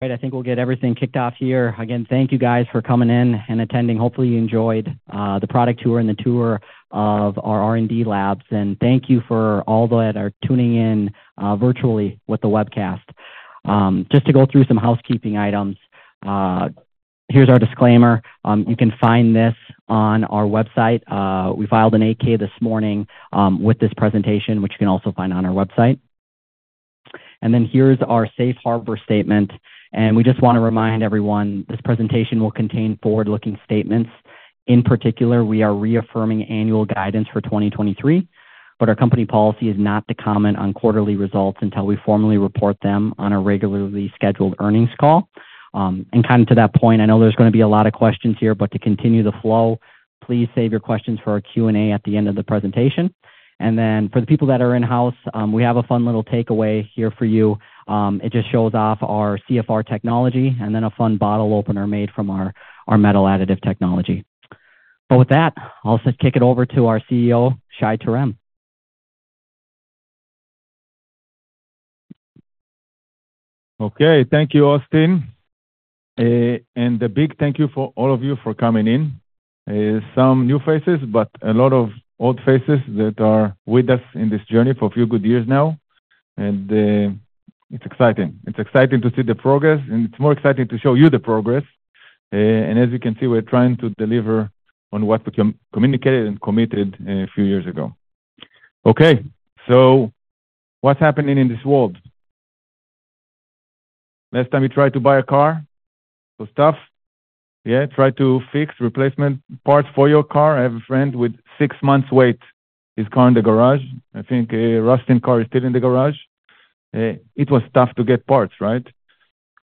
Right, I think we'll get everything kicked off here. Again, thank you guys for coming in and attending. Hopefully, you enjoyed the product tour and the tour of our R&D labs. And thank you for all that are tuning in virtually with the webcast. Just to go through some housekeeping items, here's our disclaimer. You can find this on our website. We filed an 8-K this morning with this presentation, which you can also find on our website. And then here's our safe harbor statement, and we just want to remind everyone, this presentation will contain forward-looking statements. In particular, we are reaffirming annual guidance for 2023, but our company policy is not to comment on quarterly results until we formally report them on a regularly scheduled earnings call. Kind of to that point, I know there's gonna be a lot of questions here, but to continue the flow, please save your questions for our Q&A at the end of the presentation. For the people that are in-house, we have a fun little takeaway here for you. It just shows off our CFR technology and then a fun bottle opener made from our metal additive technology. With that, I'll just kick it over to our CEO, Shai Terem. Okay. Thank you, Austin. And a big thank you for all of you for coming in. Some new faces, but a lot of old faces that are with us in this journey for a few good years now, and, it's exciting. It's exciting to see the progress, and it's more exciting to show you the progress. And as you can see, we're trying to deliver on what we communicated and committed a few years ago. Okay, so what's happening in this world? Last time you tried to buy a car, was tough. Yeah, tried to fix replacement parts for your car. I have a friend with six months wait, his car in the garage. I think a rusting car is still in the garage. It was tough to get parts, right?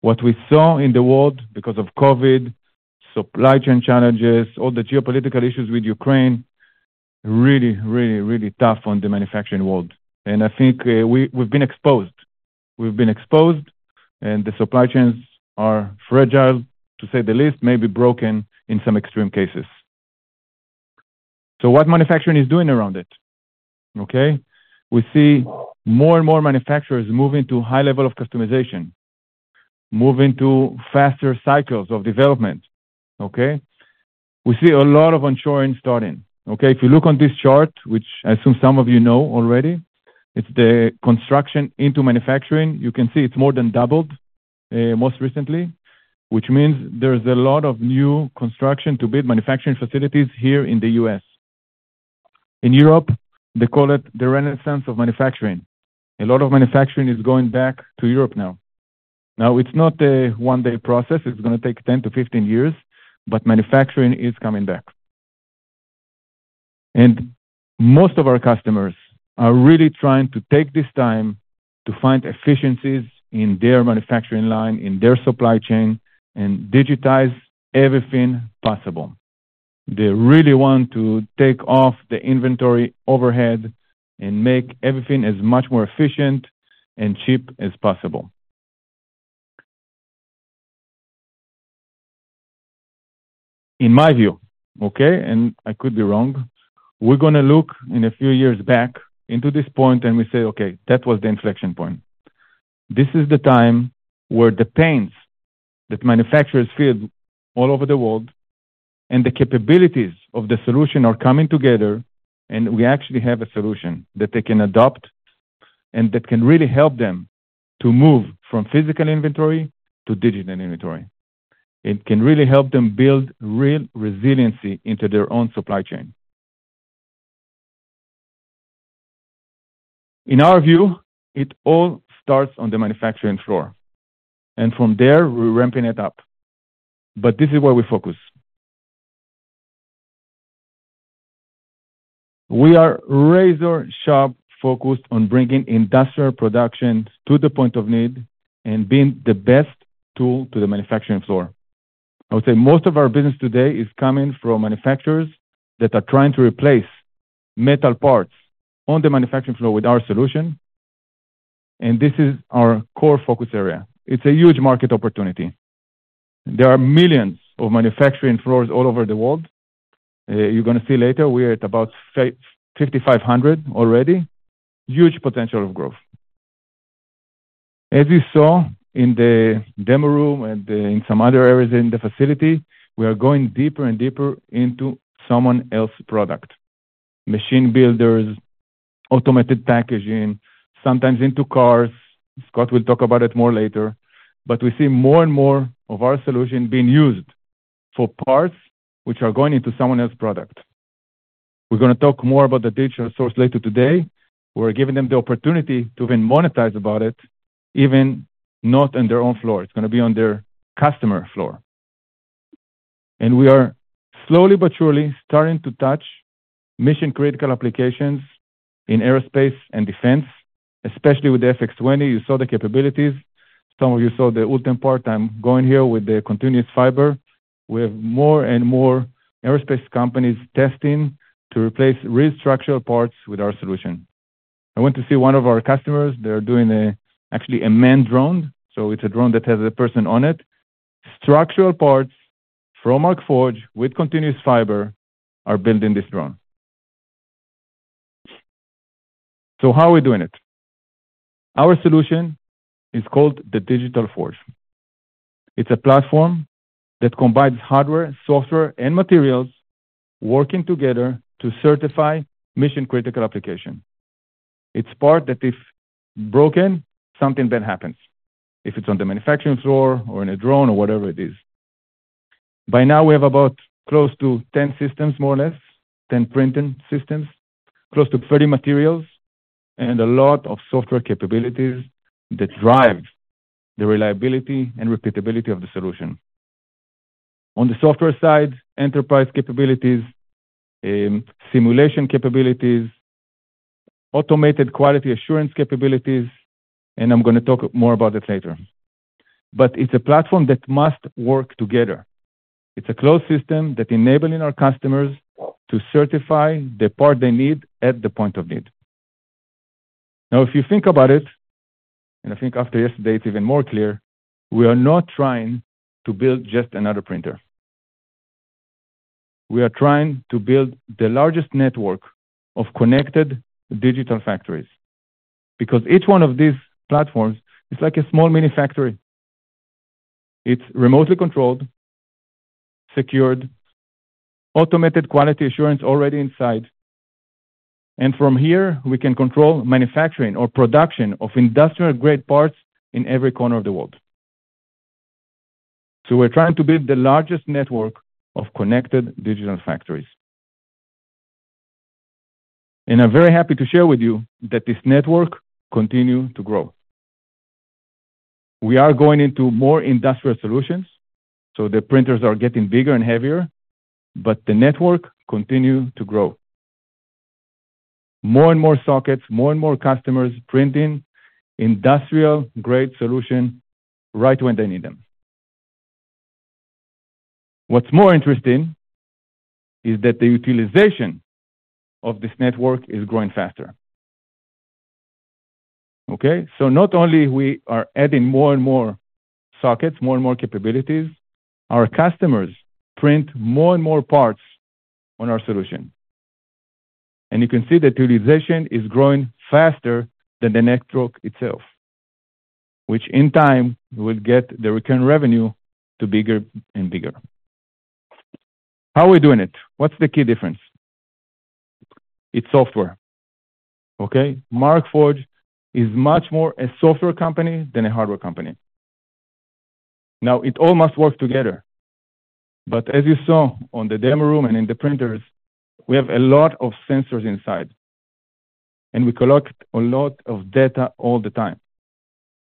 What we saw in the world because of COVID, supply chain challenges, all the geopolitical issues with Ukraine, really, really tough on the manufacturing world, and I think we've been exposed. We've been exposed, and the supply chains are fragile, to say the least, maybe broken in some extreme cases. What manufacturing is doing around it, okay? We see more and more manufacturers moving to high level of customization, moving to faster cycles of development, okay? We see a lot of onshoring starting. If you look on this chart, which I assume some of you know already, it's the construction into manufacturing. You can see it's more than doubled, most recently, which means there's a lot of new construction to build manufacturing facilities here in the U.S. In Europe, they call it the renaissance of manufacturing. A lot of manufacturing is going back to Europe now. Now, it's not a one-day process. It's gonna take 10-15 years, but manufacturing is coming back. And most of our customers are really trying to take this time to find efficiencies in their manufacturing line, in their supply chain, and digitize everything possible. They really want to take off the inventory overhead and make everything as much more efficient and cheap as possible. In my view, okay, and I could be wrong, we're gonna look in a few years back into this point, and we say, "Okay, that was the inflection point." This is the time where the pains that manufacturers feel all over the world and the capabilities of the solution are coming together, and we actually have a solution that they can adopt and that can really help them to move from physical inventory to digital inventory. It can really help them build real resiliency into their own supply chain. In our view, it all starts on the manufacturing floor, and from there, we're ramping it up. But this is where we focus. We are razor-sharp focused on bringing industrial production to the point of need and being the best tool to the manufacturing floor. I would say most of our business today is coming from manufacturers that are trying to replace metal parts on the manufacturing floor with our solution, and this is our core focus area. It's a huge market opportunity. There are millions of manufacturing floors all over the world. You're gonna see later, we're at about 5,500 already. Huge potential of growth. As you saw in the demo room and in some other areas in the facility, we are going deeper and deeper into someone else's product. Machine builders, automated packaging, sometimes into cars. Scott will talk about it more later. But we see more and more of our solution being used for parts which are going into someone else's product. We're gonna talk more about the Digital Source later today. We're giving them the opportunity to even monetize about it, even not on their own floor. It's gonna be on their customer floor. We are slowly but surely starting to touch mission-critical applications in aerospace and defense, especially with the FX20. You saw the capabilities. Some of you saw the ultimate part. I'm going here with the continuous fiber. We have more and more aerospace companies testing to replace structural parts with our solution. I went to see one of our customers. They're doing actually a manned drone, so it's a drone that has a person on it. Structural parts from Markforged with continuous fiber are built in this drone. How are we doing it? Our solution is called the Digital Forge. It's a platform that combines hardware, software, and materials, working together to certify mission-critical application. It's part that if broken, something bad happens, if it's on the manufacturing floor or in a drone or whatever it is. By now, we have about close to 10 systems, more or less, 10 printing systems, close to 30 materials, and a lot of software capabilities that drive the reliability and repeatability of the solution. On the software side, enterprise capabilities, simulation capabilities, automated quality assurance capabilities, and I'm gonna talk more about it later. It's a platform that must work together. It's a closed system that enabling our customers to certify the part they need at the point of need. Now, if you think about it, and I think after yesterday, it's even more clear, we are not trying to build just another printer. We are trying to build the largest network of connected digital factories, because each one of these platforms is like a small mini factory. It's remotely controlled, secured, automated quality assurance already inside, and from here, we can control manufacturing or production of industrial-grade parts in every corner of the world. So we're trying to build the largest network of connected digital factories. And I'm very happy to share with you that this network continue to grow. We are going into more industrial solutions, so the printers are getting bigger and heavier, but the network continue to grow. More and more sockets, more and more customers printing industrial-grade solution right when they need them. What's more interesting is that the utilization of this network is growing faster. Okay? So not only we are adding more and more sockets, more and more capabilities, our customers print more and more parts on our solution. You can see the utilization is growing faster than the network itself, which in time will get the return revenue to bigger and bigger. How are we doing it? What's the key difference? It's software. Okay? Markforged is much more a software company than a hardware company. Now, it all must work together, but as you saw on the demo room and in the printers, we have a lot of sensors inside, and we collect a lot of data all the time.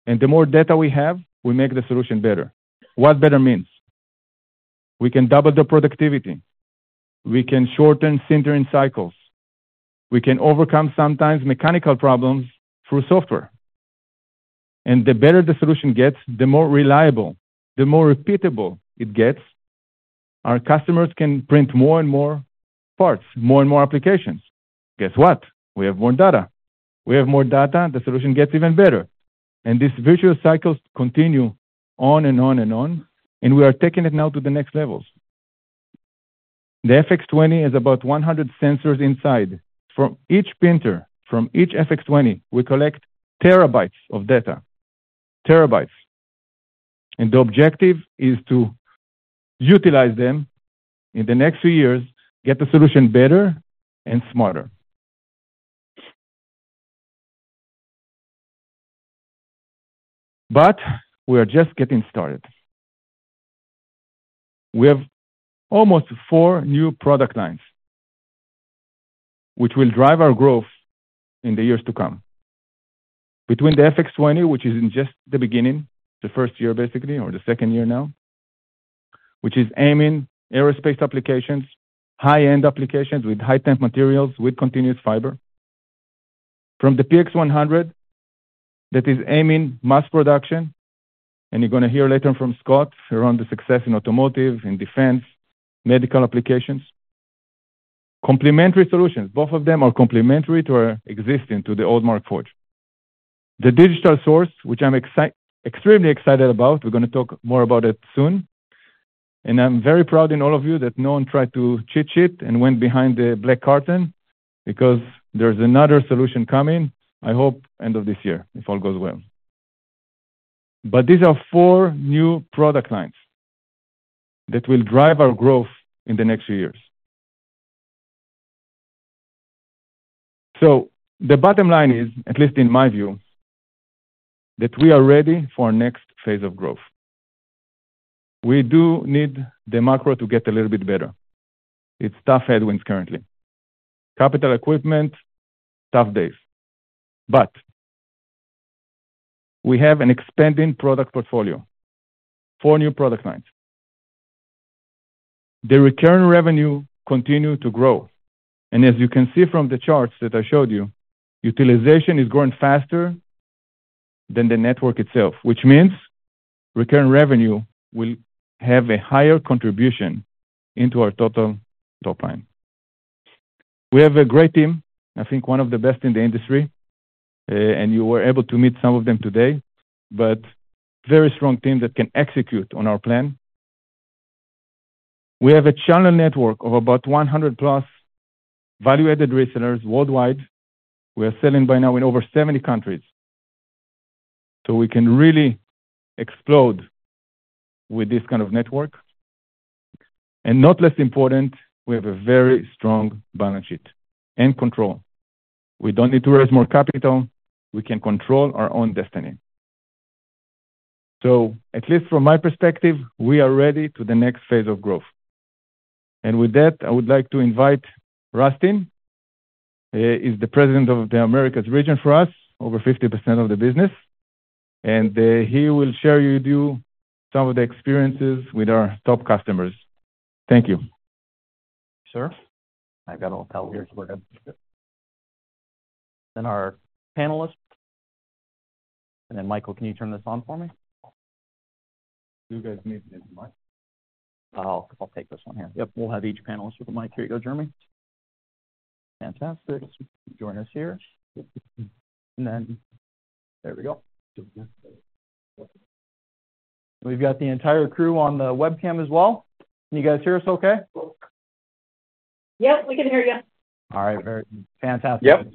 The more data we have, we make the solution better. What better means? We can double the productivity, we can shorten sintering cycles, we can overcome sometimes mechanical problems through software. The better the solution gets, the more reliable, the more repeatable it gets. Our customers can print more and more parts, more and more applications. Guess what? We have more data. We have more data, and the solution gets even better. This virtuous cycles continue on and on, and on, and we are taking it now to the next levels. The FX20 is about 100 sensors inside. From each printer, from each FX20, we collect terabytes of data. Terabytes. The objective is to utilize them in the next few years, get the solution better and smarter. But we are just getting started. We have almost 4 new product lines, which will drive our growth in the years to come. Between the FX20, which is in just the beginning, the first year, basically, or the second year now, which is aiming aerospace applications, high-end applications with high temp materials, with continuous fiber. From the PX100, that is aiming mass production, and you're gonna hear later from Scott around the success in automotive, in defense, medical applications. Complementary solutions, both of them are complementary to our existing, to the old Markforged. The Digital Source, which I'm extremely excited about, we're gonna talk more about it soon. And I'm very proud in all of you that no one tried to cheat sheet and went behind the black curtain because there's another solution coming. I hope end of this year, if all goes well. But these are four new product lines that will drive our growth in the next few years. So the bottom line is, at least in my view, that we are ready for our next phase of growth. We do need the macro to get a little bit better. It's tough headwinds currently. Capital equipment, tough days, but we have an expanding product portfolio, four new product lines. The return revenue continue to grow, and as you can see from the charts that I showed you, utilization is growing faster than the network itself, which means return revenue will have a higher contribution into our total top line. We have a great team, I think one of the best in the industry, and you were able to meet some of them today, but very strong team that can execute on our plan. We have a channel network of about 100+ value-added resellers worldwide. We are selling by now in over 70 countries, so we can really explode with this kind of network. And not less important, we have a very strong balance sheet and control. We don't need to raise more capital. We can control our own destiny. So at least from my perspective, we are ready to the next phase of growth. With that, I would like to invite Rustin, he is the President of the Americas region for us, over 50% of the business, and he will share with you some of the experiences with our top customers. Thank you. Sure. I've got to tell here. Our panelists, and then Michael, can you turn this on for me? You guys may need the mic. I'll take this one here. Yep, we'll have each panelist with a mic. Here you go, Jeremy. Fantastic. Join us here, and then there we go. We've got the entire crew on the webcam as well. Can you guys hear us okay? Yep, we can hear you. All right, very fantastic. Yep.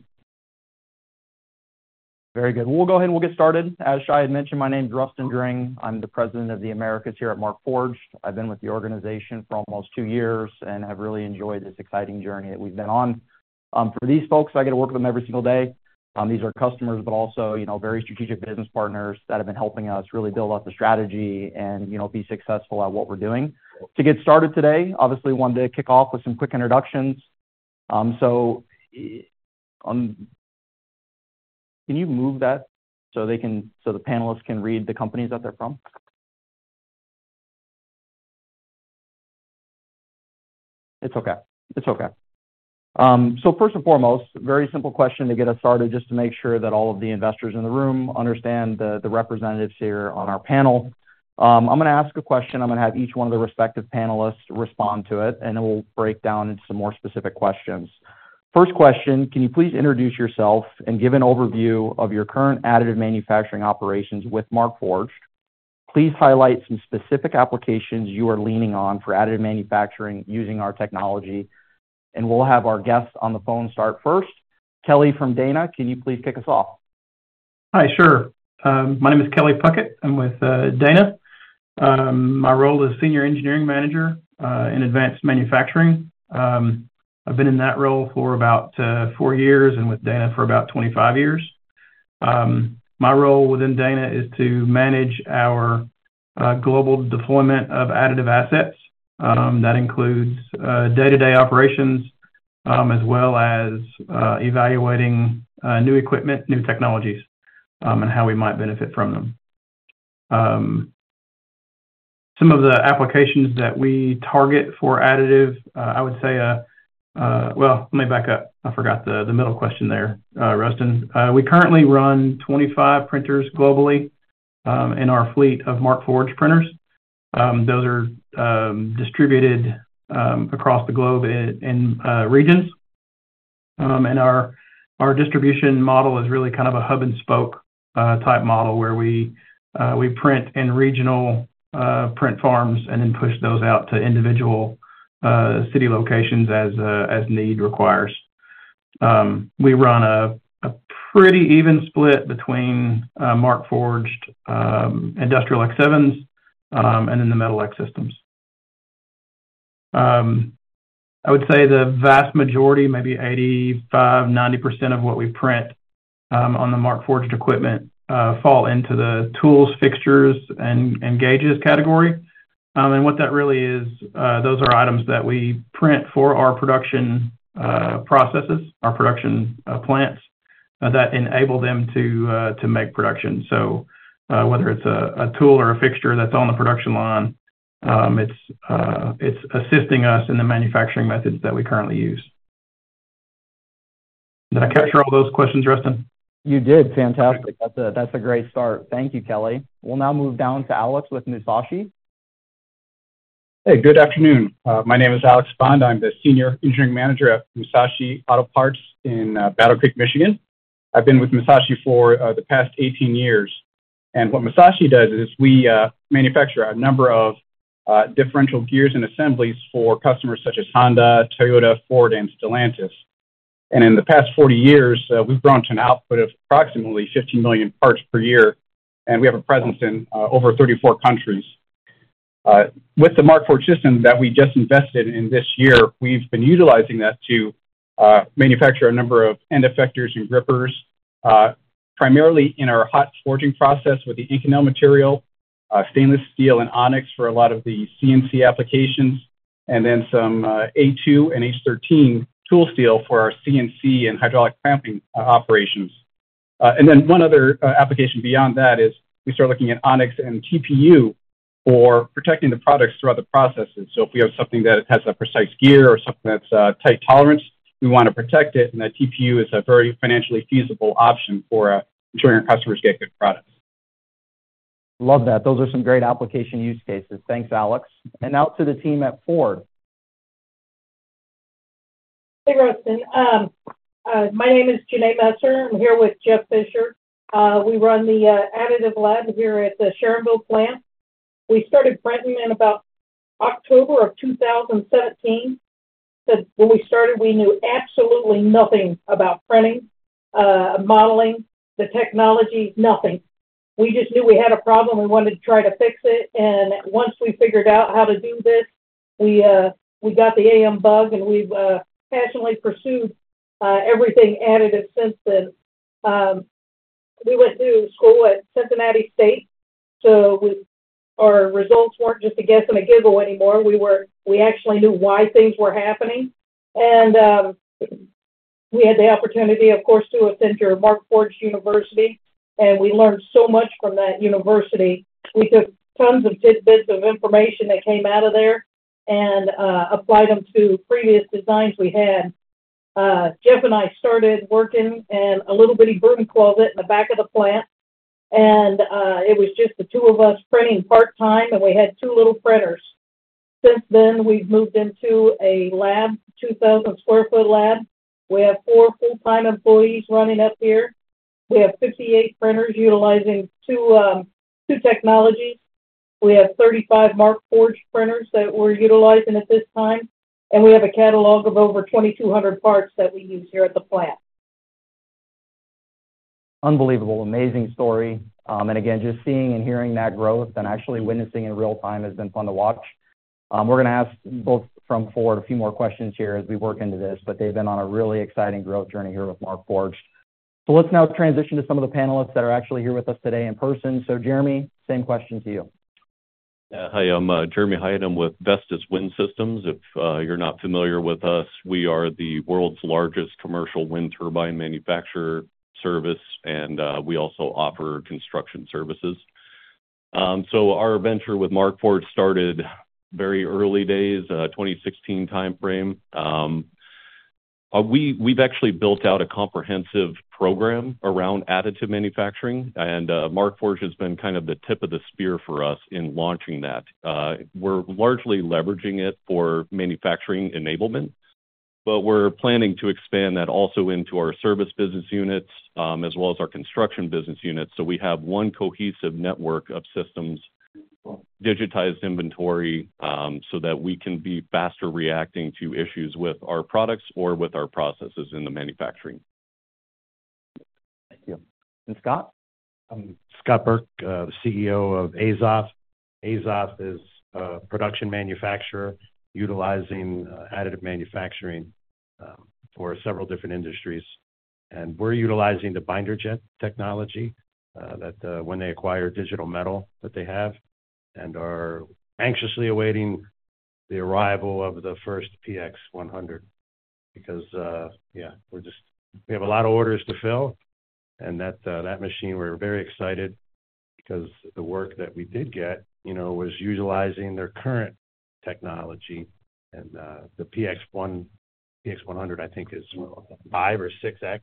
Very good. We'll go ahead, and we'll get started. As Shai had mentioned, my name is Rustin Dring. I'm the President of the Americas here at Markforged. I've been with the organization for almost two years and have really enjoyed this exciting journey that we've been on. For these folks, I get to work with them every single day. These are customers, but also, you know, very strategic business partners that have been helping us really build out the strategy and, you know, be successful at what we're doing. To get started today, obviously, wanted to kick off with some quick introductions. So, can you move that so the panelists can read the companies that they're from? It's okay, it's okay. So first and foremost, very simple question to get us started, just to make sure that all of the investors in the room understand the, the representatives here on our panel. I'm going to ask a question, I'm going to have each one of the respective panelists respond to it, and then we'll break down into some more specific questions. First question, can you please introduce yourself and give an overview of your current additive manufacturing operations with Markforged? Please highlight some specific applications you are leaning on for additive manufacturing using our technology, and we'll have our guests on t.e phone start first. Kelly from Dana, can you please kick us off? Hi, sure. My name is Kelly Puckett. I'm with Dana. My role is Senior Engineering Manager in Advanced Manufacturing. I've been in that role for about 4 years and with Dana for about 25 years. My role within Dana is to manage our global deployment of additive assets. That includes day-to-day operations as well as evaluating new equipment, new technologies, and how we might benefit from them. Some of the applications that we target for additive, I would say, well, let me back up. I forgot the middle question there, Rustin. We currently run 25 printers globally in our fleet of Markforged printers. Those are distributed across the globe in regions. Our distribution model is really kind of a hub-and-spoke type model, where we print in regional print farms and then push those out to individual city locations as need requires. We run a pretty even split between Markforged Industrial X7s and then the Metal X systems. I would say the vast majority, maybe 85-90% of what we print on the Markforged equipment, fall into the tools, fixtures, and gauges category. What that really is, those are items that we print for our production processes, our production plants, that enable them to make production. Whether it's a tool or a fixture that's on the production line, it's assisting us in the manufacturing methods that we currently use. Did I capture all those questions, Ruston? You did. Fantastic. That's a, that's a great start. Thank you, Kelly. We'll now move down to Alex with Musashi. Hey, good afternoon. My name is Alex Bond. I'm the Senior Engineering Manager at Musashi Auto Parts in Battle Creek, Michigan. I've been with Musashi for the past 18 years, and what Musashi does is we manufacture a number of differential gears and assemblies for customers such as Honda, Toyota, Ford, and Stellantis. And in the past 40 years, we've grown to an output of approximately 15 million parts per year, and we have a presence in over 34 countries. With the Markforged system that we just invested in this year, we've been utilizing that to manufacture a number of end effectors and grippers, primarily in our hot forging process with the Inconel material, stainless steel and Onyx for a lot of the CNC applications, and then some A2 and H13 tool steel for our CNC and hydraulic clamping operations. And then one other application beyond that is we start looking at Onyx and TPU for protecting the products throughout the processes. So if we have something that has a precise gear or something that's tight tolerance, we want to protect it, and the TPU is a very financially feasible option for ensuring our customers get good productso Love that. Those are some great application use cases. Thanks, Alex. And now to the team at Ford.... Hey, Rustin. My name is Jonne Messer. I'm here with Jeff Fisher. We run the additive lab here at the Sharonville plant. We started printing in about October of 2017, but when we started, we knew absolutely nothing about printing, modeling, the technology, nothing. We just knew we had a problem, and we wanted to try to fix it, and once we figured out how to do this, we got the AM bug, and we've passionately pursued everything additive since then. We went through school at Cincinnati State, so our results weren't just a guess and a giggle anymore. We actually knew why things were happening. We had the opportunity, of course, through a center of Markforged University, and we learned so much from that university. We took tons of tidbits of information that came out of there and applied them to previous designs we had. Jeff and I started working in a little bitty broom closet in the back of the plant, and it was just the 2 of us printing part-time, and we had 2 little printers. Since then, we've moved into a lab, 2,000 sq ft lab. We have 4 full-time employees running up here. We have 58 printers utilizing 2 technologies. We have 35 Markforged printers that we're utilizing at this time, and we have a catalog of over 2,200 parts that we use here at the plant. Unbelievable, amazing story. And again, just seeing and hearing that growth and actually witnessing in real time has been fun to watch. We're going to ask both from Ford a few more questions here as we work into this, but they've been on a really exciting growth journey here with Markforged. So let's now transition to some of the panelists that are actually here with us today in person. So, Jeremy, same question to you. Yeah. Hi, I'm Jeremy Haight. I'm with Vestas Wind Systems. If you're not familiar with us, we are the world's largest commercial wind turbine manufacturer service, and we also offer construction services. Our venture with Markforged started very early days, 2016 timeframe. We've actually built out a comprehensive program around additive manufacturing, and Markforged has been kind of the tip of the spear for us in launching that. We're largely leveraging it for manufacturing enablement, but we're planning to expand that also into our service business units, as well as our construction business units. We have one cohesive network of systems, digitized inventory, so that we can be faster reacting to issues with our products or with our processes in the manufacturing. Thank you. Scott? I'm Scott Burk, the CEO of Azoth. Azoth is a production manufacturer utilizing additive manufacturing for several different industries. We're utilizing the binder jetting technology that, when they acquire Digital Metal that they have, and are anxiously awaiting the arrival of the first PX100 because, yeah, we have a lot of orders to fill, and that machine, we're very excited because the work that we did get, you know, was utilizing their current technology, and the PX-1, PX100, I think, is 5 or 6x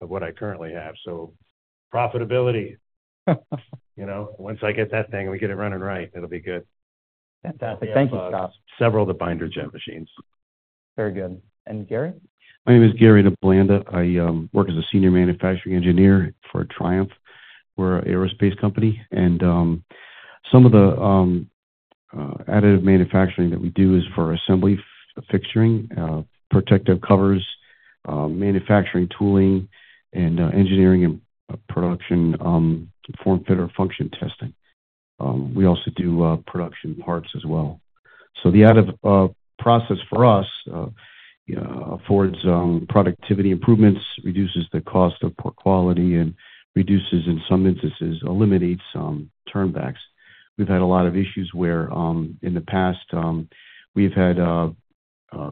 of what I currently have, so profitability. You know, once I get that thing, we get it running right, it'll be good. Fantastic. Thank you, Scott. Several of the binder jet machines. Very good. And Gary? My name is Gary Nalbandian. I work as a senior manufacturing engineer for Triumph. We're an aerospace company, and some of the additive manufacturing that we do is for assembly fixturing, protective covers, manufacturing tooling, and engineering and production form, fit, or function testing. We also do production parts as well. So the additive process for us, you know, affords productivity improvements, reduces the cost of poor quality, and reduces, in some instances, eliminates some turnbacks. We've had a lot of issues where, in the past, we've had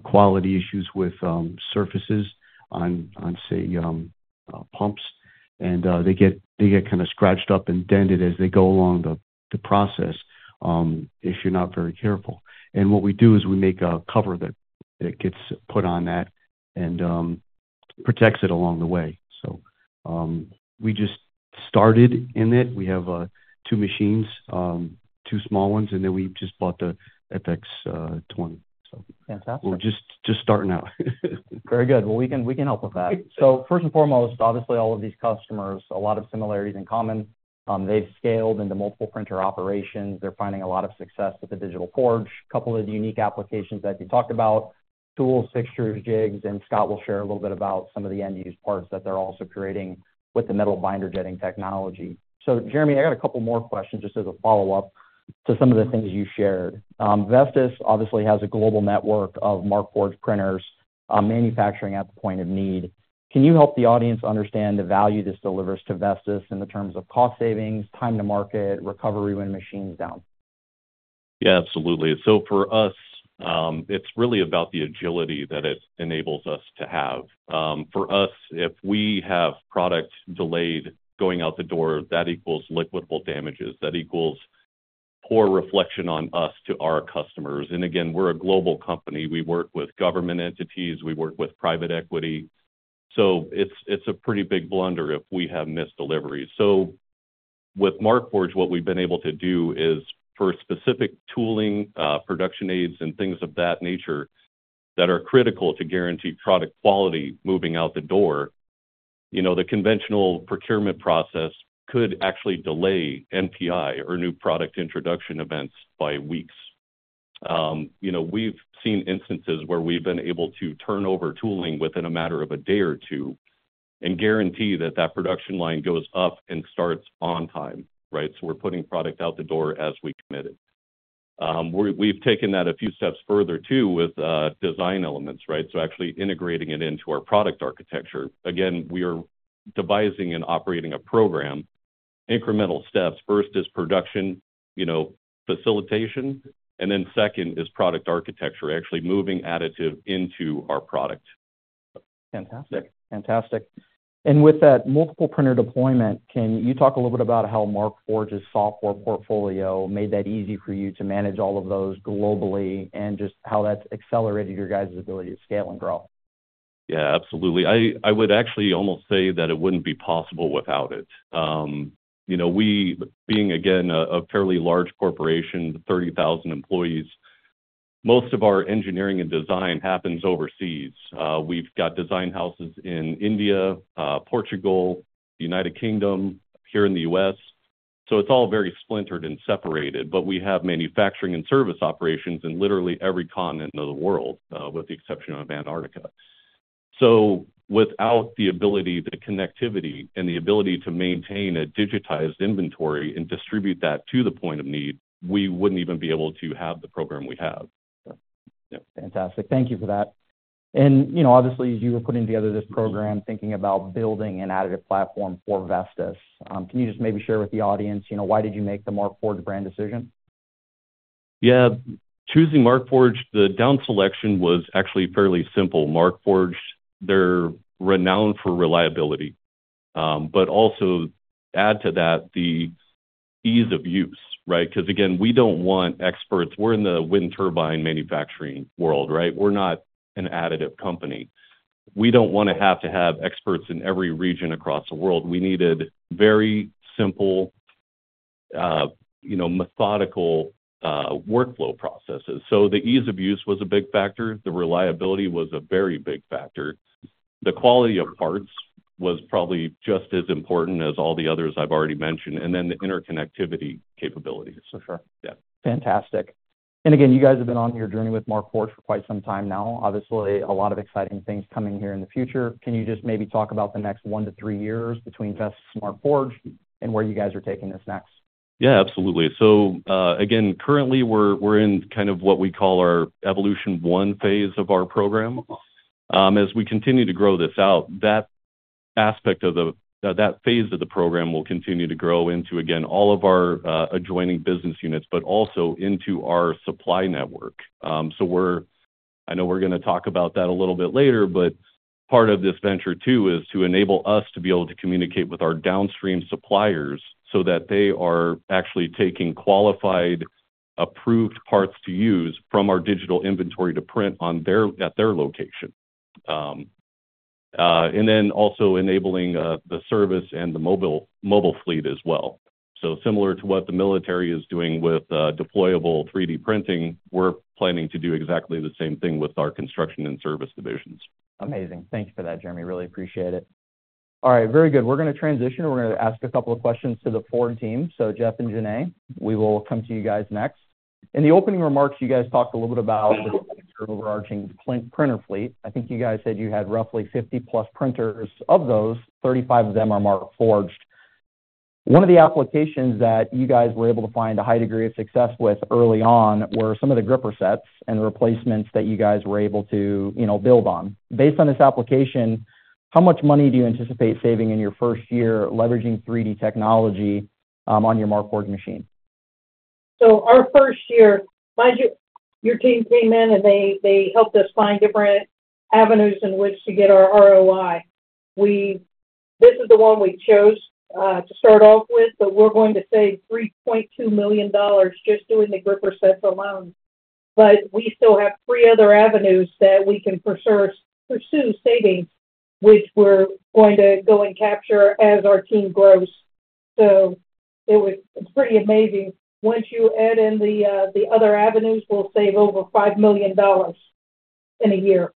quality issues with surfaces on, say, pumps, and they get, they get kind of scratched up and dented as they go along the process, if you're not very careful. What we do is we make a cover that gets put on that and protects it along the way. We just started in it. We have two machines, two small ones, and then we just bought the FX20. Fantastic. We're just starting out. Very good. Well, we can, we can help with that. So first and foremost, obviously, all of these customers, a lot of similarities in common. They've scaled into multiple printer operations. They're finding a lot of success with the Digital Forge. Couple of unique applications that you talked about, tools, fixtures, jigs, and Scott will share a little bit about some of the end-use parts that they're also creating with the metal binder jetting technology. So Jeremy, I got a couple more questions just as a follow-up to some of the things you shared. Vestas obviously has a global network of Markforged printers, manufacturing at the point of need. Can you help the audience understand the value this delivers to Vestas in the terms of cost savings, time to market, recovery when a machine is down? Yeah, absolutely. So for us, it's really about the agility that it enables us to have. For us, if we have product delayed going out the door, that equals liquidated damages, that equals poor reflection on us to our customers. And again, we're a global company. We work with government entities, we work with private equity, so it's, it's a pretty big blunder if we have missed deliveries. With Markforged, what we've been able to do is for specific tooling, production aids, and things of that nature that are critical to guarantee product quality moving out the door, you know, the conventional procurement process could actually delay NPI or new product introduction events by weeks. You know, we've seen instances where we've been able to turn over tooling within a matter of a day or two, and guarantee that that production line goes up and starts on time, right? So we're putting product out the door as we committed. We've taken that a few steps further, too, with design elements, right? So actually integrating it into our product architecture. Again, we are devising and operating a program, incremental steps. First is production, you know, facilitation, and then second is product architecture, actually moving additive into our product. Fantastic. Fantastic. And with that multiple printer deployment, can you talk a little bit about how Markforged's software portfolio made that easy for you to manage all of those globally, and just how that's accelerated your guys' ability to scale and grow? Yeah, absolutely. I, I would actually almost say that it wouldn't be possible without it. You know, we being, again, a, a fairly large corporation, 30,000 employees, most of our engineering and design happens overseas. We've got design houses in India, Portugal, United Kingdom, here in the US, so it's all very splintered and separated, but we have manufacturing and service operations in literally every continent of the world, with the exception of Antarctica. So without the ability, the connectivity, and the ability to maintain a digitized inventory and distribute that to the point of need, we wouldn't even be able to have the program we have. Yeah. Fantastic. Thank you for that. And, you know, obviously, as you were putting together this program, thinking about building an additive platform for Vestas, can you just maybe share with the audience, you know, why did you make the Markforged brand decision? Yeah. Choosing Markforged, the down selection was actually fairly simple. Markforged, they're renowned for reliability, but also add to that the ease of use, right? Because again, we don't want experts... We're in the wind turbine manufacturing world, right? We're not an additive company. We don't want to have to have experts in every region across the world. We needed very simple, you know, methodical, workflow processes. So the ease of use was a big factor. The reliability was a very big factor. The quality of parts was probably just as important as all the others I've already mentioned, and then the interconnectivity capabilities. For sure. Yeah. Fantastic. And again, you guys have been on your journey with Markforged for quite some time now. Obviously, a lot of exciting things coming here in the future. Can you just maybe talk about the next 1-3 years between Vestas and Markforged, and where you guys are taking this next? Yeah, absolutely. So, again, currently, we're in kind of what we call our evolution one phase of our program. As we continue to grow this out, that aspect of that phase of the program will continue to grow into, again, all of our adjoining business units, but also into our supply network. So we're... I know we're going to talk about that a little bit later, but part of this venture, too, is to enable us to be able to communicate with our downstream suppliers so that they are actually taking qualified, approved parts to use from our digital inventory to print on their, at their location. And then also enabling the service and the mobile, mobile fleet as well. Similar to what the military is doing with deployable 3D printing, we're planning to do exactly the same thing with our construction and service divisions. Amazing. Thank you for that, Jeremy. Really appreciate it. All right, very good. We're going to transition, and we're going to ask a couple of questions to the Ford team. So Jeff and Jonne, we will come to you guys next. In the opening remarks, you guys talked a little bit about your overarching printer fleet. I think you guys said you had roughly 50+ printers. Of those, 35 of them are Markforged. One of the applications that you guys were able to find a high degree of success with early on were some of the gripper sets and replacements that you guys were able to, you know, build on. Based on this application, how much money do you anticipate saving in your first year, leveraging 3D technology on your Markforged machine? So our first year, mind you, your team came in, and they helped us find different avenues in which to get our ROI. This is the one we chose to start off with, but we're going to save $3.2 million just doing the gripper sets alone. But we still have three other avenues that we can pursue savings, which we're going to go and capture as our team grows. So it was pretty amazing. Once you add in the other avenues, we'll save over $5 million in a year.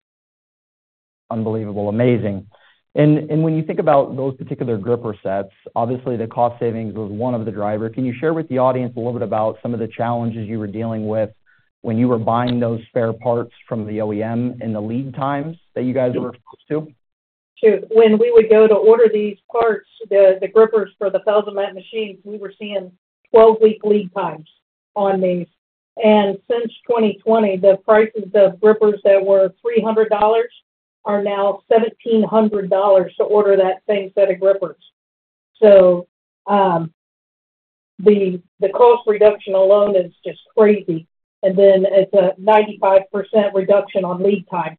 Unbelievable. Amazing. When you think about those particular gripper sets, obviously the cost savings was one of the drivers. Can you share with the audience a little bit about some of the challenges you were dealing with when you were buying those spare parts from the OEM and the lead times that you guys were used to? Sure. When we would go to order these parts, the gripper for the Felsomat machines, we were seeing 12-week lead times on these. And since 2020, the prices of grippers that were $300 are now $1,700 to order that same set of grippers. So, the cost reduction alone is just crazy, and then it's a 95% reduction on lead time. Is there,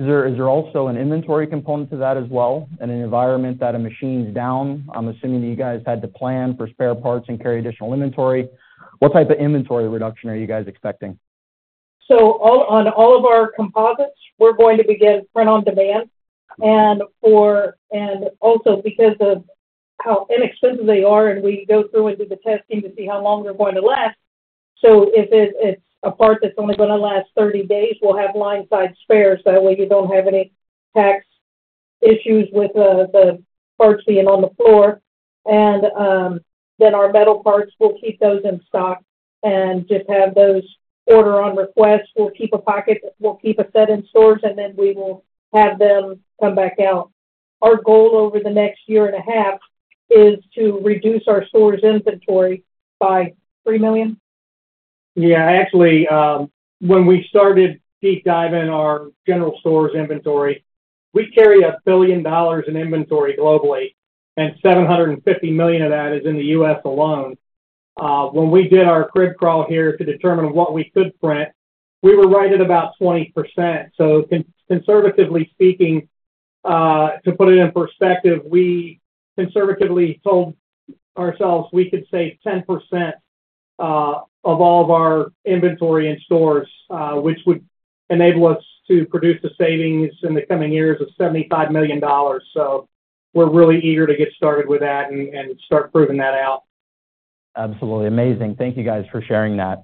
is there also an inventory component to that as well? In an environment that a machine's down, I'm assuming that you guys had to plan for spare parts and carry additional inventory. What type of inventory reduction are you guys expecting? ...So all, on all of our composites, we're going to begin print on demand. And also because of how inexpensive they are, and we go through and do the testing to see how long they're going to last. So if it's a part that's only going to last 30 days, we'll have line side spares. That way, you don't have any tax issues with the parts being on the floor. And then our metal parts, we'll keep those in stock and just have those order on request. We'll keep a set in stores, and then we will have them come back out. Our goal over the next year and a half is to reduce our storage inventory by $3 million? Yeah, actually, when we started deep diving our general stores inventory, we carry a billion dollars in inventory globally, and seven hundred and fifty million of that is in the US alone. When we did our crib crawl here to determine what we could print, we were right at about twenty percent. So conservatively speaking, to put it in perspective, we conservatively told ourselves we could save ten percent of all of our inventory in stores, which would enable us to produce the savings in the coming years of seventy-five million dollars. So we're really eager to get started with that and, and start proving that out. Absolutely amazing. Thank you, guys, for sharing that.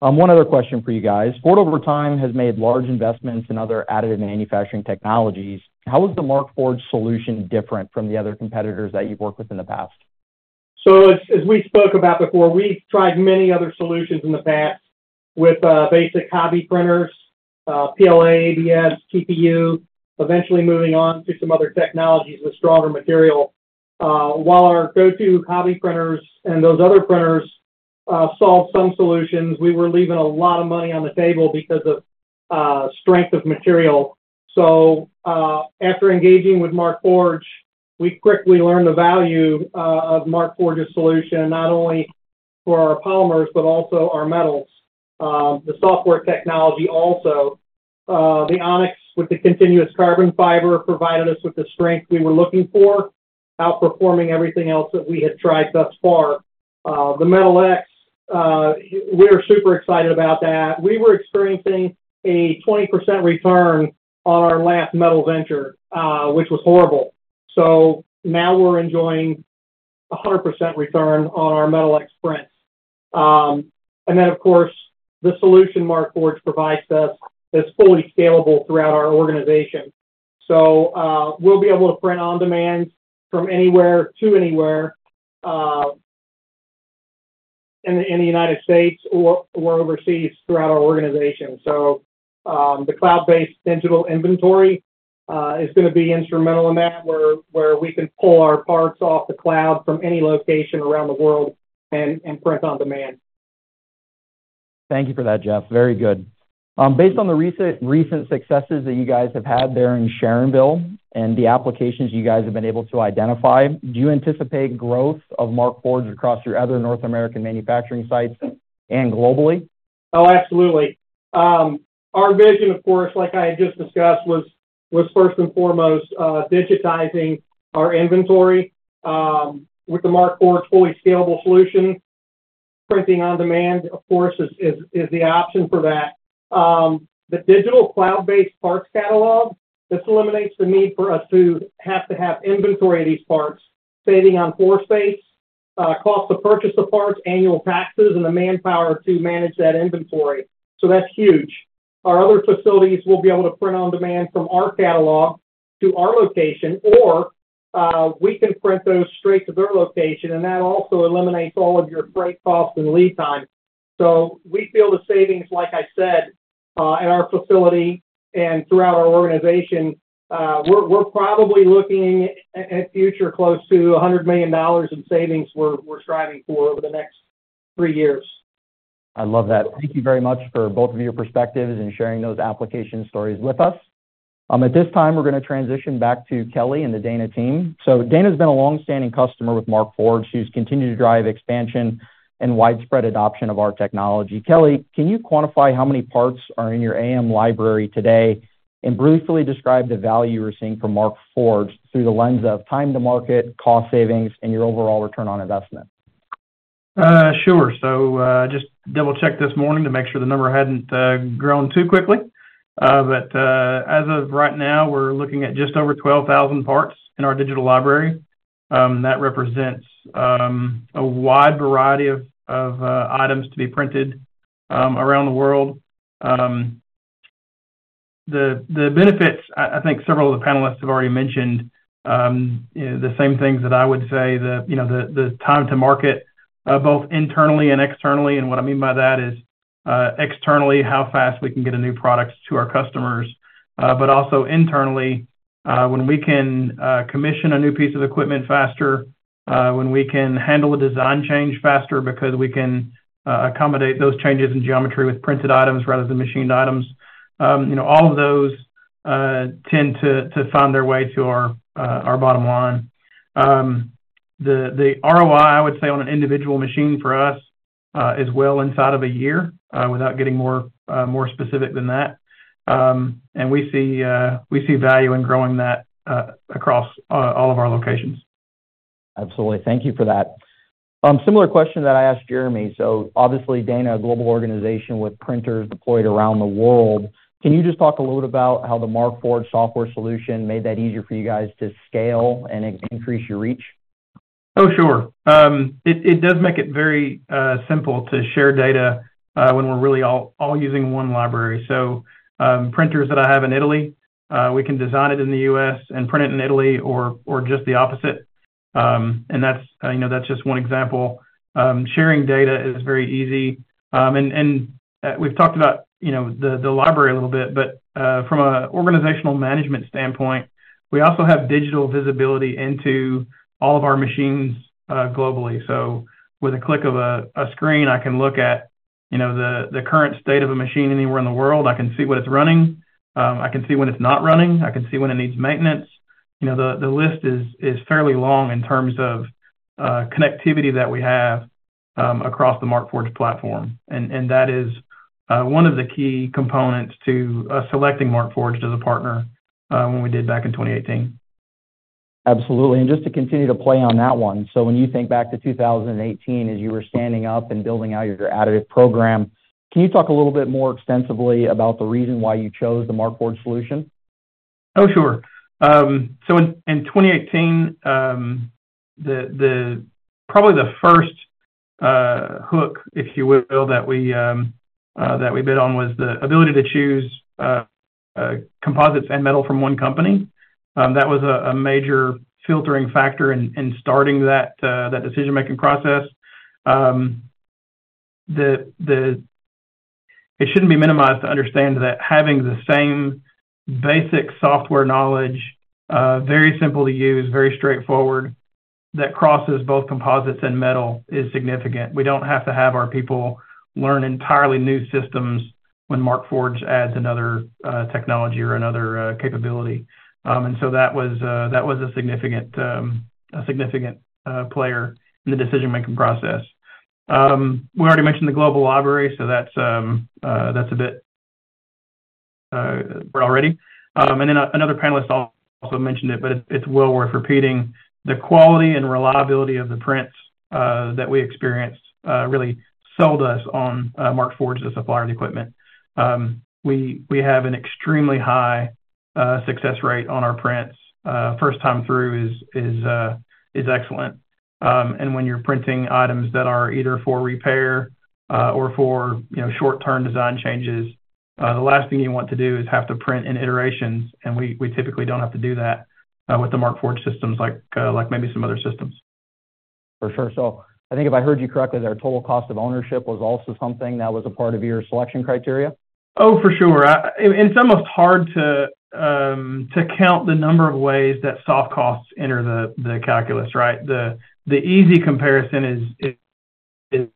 One other question for you guys. Ford, over time, has made large investments in other additive manufacturing technologies. How is the Markforged solution different from the other competitors that you've worked with in the past? So as we spoke about before, we've tried many other solutions in the past with basic hobby printers, PLA, ABS, TPU, eventually moving on to some other technologies with stronger material. While our go-to hobby printers and those other printers solved some solutions, we were leaving a lot of money on the table because of strength of material. So after engaging with Markforged, we quickly learned the value of Markforged's solution, not only for our polymers, but also our metals. The software technology also, the Onyx with the continuous carbon fiber, provided us with the strength we were looking for, outperforming everything else that we had tried thus far. The Metal X, we are super excited about that. We were experiencing a 20% return on our last metal venture, which was horrible. So now we're enjoying 100% return on our Metal X print. And then, of course, the solution Markforged provides us is fully scalable throughout our organization. We'll be able to print on demand from anywhere to anywhere in the United States or overseas throughout our organization. The cloud-based digital inventory is going to be instrumental in that, where we can pull our parts off the cloud from any location around the world and print on demand. Thank you for that, Jeff. Very good. Based on the recent successes that you guys have had there in Sharonville and the applications you guys have been able to identify, do you anticipate growth of Markforged across your other North American manufacturing sites and globally? Oh, absolutely. Our vision, of course, like I just discussed, was, was first and foremost, digitizing our inventory, with the Markforged fully scalable solution. Printing on demand, of course, is, is, is the option for that. The digital cloud-based parts catalog, this eliminates the need for us to have to have inventory of these parts, saving on floor space, cost to purchase the parts, annual taxes, and the manpower to manage that inventory. That's huge. Our other facilities will be able to print on demand from our catalog to our location, or we can print those straight to their location, and that also eliminates all of your freight costs and lead time. We feel the savings, like I said, at our facility and throughout our organization. We're probably looking at a future close to $100 million in savings we're striving for over the next three years. I love that. Thank you very much for both of your perspectives and sharing those application stories with us. At this time, we're going to transition back to Kelly and the Dana team. Dana's been a long-standing customer with Markforged, who's continued to drive expansion and widespread adoption of our technology. Kelly, can you quantify how many parts are in your AM library today, and briefly describe the value you're seeing from Markforged through the lens of time to market, cost savings, and your overall return on investment? Sure. So, just double-checked this morning to make sure the number hadn't grown too quickly. But, as of right now, we're looking at just over 12,000 parts in our digital library. That represents a wide variety of items to be printed around the world. The benefits, I think several of the panelists have already mentioned, you know, the same things that I would say. You know, the time to market, both internally and externally, and what I mean by that is, externally, how fast we can get a new product to our customers. But also internally, when we can commission a new piece of equipment faster, when we can handle a design change faster because we can accommodate those changes in geometry with printed items rather than machined items. You know, all of those tend to find their way to our bottom line. The ROI, I would say, on an individual machine for us is well inside of a year, without getting more specific than that. And we see value in growing that across all of our locations.... Absolutely. Thank you for that. Similar question that I asked Jeremy. So obviously, Dana, a global organization with printers deployed around the world, can you just talk a little bit about how the Markforged software solution made that easier for you guys to scale and increase your reach? Oh, sure. It does make it very, uh, simple to share data, when we're really all, all using one library. Printers that I have in Italy, we can design it in the U.S. and print it in Italy or just the opposite. That's just one example. Sharing data is very easy. We've talked about, you know, the library a little bit, but from an organizational management standpoint, we also have digital visibility into all of our machines globally. With a click of a screen, I can look at, you know, the current state of a machine anywhere in the world. I can see when it's running, I can see when it's not running, I can see when it needs maintenance. You know, the list is fairly long in terms of connectivity that we have across the Markforged platform. That is one of the key components to selecting Markforged as a partner when we did back in 2018. Absolutely. Just to continue to play on that one, so when you think back to 2018, as you were standing up and building out your additive program, can you talk a little bit more extensively about the reason why you chose the Markforged solution? Oh, sure. In 2018, the... Probably the first hook, if you will, that we bid on, was the ability to choose composites and metal from one company. That was a major filtering factor in starting that decision-making process. It shouldn't be minimized to understand that having the same basic software knowledge, very simple to use, very straightforward, that crosses both composites and metal, is significant. We don't have to have our people learn entirely new systems when Markforged adds another technology or another capability. That was a significant player in the decision-making process. We already mentioned the global library, so that's a bit already. And then another panelist also mentioned it, but it, it's well worth repeating. The quality and reliability of the prints that we experienced really sold us on Markforged as a supplier of the equipment. We have an extremely high success rate on our prints. First time through is excellent. And when you're printing items that are either for repair or for, you know, short-term design changes, the last thing you want to do is have to print in iterations, and we typically don't have to do that with the Markforged systems, like maybe some other systems. For sure. So I think if I heard you correctly, their total cost of ownership was also something that was a part of your selection criteria? Oh, for sure. And it's almost hard to count the number of ways that soft costs enter the calculus, right? The easy comparison is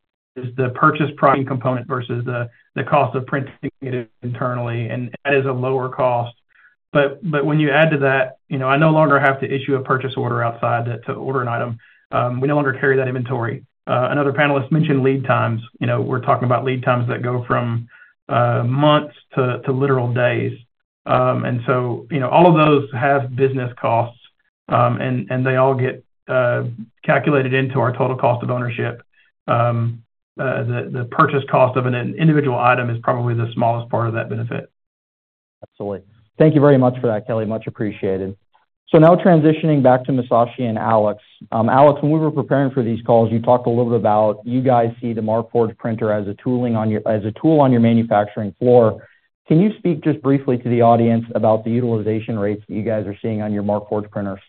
the purchase pricing component versus the cost of printing it internally, and that is a lower cost. When you add to that, you know, I no longer have to issue a purchase order outside to order an item. We no longer carry that inventory. Another panelist mentioned lead times. You know, we're talking about lead times that go from months to literal days. And so, you know, all of those have business costs, and they all get calculated into our total cost of ownership. The purchase cost of an individual item is probably the smallest part of that benefit. Absolutely. Thank you very much for that, Kelly. Much appreciated. So now transitioning back to Musashi and Alex. Alex, when we were preparing for these calls, you talked a little bit about, you guys see the Markforged printer as a tool on your manufacturing floor. Can you speak just briefly to the audience about the utilization rates that you guys are seeing on your Markforged printers?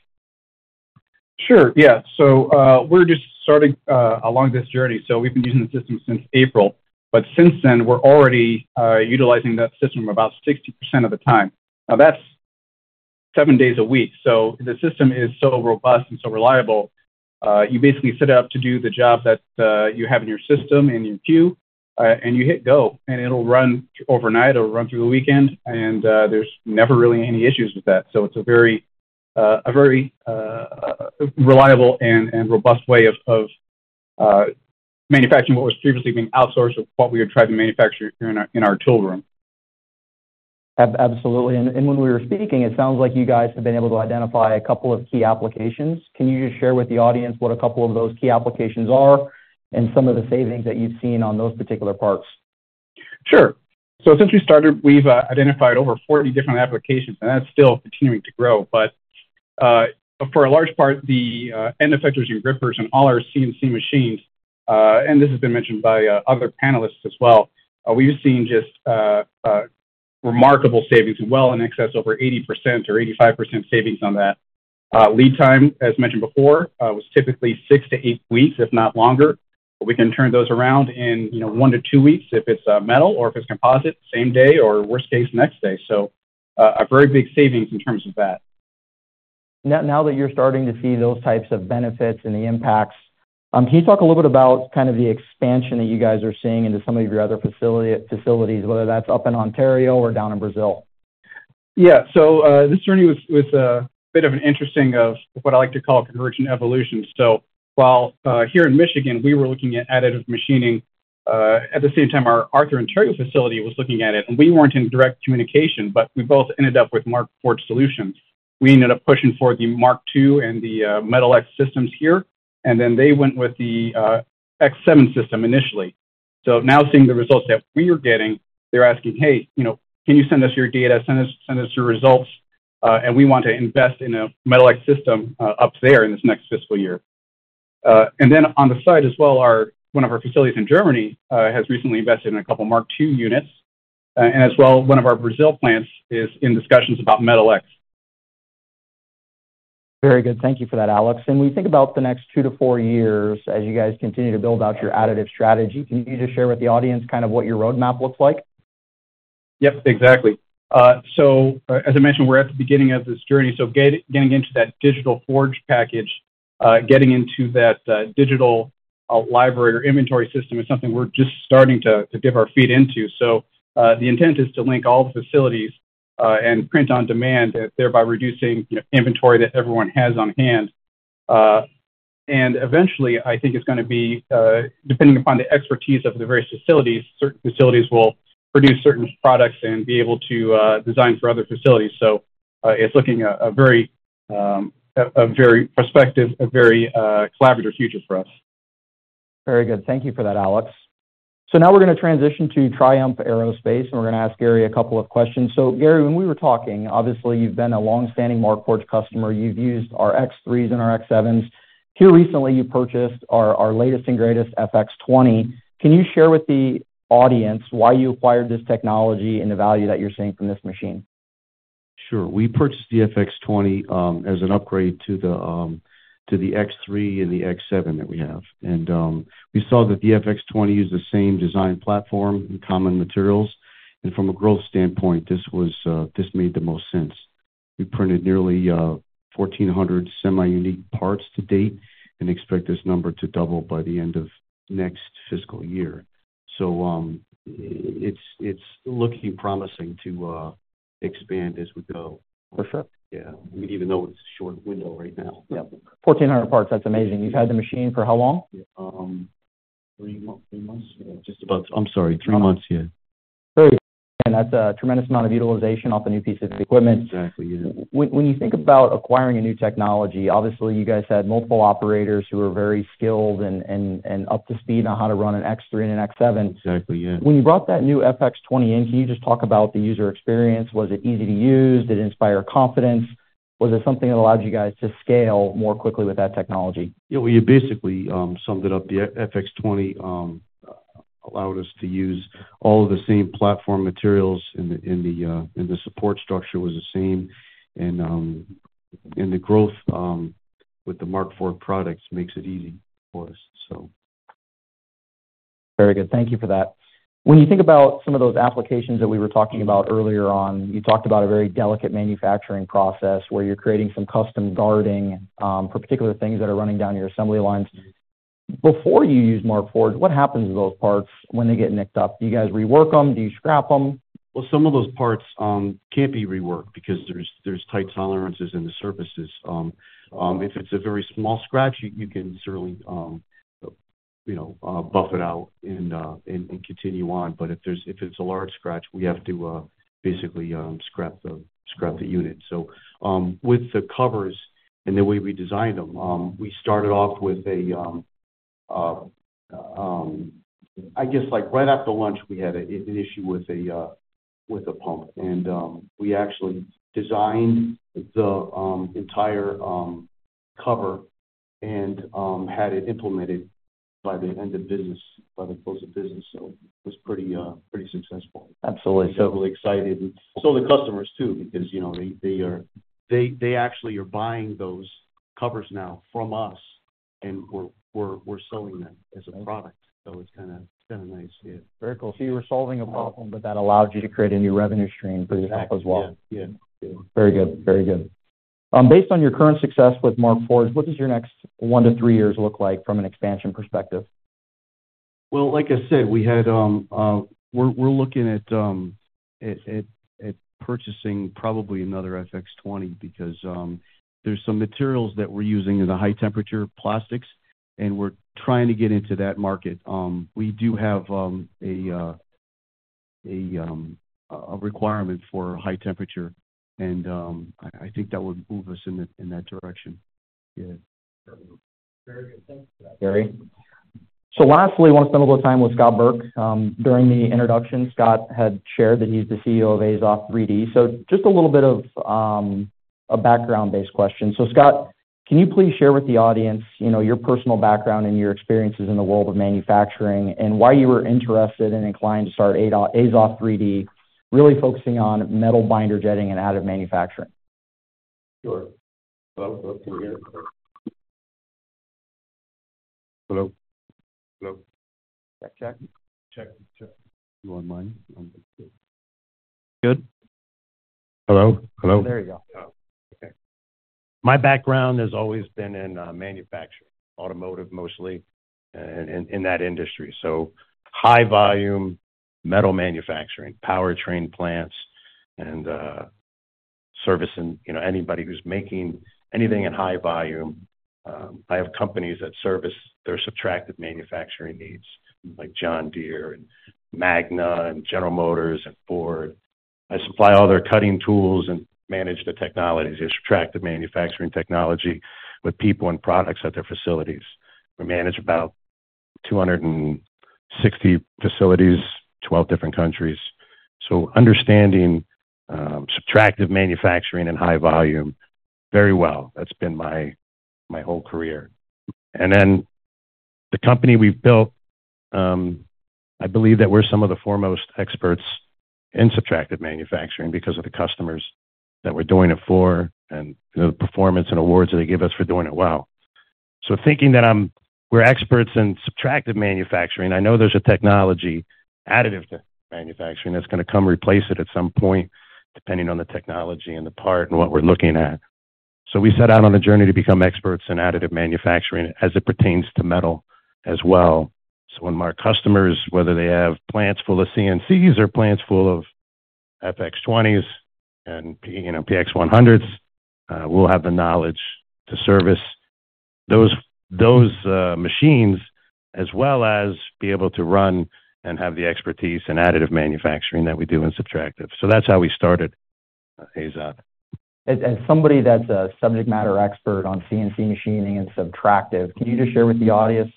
Sure. Yeah. So, we're just starting along this journey, so we've been using the system since April. But since then, we're already utilizing that system about 60% of the time. Now, that's seven days a week, so the system is so robust and so reliable, you basically set it up to do the job that you have in your system, in your queue, and you hit go, and it'll run overnight or run through the weekend, and there's never really any issues with that. So it's a very reliable and robust way of manufacturing what was previously being outsourced or what we would try to manufacture in our tool room. Absolutely. And when we were speaking, it sounds like you guys have been able to identify a couple of key applications. Can you just share with the audience what a couple of those key applications are and some of the savings that you've seen on those particular parts? Sure. So since we started, we've identified over 40 different applications, and that's still continuing to grow. But for a large part, the end effectors and grippers on all our CNC machines, and this has been mentioned by other panelists as well, we've seen just remarkable savings, well in excess over 80% or 85% savings on that. Lead time, as mentioned before, was typically 6-8 weeks, if not longer. But we can turn those around in, you know, 1-2 weeks if it's metal, or if it's composite, same day or worst case, next day. So a very big savings in terms of that. Now that you're starting to see those types of benefits and the impacts, can you talk a little bit about kind of the expansion that you guys are seeing into some of your other facilities, whether that's up in Ontario or down in Brazil? Yeah. This journey was a bit of an interesting, of what I like to call convergent evolution. While here in Michigan, we were looking at additive machining, at the same time, our Arthur, Ontario facility was looking at it, and we weren't in direct communication, but we both ended up with Markforged solutions. We ended up pushing for the Mark Two and the Metal X systems here, and then they went with the X7 system initially. Now seeing the results that we are getting, they're asking: "Hey, you know, can you send us your data? Send us, send us your results, and we want to invest in a Metal X system up there in this next fiscal year." And then on the side as well, one of our facilities in Germany has recently invested in a couple of Mark Two units, and as well, one of our Brazil plants is in discussions about Metal X. Very good. Thank you for that, Alex. When we think about the next 2-4 years, as you guys continue to build out your additive strategy, can you just share with the audience kind of what your roadmap looks like? Yep, exactly. So, as I mentioned, we're at the beginning of this journey, so getting into that Digital Forge package, getting into that digital library or inventory system is something we're just starting to dip our feet into. So, the intent is to link all the facilities and print on demand, thereby reducing, you know, inventory that everyone has on hand. And eventually, I think it's going to be, depending upon the expertise of the various facilities, certain facilities will produce certain products and be able to design for other facilities. So, it's looking a very prospective, a very collaborative future for us. Very good. Thank you for that, Alex. So now we're going to transition to Triumph Aerospace, and we're going to ask Gary a couple of questions. So, Gary, when we were talking, obviously, you've been a long-standing Markforged customer. You've used our X3s and our X7s. Here recently, you purchased our, our latest and greatest, FX20. Can you share with the audience why you acquired this technology and the value that you're seeing from this machine? Sure. We purchased the FX20 as an upgrade to the X3 and the X7 that we have. We saw that the FX20 used the same design platform and common materials, and from a growth standpoint, this made the most sense. We printed nearly 1,400 semi-unique parts to date and expect this number to double by the end of next fiscal year. So, it's looking promising to expand as we go. Perfect. Yeah. Even though it's a short window right now. Yep. 1,400 parts, that's amazing. You've had the machine for how long? Three months, yeah. Just about... I'm sorry, three months, yeah. Very good, that's a tremendous amount of utilization off a new piece of equipment. Exactly, yeah. When you think about acquiring a new technology, obviously, you guys had multiple operators who were very skilled and up to speed on how to run an X3 and an X7. Exactly, yeah. When you brought that new FX20 in, can you just talk about the user experience? Was it easy to use? Did it inspire confidence? Was it something that allowed you guys to scale more quickly with that technology? Yeah, well, you basically summed it up. The FX20 allowed us to use all of the same platform materials, and the support structure was the same. And the growth with the Markforged products makes it easy for us, so. Very good. Thank you for that. When you think about some of those applications that we were talking about earlier on, you talked about a very delicate manufacturing process where you're creating some custom guarding, for particular things that are running down your assembly lines. Before you used Markforged, what happens to those parts when they get nicked up? Do you guys rework them? Do you scrap them? Well, some of those parts can't be reworked because there's tight tolerances in the surfaces. If it's a very small scratch, you can certainly you know buff it out and continue on. But if it's a large scratch, we have to basically scrap the unit. So, with the covers and the way we designed them, we started off. I guess, like, right after lunch, we had an issue with a pump, and we actually designed the entire cover and had it implemented by the end of business, by the close of business, so it was pretty successful. Absolutely. So we're excited. So the customers, too, because, you know, they actually are buying those covers now from us, and we're selling them as a product, so it's been nice, yeah. Very cool. So you were solving a problem, but that allowed you to create a new revenue stream for yourself as well. Yeah. Yeah. Very good, very good. Based on your current success with Markforged, what does your next 1-3 years look like from an expansion perspective? Well, like I said, we're looking at purchasing probably another FX20 because there's some materials that we're using in the high-temperature plastics, and we're trying to get into that market. We do have a requirement for high temperature, and I think that would move us in that direction. Yeah. Very good. Thank you for that, Gary. Lastly, I want to spend a little time with Scott Burk. During the introduction, Scott had shared that he's the CEO of Azoth 3D. Just a little bit of a background-based question. Scott, can you please share with the audience, you know, your personal background and your experiences in the world of manufacturing, and why you were interested and inclined to start Azoth 3D, really focusing on metal binder jetting and additive manufacturing? Sure. Hello, can you hear me? Hello? Hello. Check, check. Check, check. You on mine? Good. Hello? Hello. There you go. Oh, okay. My background has always been in manufacturing, automotive, mostly, in that industry. So high volume, metal manufacturing, powertrain plants, and servicing, you know, anybody who's making anything in high volume. I have companies that service their subtractive manufacturing needs, like John Deere and Magna and General Motors and Ford. I supply all their cutting tools and manage the technology, the subtractive manufacturing technology, with people and products at their facilities. We manage about 260 facilities, 12 different countries. So understanding subtractive manufacturing in high volume very well, that's been my whole career. And then the company we've built, I believe that we're some of the foremost experts in subtractive manufacturing because of the customers that we're doing it for and the performance and awards that they give us for doing it well. So thinking that we're experts in subtractive manufacturing, I know there's a technology, additive manufacturing, that's going to come replace it at some point, depending on the technology and the part and what we're looking at. So we set out on a journey to become experts in additive manufacturing as it pertains to metal as well. So when our customers, whether they have plants full of CNCs or plants full of FX20s and, you know, PX100s, we'll have the knowledge to service those machines, as well as be able to run and have the expertise in additive manufacturing that we do in subtractive. So that's how we started Azoth. As somebody that's a subject matter expert on CNC machining and subtractive, can you just share with the audience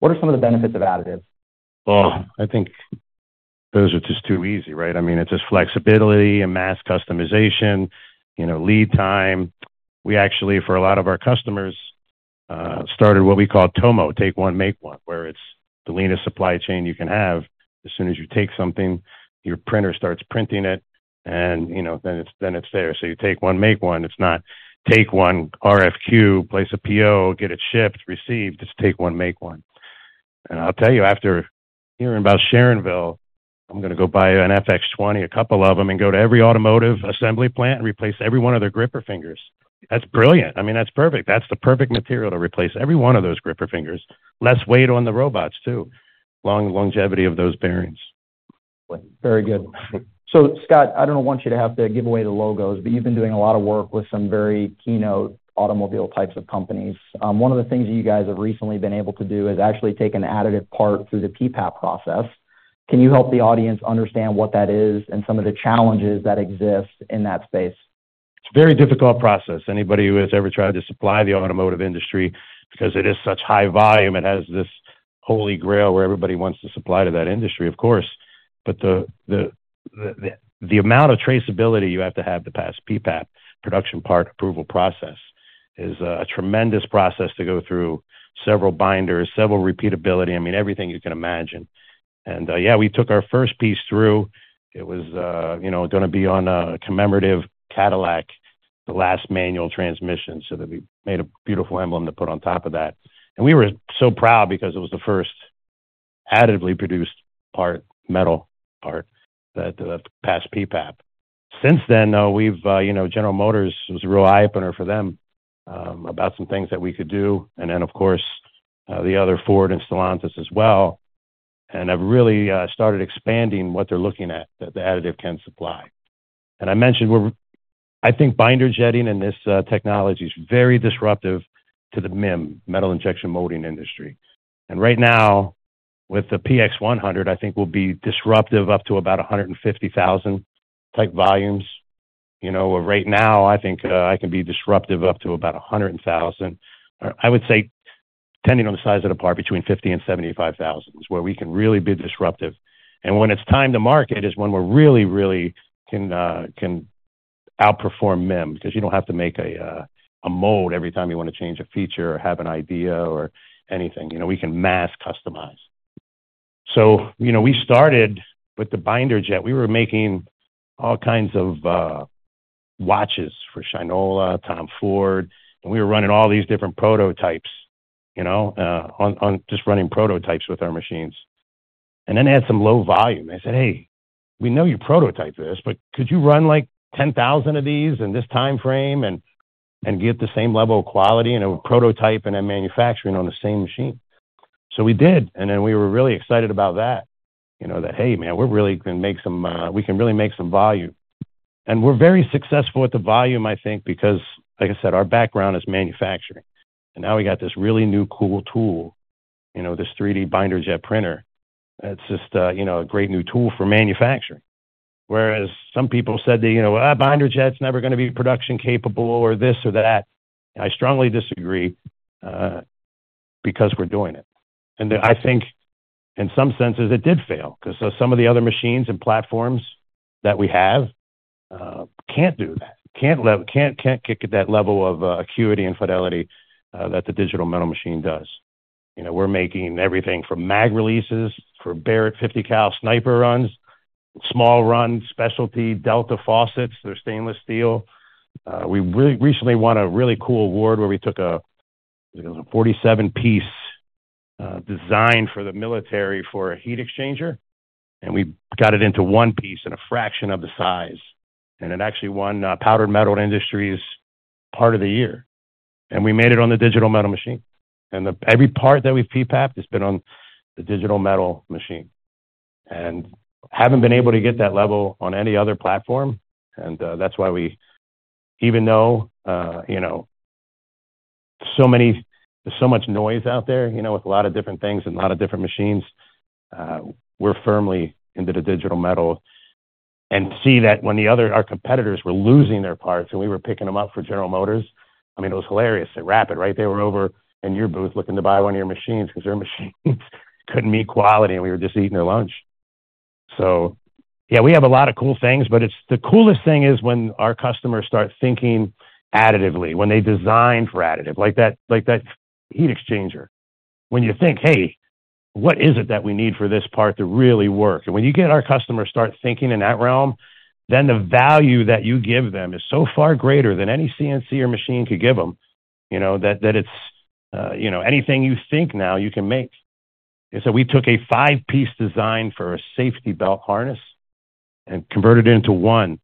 what are some of the benefits of additive? Well, I think those are just too easy, right? I mean, it's just flexibility and mass customization, you know, lead time. We actually, for a lot of our customers, started what we call TOMO, Take One, Make One, where it's the leanest supply chain you can have. As soon as you take something, your printer starts printing it, and, you know, then it's, then it's there. You take one, make one. It's not take one, RFQ, place a PO, get it shipped, received. It's take one, make one. I'll tell you, after hearing about Sharonville, I'm going to go buy an FX20, a couple of them, and go to every automotive assembly plant and replace every one of their gripper fingers. That's brilliant. I mean, that's perfect. That's the perfect material to replace every one of those gripper fingers. Less weight on the robots, too. Long longevity of those bearings. Very good. So, Scott, I don't want you to have to give away the logos, but you've been doing a lot of work with some very keynote automobile types of companies. One of the things you guys have recently been able to do is actually take an additive part through the PPAP process. Can you help the audience understand what that is and some of the challenges that exist in that space? It's a very difficult process. Anybody who has ever tried to supply the automotive industry, because it is such high volume, it has this holy grail where everybody wants to supply to that industry, of course. But the amount of traceability you have to have to pass PPAP, Production Part Approval Process, is a tremendous process to go through. Several binders, several repeatability, I mean, everything you can imagine. And yeah, we took our first piece through. It was, you know, going to be on a commemorative Cadillac, the last manual transmission, so that we made a beautiful emblem to put on top of that. And we were so proud because it was the first additively produced part, metal part, that passed PPAP. Since then, we've, you know, General Motors, it was a real eye-opener for them, you know, about some things that we could do. Of course, the other, Ford and Stellantis as well, have really started expanding what they're looking at, that the additive can supply. I mentioned we're... I think binder jetting and this technology is very disruptive to the MIM, metal injection molding, industry. Right now, with the PX100, I think we'll be disruptive up to about 150,000 type volumes. Right now, I think I can be disruptive up to about 100,000. I would say, depending on the size of the part, between 50,000 and 75,000 is where we can really be disruptive. And when it's time to market is when we're really, really can outperform MIM, because you don't have to make a mold every time you want to change a feature or have an idea or anything. You know, we can mass customize. So, you know, we started with the binder jet. We were making all kinds of watches for Shinola, Tom Ford, and we were running all these different prototypes, you know, on just running prototypes with our machines. And then add some low volume. They said, "Hey, we know you prototype this, but could you run like 10,000 of these in this time frame and get the same level of quality in a prototype and a manufacturing on the same machine?" So we did, and then we were really excited about that. You know, we're really can make some, we can really make some volume. And we're very successful with the volume, I think, because like I said, our background is manufacturing, and now we got this really new cool tool, you know, this 3D binder jet printer. That's just a, you know, a great new tool for manufacturing. Whereas some people said that, you know, "Well, binder jet's never going to be production capable or this or that." I strongly disagree, because we're doing it. And I think in some senses, it did fail, 'cause some of the other machines and platforms that we have can't do that, can't get to that level of acuity and fidelity that the Digital Metal machine does. You know, we're making everything from mag releases for Barrett 50 cal sniper runs, small runs, specialty Delta faucets, they're stainless steel. We recently won a really cool award where we took a 47-piece design for the military for a heat exchanger, and we got it into one piece in a fraction of the size, and it actually won a Powdered Metal Industries Part of the Year. We made it on the Digital Metal machine. Every part that we've PPAP has been on the Digital Metal machine, and haven't been able to get that level on any other platform, and that's why even though you know, so many, there's so much noise out there, you know, with a lot of different things and a lot of different machines, we're firmly into the Digital Metal. And see that when the other, our competitors were losing their parts, and we were picking them up for General Motors, I mean, it was hilarious. At Rapid, right? They were over in your booth looking to buy one of your machines because their machines couldn't meet quality, and we were just eating their lunch. So yeah, we have a lot of cool things, but it's the coolest thing is when our customers start thinking additively, when they design for additive, like that, like that heat exchanger. When you think, "Hey, what is it that we need for this part to really work?" And when you get our customers start thinking in that realm, then the value that you give them is so far greater than any CNC or machine could give them, you know, that, that it's, you know, anything you think now, you can make. We took a five-piece design for a safety belt harness and converted it into one.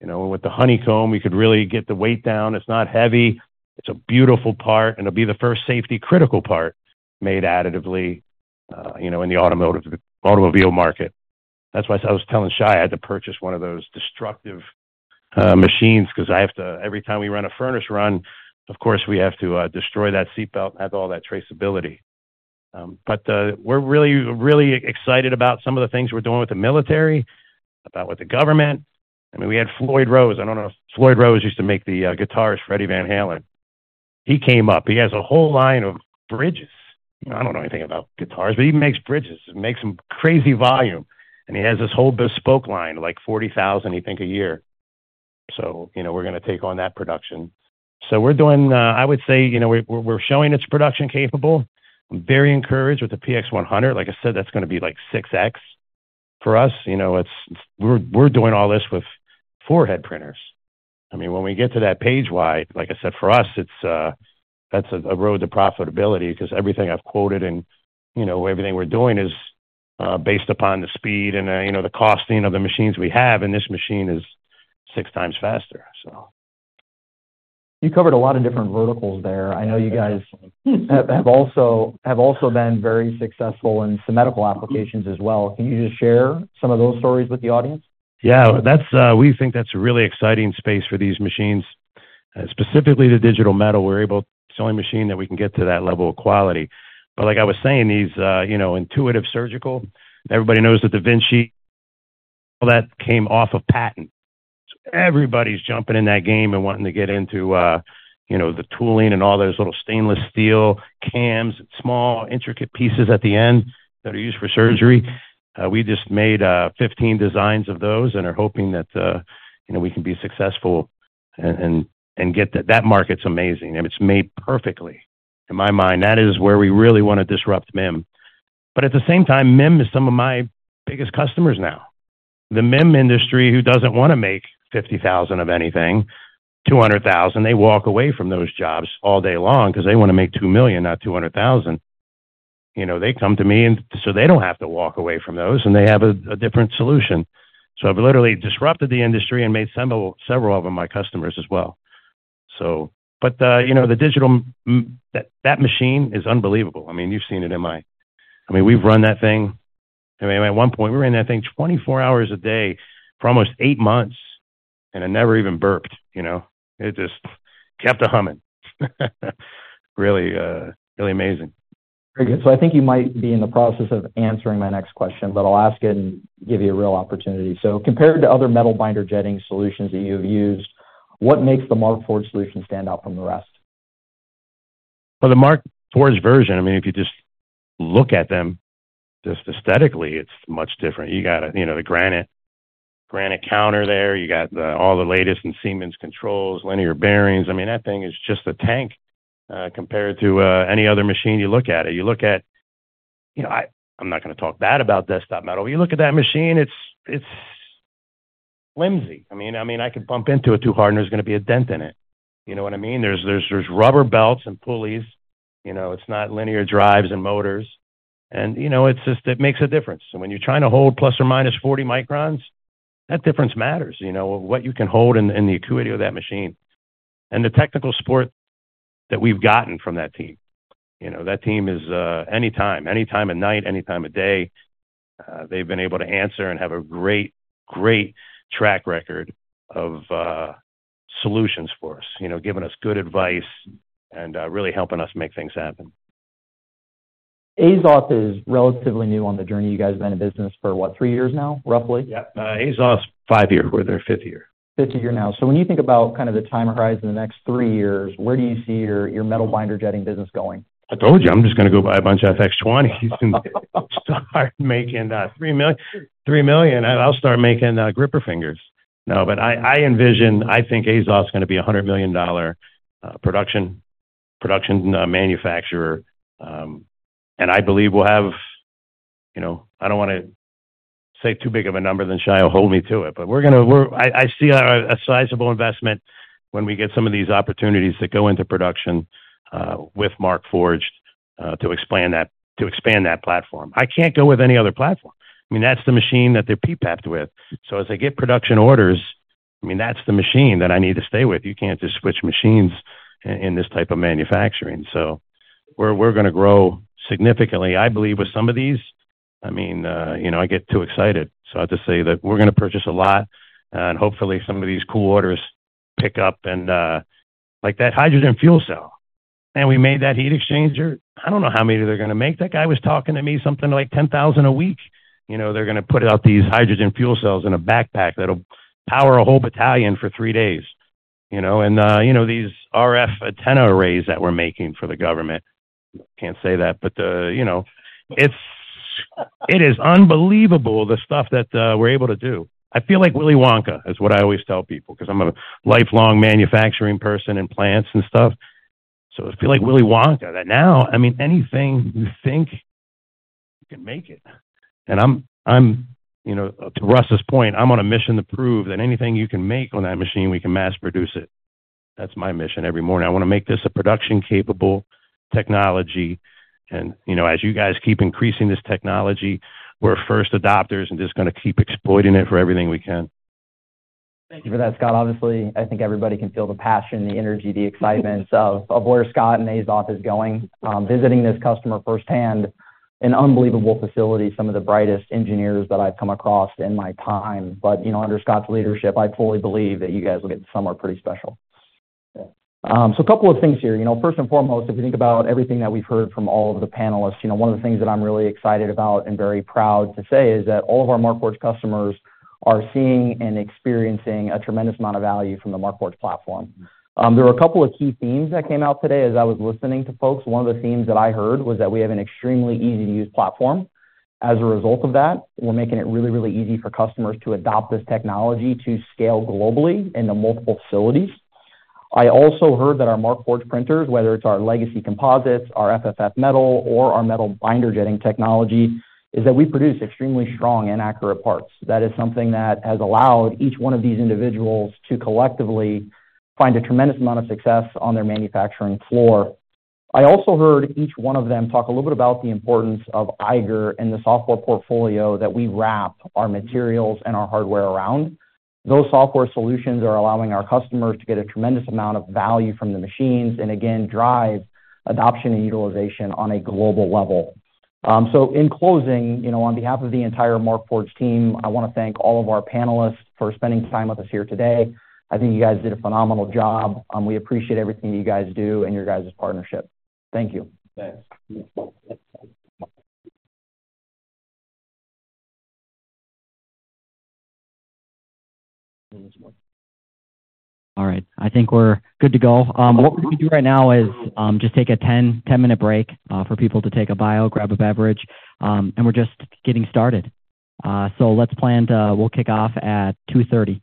You know, with the honeycomb, we could really get the weight down. It's not heavy. It's a beautiful part, and it'll be the first safety critical part made additively, you know, in the automotive, automobile market. That's why I was telling Shai I had to purchase one of those destructive machines because I have to... every time we run a furnace run, of course, we have to destroy that seat belt and have all that traceability. We're really, really excited about some of the things we're doing with the military, about with the government. I mean, we had Floyd Rose. I don't know if Floyd Rose used to make the guitars, Eddie Van Halen. He came up. He has a whole line of bridges. I don't know anything about guitars, but he makes bridges and makes them crazy volume, and he has this whole bespoke line, like 40,000, he thinks, a year. So, you know, we're going to take on that production. So we're doing. I would say, you know, we're showing it's production capable. I'm very encouraged with the PX100. Like I said, that's going to be like 6x. For us, you know, it's we're doing all this with 4-head printers. I mean, when we get to that page wide, like I said, for us, it's a road to profitability because everything I've quoted and, you know, everything we're doing is based upon the speed and, you know, the costing of the machines we have, and this machine is six times faster, so. You covered a lot of different verticals there. I know you guys have also been very successful in some medical applications as well. Can you just share some of those stories with the audience? Yeah, that's, we think that's a really exciting space for these machines, specifically the Digital Metal. We're able... It's the only machine that we can get to that level of quality. But like I was saying, these, you know, Intuitive Surgical, everybody knows that the da Vinci, all that came off of patent. Everybody's jumping in that game and wanting to get into, you know, the tooling and all those little stainless steel cams, small, intricate pieces at the end that are used for surgery. We just made 15 designs of those and are hoping that, you know, we can be successful and get that. That market's amazing, and it's made perfectly. In my mind, that is where we really want to disrupt MIM. But at the same time, MIM is some of my biggest customers now. The MIM industry, who doesn't want to make 50,000 of anything, 200,000, they walk away from those jobs all day long because they want to make 2,000,000, not 200,000. You know, they come to me, and so they don't have to walk away from those, and they have a different solution. So I've literally disrupted the industry and made several, several of them my customers as well. So but, you know, the digital, that, that machine is unbelievable. I mean, you've seen it in my... I mean, we've run that thing. I mean, at one point, we were in that thing 24 hours a day for almost 8 months, and it never even burped, you know? It just kept a-humming. Really, really amazing. Very good. So I think you might be in the process of answering my next question, but I'll ask it and give you a real opportunity. So compared to other metal binder jetting solutions that you've used, what makes the Markforged solution stand out from the rest? For the Markforged version, I mean, if you just look at them, just aesthetically, it's much different. You got, you know, the granite, granite counter there. You got the, all the latest in Siemens controls, linear bearings. I mean, that thing is just a tank, compared to any other machine you look at it. You look at... You know, I, I'm not going to talk bad about Desktop Metal. You look at that machine, it's, it's flimsy. I mean, I mean, I could bump into it too hard, and there's going to be a dent in it. You know what I mean? There's, there's, there's rubber belts and pulleys. You know, it's not linear drives and motors, and, you know, it's just, it makes a difference. So when you're trying to hold ±40 microns, that difference matters. You know, what you can hold and, and the acuity of that machine. And the technical support that we've gotten from that team, you know, that team is, anytime, anytime at night, anytime of day, they've been able to answer and have a great, great track record of solutions for us. You know, giving us good advice and, you know, really helping us make things happen. Azoth is relatively new on the journey. You guys have been in business for what, three years now, roughly? Yeah. Azoth, 5 years. We're their fifth year. Fifth year now. So when you think about kind of the time horizon, the next three years, where do you see your, your metal binder jetting business going? I told you, I'm just going to go buy a bunch of FX20s and start making three million, three million, and I'll start making gripper fingers. No, but I envision, I think Azoth is going to be a $100 million production manufacturer. And I believe we'll have, you know, I don't want to say too big of a number than Shai will hold me to it, but we're going to, I see a sizable investment when we get some of these opportunities that go into production with Markforged to expand that platform. I can't go with any other platform. I mean, that's the machine that they're PPAP with. So as I get production orders, I mean, that's the machine that I need to stay with. You can't just switch machines in this type of manufacturing. We're going to grow significantly, I believe, with some of these. I mean, you know, I get too excited, so I'll just say that we're going to purchase a lot, and hopefully, some of these cool orders pick up. Like that hydrogen fuel cell, and we made that heat exchanger. I don't know how many they're going to make. That guy was talking to me something like 10,000 a week. You know, they're going to put out these hydrogen fuel cells in a backpack that'll power a whole battalion for three days, you know? And you know, these RF antenna arrays that we're making for the government, can't say that, but you know, it is unbelievable the stuff that we're able to do. I feel like Willy Wonka, is what I always tell people, because I'm a lifelong manufacturing person in plants and stuff. So I feel like Willy Wonka, that now, I mean, anything you think, you can make it. And I'm, you know, to Russ's point, I'm on a mission to prove that anything you can make on that machine, we can mass produce it. That's my mission every morning. I want to make this a production-capable technology, and, you know, as you guys keep increasing this technology, we're first adopters, and just going to keep exploiting it for everything we can. Thank you for that, Scott. Obviously, I think everybody can feel the passion, the energy, the excitement of, of where Scott and Azoth is going. Visiting this customer firsthand, an unbelievable facility, some of the brightest engineers that I've come across in my time. But, you know, under Scott's leadership, I fully believe that you guys will get somewhere pretty special. So a couple of things here. You know, first and foremost, if you think about everything that we've heard from all of the panelists, you know, one of the things that I'm really excited about and very proud to say is that all of our Markforged customers are seeing and experiencing a tremendous amount of value from the Markforged platform. There were a couple of key themes that came out today as I was listening to folks. One of the themes that I heard was that we have an extremely easy-to-use platform. As a result of that, we're making it really, really easy for customers to adopt this technology to scale globally into multiple facilities. I also heard that our Markforged printers, whether it's our legacy composites, our FFF metal, or our metal binder jetting technology, is that we produce extremely strong and accurate parts. That is something that has allowed each one of these individuals to collectively find a tremendous amount of success on their manufacturing floor. I also heard each one of them talk a little bit about the importance of Eiger and the software portfolio that we wrap our materials and our hardware around. Those software solutions are allowing our customers to get a tremendous amount of value from the machines, and again, drive adoption and utilization on a global level. So in closing, you know, on behalf of the entire Markforged team, I want to thank all of our panelists for spending time with us here today. I think you guys did a phenomenal job, we appreciate everything you guys do and your guys' partnership. Thank you. Thanks. All right, I think we're good to go. What we're going to do right now is just take a 10-minute break for people to take a bio, grab a beverage, and we're just getting started. So let's plan to... We'll kick off at 2:30.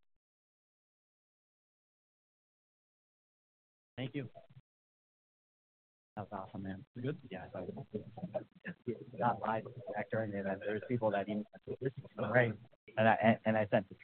Thank you. That was awesome, man. Good? Yeah. There's people that... Right, and I, and I sense it.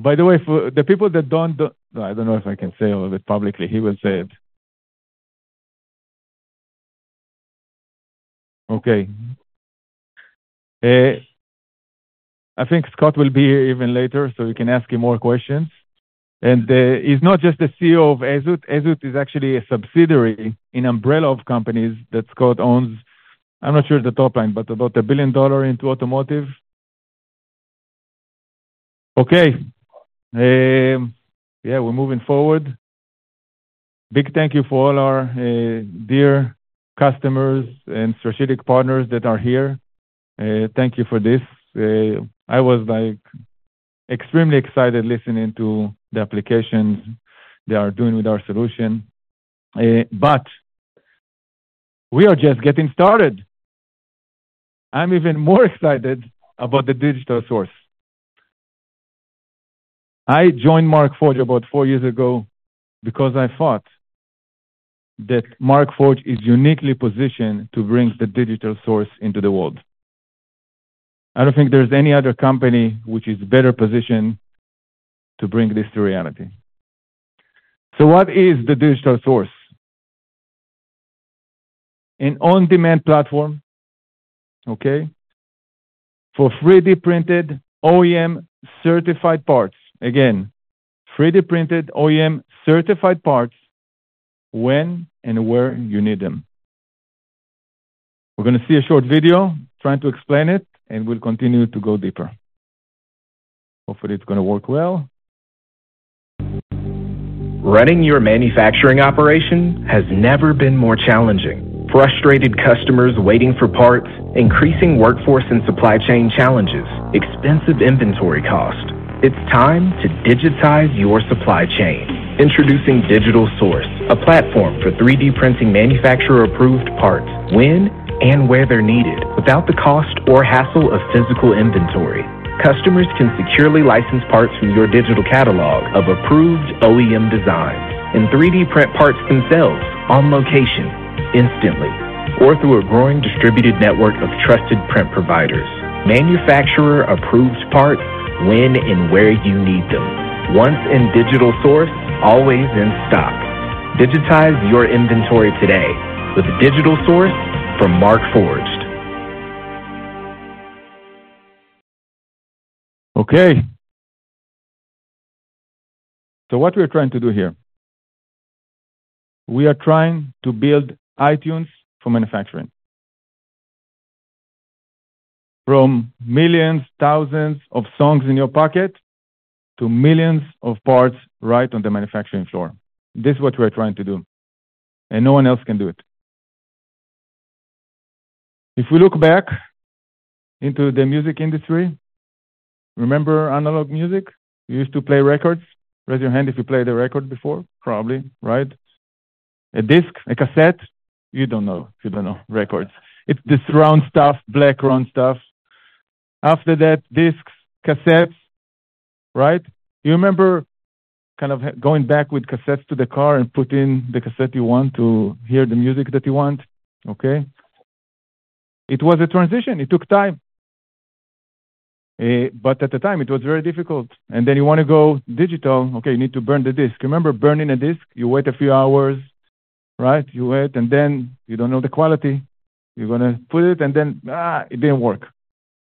By the way, for the people that don't do-- I don't know if I can say all of it publicly. He will say it. Okay. I think Scott will be here even later, so you can ask him more questions. And he's not just the CEO of Azoth. Azoth is actually a subsidiary in umbrella of companies that Scott owns. I'm not sure of the top line, but about $1 billion into automotive. Okay. Yeah, we're moving forward. Big thank you for all our dear customers and strategic partners that are here. Thank you for this. I was, like, extremely excited listening to the applications they are doing with our solution. But we are just getting started. I'm even more excited about the Digital Source. I joined Markforged about four years ago because I thought that Markforged is uniquely positioned to bring the Digital Source into the world. I don't think there's any other company which is better positioned to bring this to reality. What is the Digital Source? An on-demand platform, okay? For 3D-printed OEM-certified parts. Again, 3D-printed OEM-certified parts when and where you need them. We're gonna see a short video trying to explain it, and we'll continue to go deeper. Hopefully, it's gonna work well. Running your manufacturing operation has never been more challenging. Frustrated customers waiting for parts, increasing workforce and supply chain challenges, expensive inventory cost. It's time to digitize your supply chain. Introducing Digital Source, a platform for 3D printing manufacturer-approved parts, when and where they're needed, without the cost or hassle of physical inventory. Customers can securely license parts from your digital catalog of approved OEM designs and 3D print parts themselves on location instantly or through a growing distributed network of trusted print providers. Manufacturer-approved parts when and where you need them. Once in Digital Source, always in stock. Digitize your inventory today with Digital Source from Markforged. Okay. So what we're trying to do here? We are trying to build iTunes for manufacturing. From millions, thousands of songs in your pocket to millions of parts right on the manufacturing floor. This is what we're trying to do, and no one else can do it. If we look back into the music industry, remember analog music? You used to play records. Raise your hand if you played a record before. Probably, right? A disc, a cassette. You don't know. You don't know records. It's this round stuff, black round stuff. After that, discs, cassettes, right? You remember kind of going back with cassettes to the car and putting the cassette you want to hear the music that you want, okay? It was a transition. It took time. But at the time, it was very difficult, and then you want to go digital. Okay, you need to burn the disc. You remember burning a disc? You wait a few hours, right? You wait, and then you don't know the quality. You're gonna put it, and then, ah, it didn't work.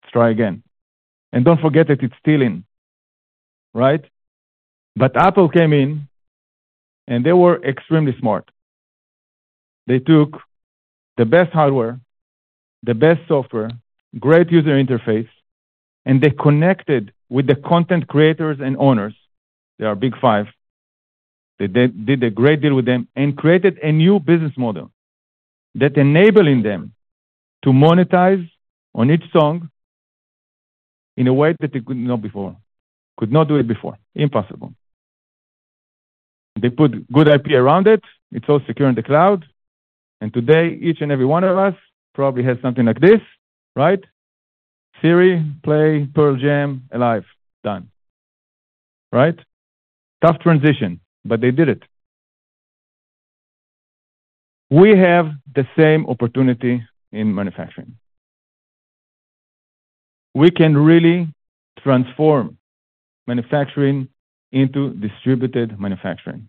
Let's try again. Don't forget that it's stealing, right? Apple came in, and they were extremely smart. They took the best hardware, the best software, great user interface, and they connected with the content creators and owners. They are Big Five. They did, did a great deal with them and created a new business model that enabling them to monetize on each song in a way that they could not before. Could not do it before. Impossible. They put good IP around it. It's all secure in the cloud, and today, each and every one of us probably has something like this, right? Siri, play Pearl Jam alive. Done. Right? Tough transition, but they did it. We have the same opportunity in manufacturing. We can really transform manufacturing into distributed manufacturing.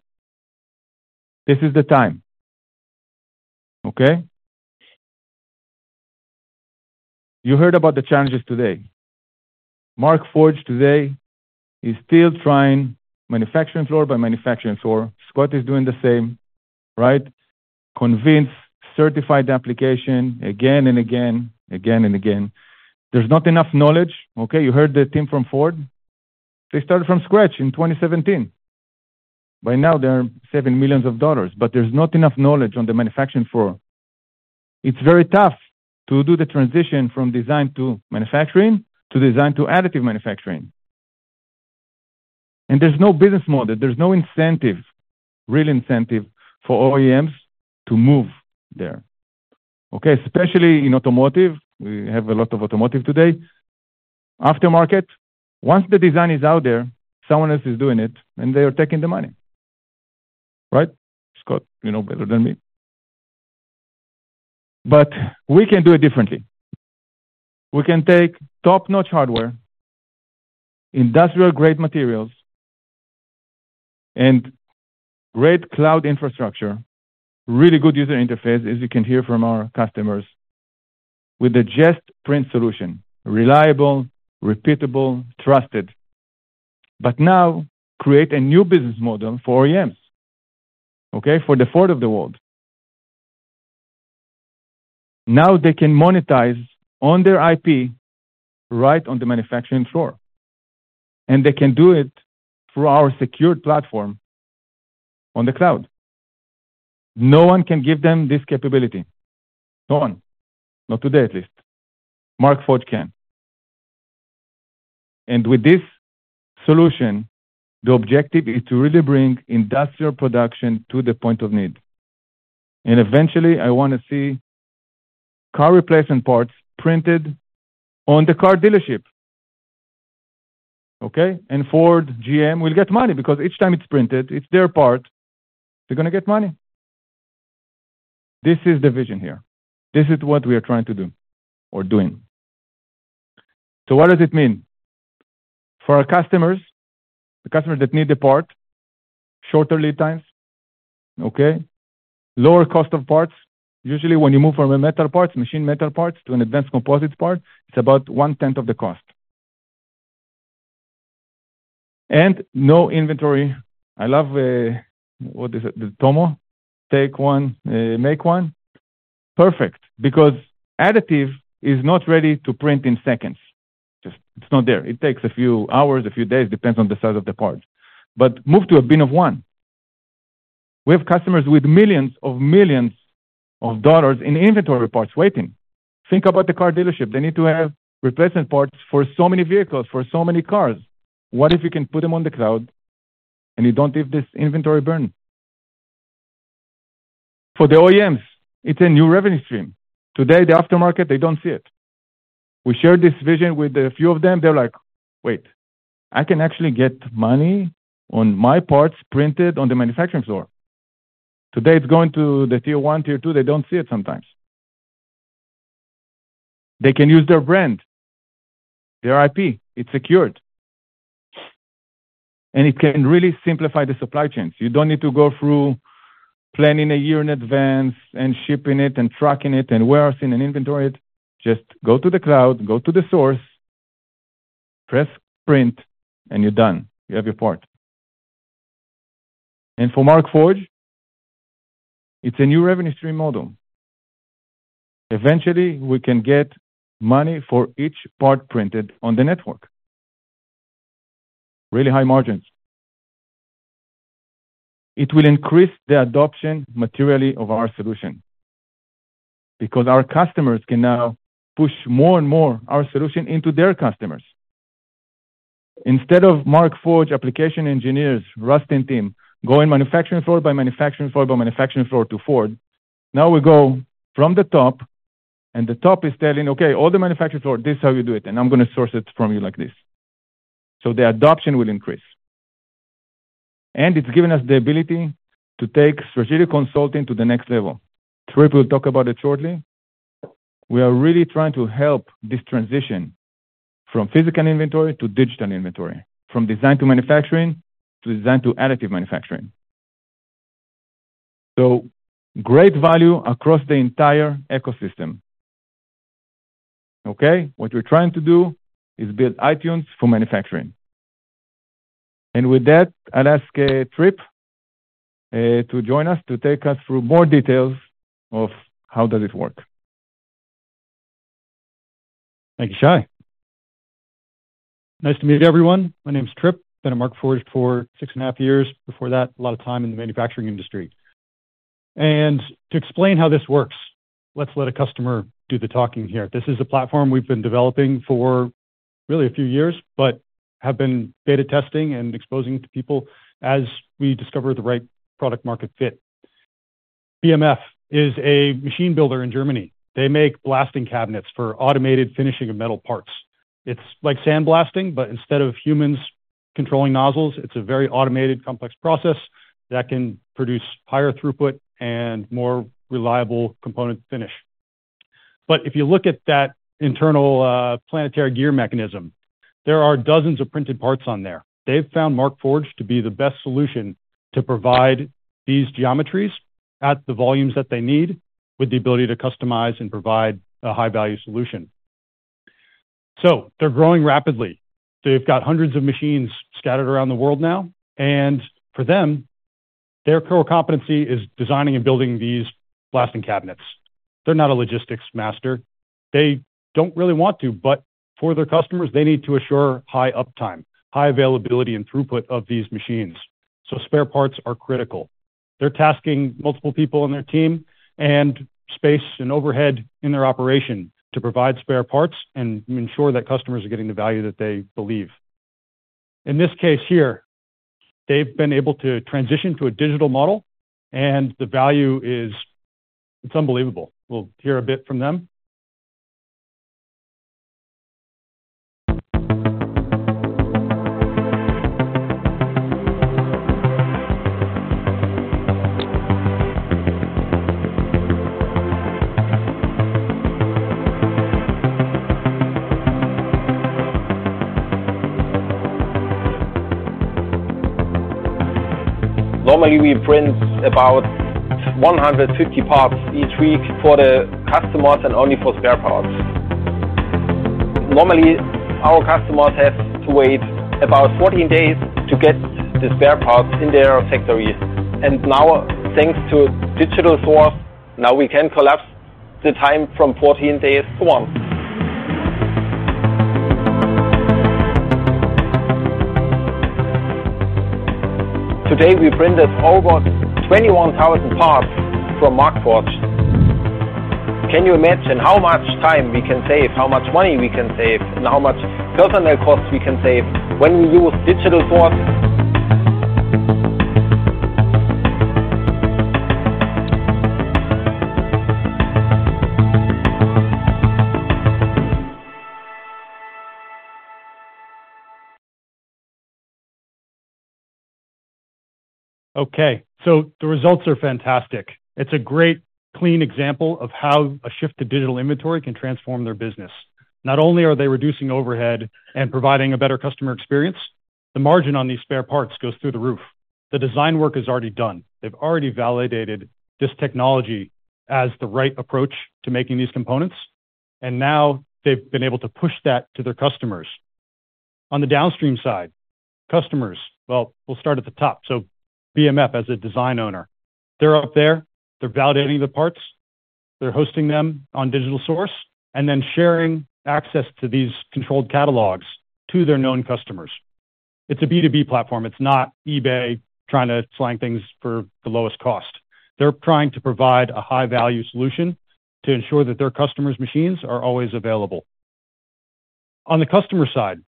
This is the time, okay? You heard about the challenges today. Markforged today is still trying manufacturing floor by manufacturing floor. Scott is doing the same, right? Convince, certify the application again and again, again and again. There's not enough knowledge, okay? You heard the team from Ford. They started from scratch in 2017. By now, they are saving $ millions, but there's not enough knowledge on the manufacturing floor. It's very tough to do the transition from design to manufacturing, to design to additive manufacturing. And there's no business model, there's no incentive, real incentive for OEMs to move there, okay? Especially in automotive. We have a lot of automotive today. Aftermarket, once the design is out there, someone else is doing it, and they are taking the money, right, Scott? You know better than me. We can do it differently. We can take top-notch hardware, industrial-grade materials, and great cloud infrastructure, really good user interface, as you can hear from our customers, with a just print solution, reliable, repeatable, trusted. Now create a new business model for OEMs, okay? For the Ford of the world. Now they can monetize on their IP, right on the manufacturing floor, and they can do it through our secured platform on the cloud. No one can give them this capability. No one. Not today, at least. Markforged can. With this solution, the objective is to really bring industrial production to the point of need. Eventually, I want to see car replacement parts printed on the car dealership, okay? Ford, GM will get money because each time it's printed, it's their part, they're gonna get money. This is the vision here. This is what we are trying to do or doing. So what does it mean? For our customers, the customers that need the part, shorter lead times, okay? Lower cost of parts. Usually, when you move from a metal parts, machine metal parts to an advanced composites part, it's about one-tenth of the cost. And no inventory. I love... What is it? The TOMO. Take one, make one. Perfect, because additive is not ready to print in seconds. Just it's not there. It takes a few hours, a few days, depends on the size of the part. But move to a bin of one. We have customers with millions of millions of dollars in inventory parts waiting. Think about the car dealership. They need to have replacement parts for so many vehicles, for so many cars. What if you can put them on the cloud and you don't have this inventory burn? For the OEMs, it's a new revenue stream. Today, the aftermarket, they don't see it. We shared this vision with a few of them. They're like, "Wait, I can actually get money on my parts printed on the manufacturing floor?" Today, it's going to the tier one, tier two. They don't see it sometimes. They can use their brand, their IP. It's secured. And it can really simplify the supply chains. You don't need to go through planning a year in advance and shipping it and tracking it, and warehousing and inventory it. Just go to the cloud, go to the source, press print, and you're done. You have your part. And for Markforged, it's a new revenue stream model. Eventually, we can get money for each part printed on the network. Really high margins. It will increase the adoption materially of our solution, because our customers can now push more and more our solution into their customers. Instead of Markforged application engineers, Rustin team, going manufacturing floor by manufacturing floor, by manufacturing floor to Ford, now we go from the top, and the top is telling, "Okay, all the manufacturing floor, this is how you do it, and I'm gonna source it from you like this." So the adoption will increase, and it's given us the ability to take strategic consulting to the next level. Tripp will talk about it shortly. We are really trying to help this transition from physical inventory to digital inventory, from design to manufacturing, to design to additive manufacturing. So great value across the entire ecosystem, okay? What we're trying to do is build iTunes for manufacturing. With that, I'll ask Tripp to join us to take us through more details of how does it work? Thank you, Shai. Nice to meet you everyone, my name is Trip. Been at Markforged for six and a half years. Before that, a lot of time in the manufacturing industry. And to explain how this works, let's let a customer do the talking here. This is a platform we've been developing for really a few years, but have been beta testing and exposing it to people as we discover the right product-market fit. BMF is a machine builder in Germany. They make blasting cabinets for automated finishing of metal parts. It's like sandblasting, but instead of humans controlling nozzles, it's a very automated, complex process that can produce higher throughput and more reliable component finish. But if you look at that internal planetary gear mechanism. There are dozens of printed parts on there. They've found Markforged to be the best solution to provide these geometries at the volumes that they need, with the ability to customize and provide a high-value solution. They're growing rapidly. They've got hundreds of machines scattered around the world now, and for them, their core competency is designing and building these blasting cabinets. They're not a logistics master. They don't really want to, but for their customers, they need to assure high uptime, high availability, and throughput of these machines. Spare parts are critical. They're tasking multiple people on their team, and space and overhead in their operation to provide spare parts and ensure that customers are getting the value that they believe. In this case here, they've been able to transition to a digital model, and the value is, it's unbelievable. We'll hear a bit from them. Normally, we print about 150 parts each week for the customers and only for spare parts. Normally, our customers have to wait about 14 days to get the spare parts in their factories, and now, thanks to Digital Source, now we can collapse the time from 14 days to 1. Today, we printed over 21,000 parts from Markforged. Can you imagine how much time we can save, how much money we can save, and how much personal costs we can save when we use Digital Source? Okay, the results are fantastic. It's a great, clean example of how a shift to digital inventory can transform their business. Not only are they reducing overhead and providing a better customer experience, the margin on these spare parts goes through the roof. The design work is already done. They've already validated this technology as the right approach to making these components, and now they've been able to push that to their customers. On the downstream side, customers... Well, we'll start at the top. BMF, as a design owner, they're up there, they're validating the parts, they're hosting them on Digital Source, and then sharing access to these controlled catalogs to their known customers. It's a B2B platform. It's not eBay trying to slang things for the lowest cost. They're trying to provide a high-value solution to ensure that their customers' machines are always available. On the customer side,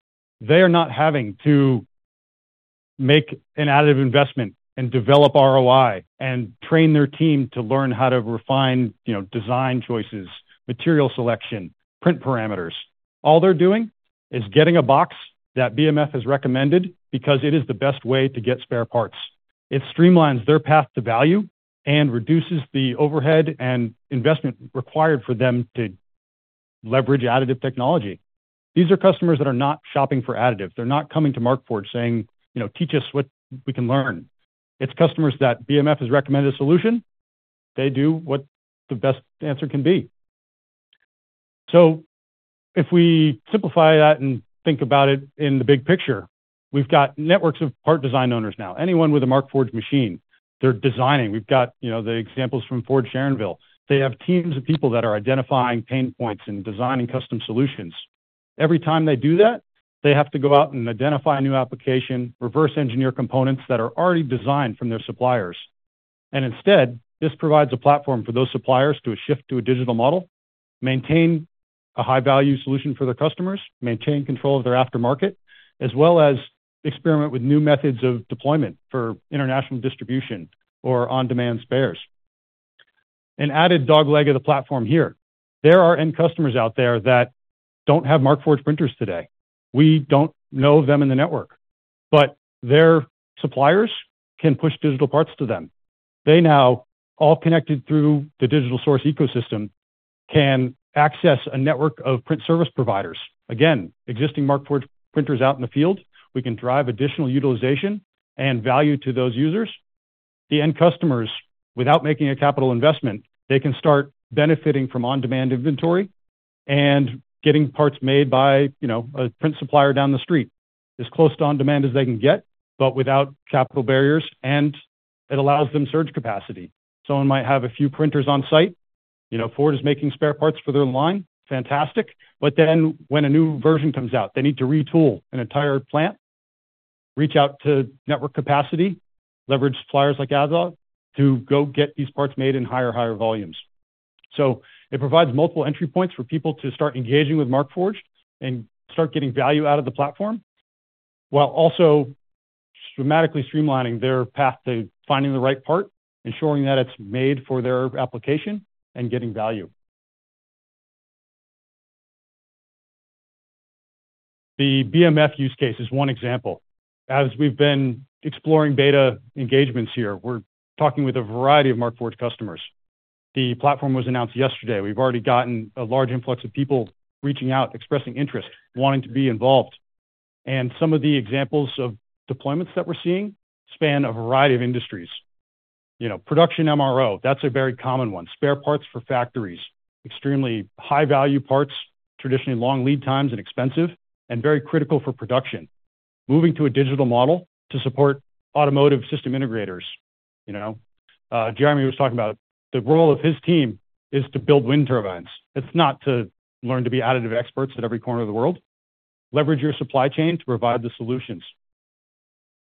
they are not having to make an additive investment and develop ROI and train their team to learn how to refine, you know, design choices, material selection, print parameters. All they're doing is getting a box that BMF has recommended because it is the best way to get spare parts. It streamlines their path to value and reduces the overhead and investment required for them to leverage additive technology. These are customers that are not shopping for additive. They're not coming to Markforged saying, "You know, teach us what we can learn." It's customers that BMF has recommended a solution, they do what the best answer can be. If we simplify that and think about it in the big picture, we've got networks of part design owners now. Anyone with a Markforged machine, they're designing. We've got, you know, the examples from Ford Sharonville. They have teams of people that are identifying pain points and designing custom solutions. Every time they do that, they have to go out and identify a new application, reverse engineer components that are already designed from their suppliers. Instead, this provides a platform for those suppliers to shift to a digital model, maintain a high-value solution for their customers, maintain control of their aftermarket, as well as experiment with new methods of deployment for international distribution or on-demand spares. An added dog leg of the platform here. There are end customers out there that don't have Markforged printers today. We don't know them in the network, but their suppliers can push digital parts to them. They now, all connected through the Digital Source ecosystem, can access a network of print service providers. Again, existing Markforged printers out in the field, we can drive additional utilization and value to those users. The end customers, without making a capital investment, they can start benefiting from on-demand inventory and getting parts made by, you know, a print supplier down the street. As close to on-demand as they can get, but without capital barriers, and it allows them surge capacity. Someone might have a few printers on site. You know, Ford is making spare parts for their line, fantastic. But then when a new version comes out, they need to retool an entire plant, reach out to network capacity, leverage suppliers like Azoth, to go get these parts made in higher, higher volumes. So it provides multiple entry points for people to start engaging with Markforged and start getting value out of the platform, while also dramatically streamlining their path to finding the right part, ensuring that it's made for their application, and getting value. The BMF use case is one example. As we've been exploring beta engagements here, we're talking with a variety of Markforged customers.... The platform was announced yesterday. We've already gotten a large influx of people reaching out, expressing interest, wanting to be involved. And some of the examples of deployments that we're seeing span a variety of industries. You know, production MRO, that's a very common one. Spare parts for factories, extremely high-value parts, traditionally long lead times and expensive, and very critical for production. Moving to a digital model to support automotive system integrators, you know. Jeremy was talking about the role of his team is to build wind turbines. It's not to learn to be additive experts at every corner of the world. Leverage your supply chain to provide the solutions.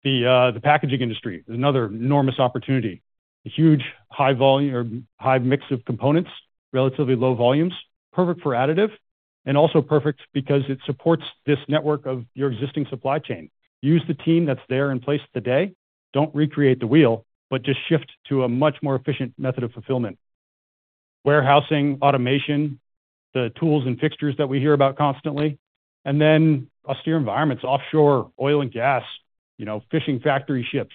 The packaging industry is another enormous opportunity. A huge high volume or high mix of components, relatively low volumes, perfect for additive, and also perfect because it supports this network of your existing supply chain. Use the team that's there in place today, don't recreate the wheel, but just shift to a much more efficient method of fulfillment. Warehousing, automation, the tools and fixtures that we hear about constantly, and then austere environments, offshore oil and gas, you know, fishing factory ships.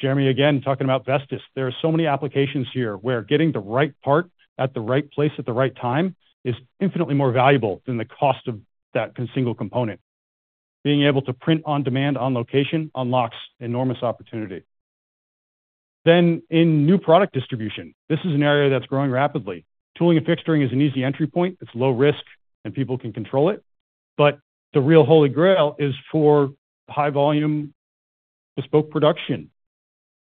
Jeremy, again, talking about Vestas. There are so many applications here where getting the right part at the right place at the right time is infinitely more valuable than the cost of that single component. Being able to print on demand, on location, unlocks enormous opportunity. Then in new product distribution, this is an area that's growing rapidly. Tooling and fixturing is an easy entry point. It's low risk and people can control it. But the real holy grail is for high volume, bespoke production.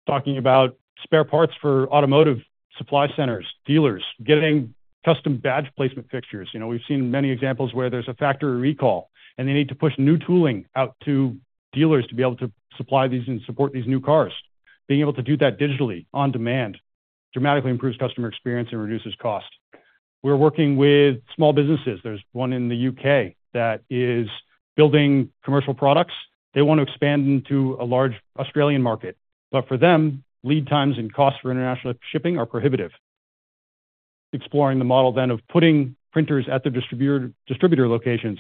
Talking about spare parts for automotive supply centers, dealers, getting custom badge placement fixtures. You know, we've seen many examples where there's a factory recall, and they need to push new tooling out to dealers to be able to supply these and support these new cars. Being able to do that digitally on demand, dramatically improves customer experience and reduces cost. We're working with small businesses. There's one in the UK that is building commercial products. They want to expand into a large Australian market, but for them, lead times and costs for international shipping are prohibitive. Exploring the model then of putting printers at the distributor, distributor locations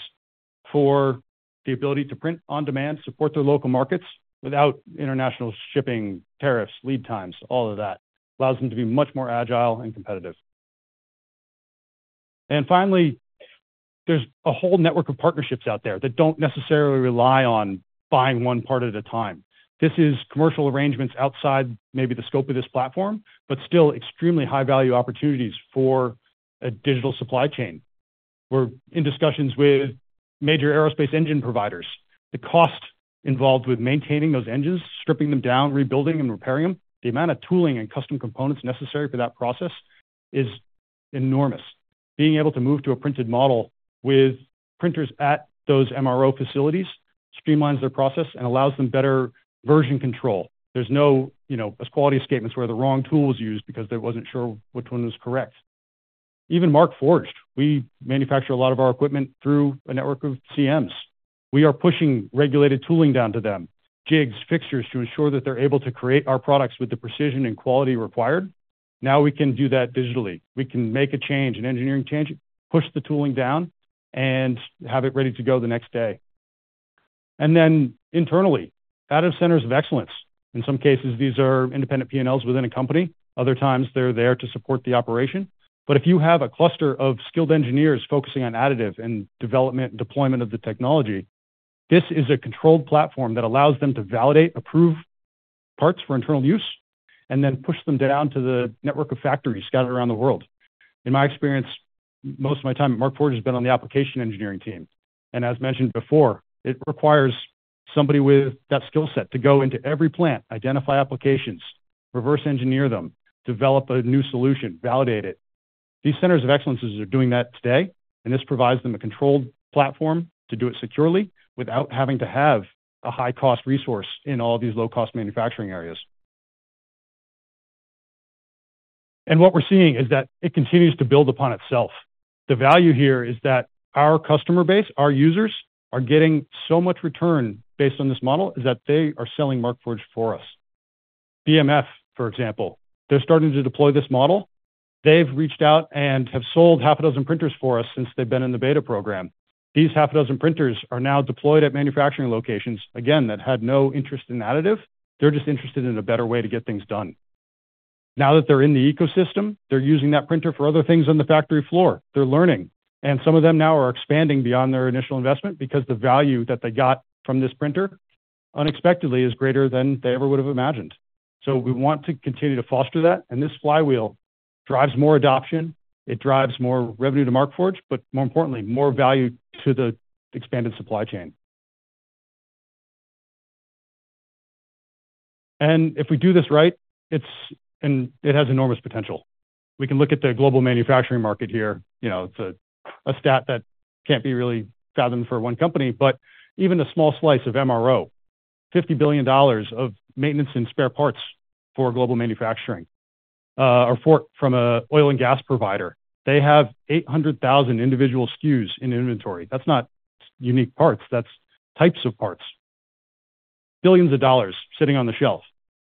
for the ability to print on demand, support their local markets without international shipping, tariffs, lead times, all of that, allows them to be much more agile and competitive. And finally, there's a whole network of partnerships out there that don't necessarily rely on buying one part at a time. This is commercial arrangements outside maybe the scope of this platform, but still extremely high-value opportunities for a digital supply chain. We're in discussions with major aerospace engine providers. The cost involved with maintaining those engines, stripping them down, rebuilding and repairing them, the amount of tooling and custom components necessary for that process is enormous. Being able to move to a printed model with printers at those MRO facilities streamlines their process and allows them better version control. There's no, you know, as quality statements where the wrong tool was used because they wasn't sure which one was correct. Even Markforged, we manufacture a lot of our equipment through a network of CMs. We are pushing regulated tooling down to them, jigs, fixtures, to ensure that they're able to create our products with the precision and quality required. Now we can do that digitally. We can make a change, an engineering change, push the tooling down, and have it ready to go the next day. And then internally, out of centers of excellence. In some cases, these are independent P&Ls within a company. Other times, they're there to support the operation. If you have a cluster of skilled engineers focusing on additive and development, deployment of the technology, this is a controlled platform that allows them to validate, approve parts for internal use, and then push them down to the network of factories scattered around the world. In my experience, most of my time at Markforged has been on the application engineering team, and as mentioned before, it requires somebody with that skill set to go into every plant, identify applications, reverse engineer them, develop a new solution, validate it. These centers of excellences are doing that today, and this provides them a controlled platform to do it securely without having to have a high-cost resource in all of these low-cost manufacturing areas. What we're seeing is that it continues to build upon itself. The value here is that our customer base, our users, are getting so much return based on this model, is that they are selling Markforged for us. BMF, for example, they're starting to deploy this model. They've reached out and have sold 6 printers for us since they've been in the beta program. These 6 printers are now deployed at manufacturing locations, again, that had no interest in additive. They're just interested in a better way to get things done. Now that they're in the ecosystem, they're using that printer for other things on the factory floor. They're learning, and some of them now are expanding beyond their initial investment because the value that they got from this printer unexpectedly is greater than they ever would have imagined. So we want to continue to foster that, and this flywheel drives more adoption, it drives more revenue to Markforged, but more importantly, more value to the expanded supply chain. And if we do this right, it's... And it has enormous potential. We can look at the global manufacturing market here. You know, it's a stat that can't be really fathomed for one company, but even a small slice of MRO, $50 billion of maintenance and spare parts for global manufacturing, or for—from a oil and gas provider. They have 800,000 individual SKUs in inventory. That's not unique parts, that's types of parts. Billions of dollars sitting on the shelf.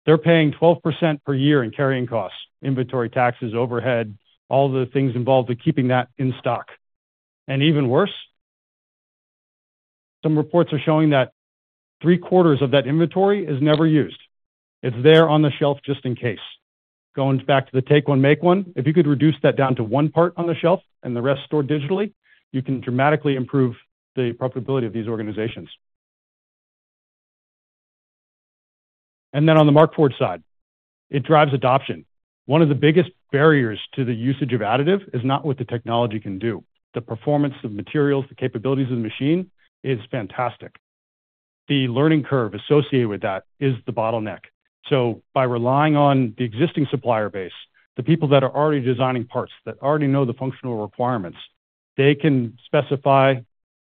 They're paying 12% per year in carrying costs, inventory taxes, overhead, all the things involved with keeping that in stock. And even worse?... Some reports are showing that three quarters of that inventory is never used. It's there on the shelf just in case. Going back to the take one, make one, if you could reduce that down to one part on the shelf and the rest stored digitally, you can dramatically improve the profitability of these organizations. And then on the Markforged side, it drives adoption. One of the biggest barriers to the usage of additive is not what the technology can do. The performance of materials, the capabilities of the machine is fantastic. The learning curve associated with that is the bottleneck. So by relying on the existing supplier base, the people that are already designing parts, that already know the functional requirements, they can specify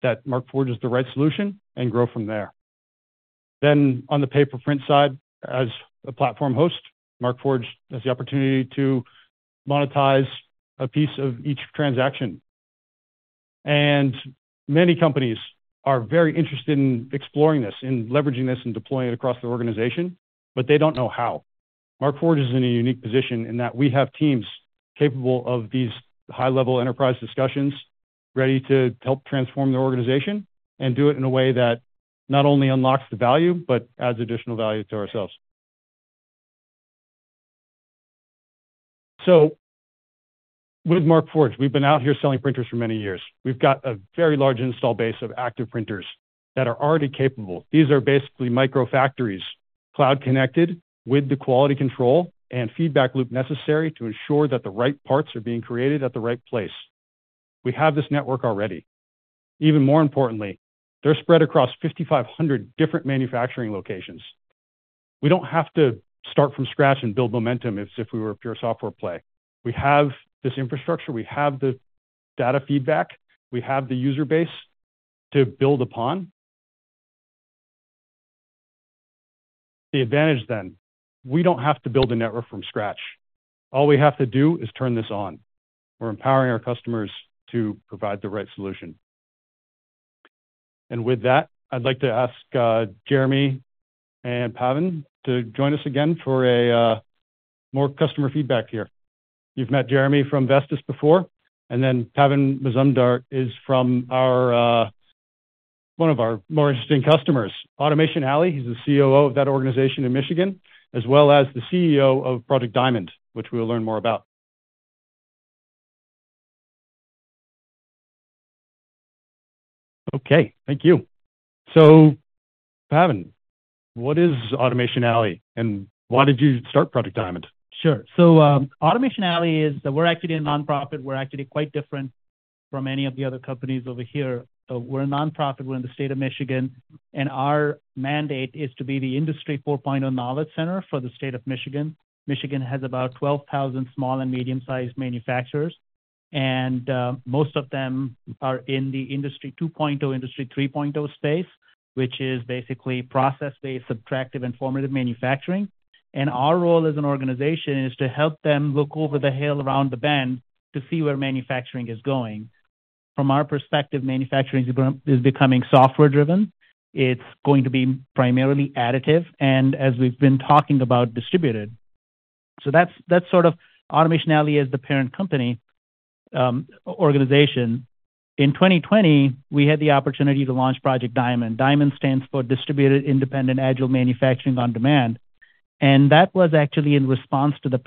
that Markforged is the right solution and grow from there. Then on the pay-per-print side, as a platform host, Markforged has the opportunity to monetize a piece of each transaction. Many companies are very interested in exploring this, in leveraging this and deploying it across their organization, but they don't know how. Markforged is in a unique position in that we have teams capable of these high-level enterprise discussions, ready to help transform their organization and do it in a way that not only unlocks the value, but adds additional value to ourselves. With Markforged, we've been out here selling printers for many years. We've got a very large install base of active printers that are already capable. These are basically micro factories, cloud connected with the quality control and feedback loop necessary to ensure that the right parts are being created at the right place. We have this network already. Even more importantly, they're spread across 5,500 different manufacturing locations. We don't have to start from scratch and build momentum as if we were a pure software play. We have this infrastructure, we have the data feedback, we have the user base to build upon. The advantage then, we don't have to build a network from scratch. All we have to do is turn this on. We're empowering our customers to provide the right solution. And with that, I'd like to ask, Jeremy and Pavan to join us again for a, more customer feedback here. You've met Jeremy from Vestas before, and then Pavan Muzumdar is from our, one of our more interesting customers, Automation Alley. He's the COO of that organization in Michigan, as well as the CEO of Project DIAMOND, which we'll learn more about. Okay. Thank you. So, Pavan, what is Automation Alley, and why did you start Project DIAMOND? Sure. So, Automation Alley is, we're actually a nonprofit. We're actually quite different from any of the other companies over here. So we're a nonprofit, we're in the state of Michigan, and our mandate is to be the Industry 4.0 Knowledge Center for the state of Michigan. Michigan has about 12,000 small and medium-sized manufacturers, and most of them are in the Industry 2.0, Industry 3.0 space, which is basically process-based, subtractive, and formative manufacturing. And our role as an organization is to help them look over the hill, around the bend, to see where manufacturing is going. From our perspective, manufacturing is becoming software-driven. It's going to be primarily additive, and as we've been talking about, distributed. So that's, that's sort of Automation Alley as the parent company, organization. In 2020, we had the opportunity to launch Project DIAMOND. DIAMOND stands for Distributed Independent Agile Manufacturing on Demand, and that was actually in response to the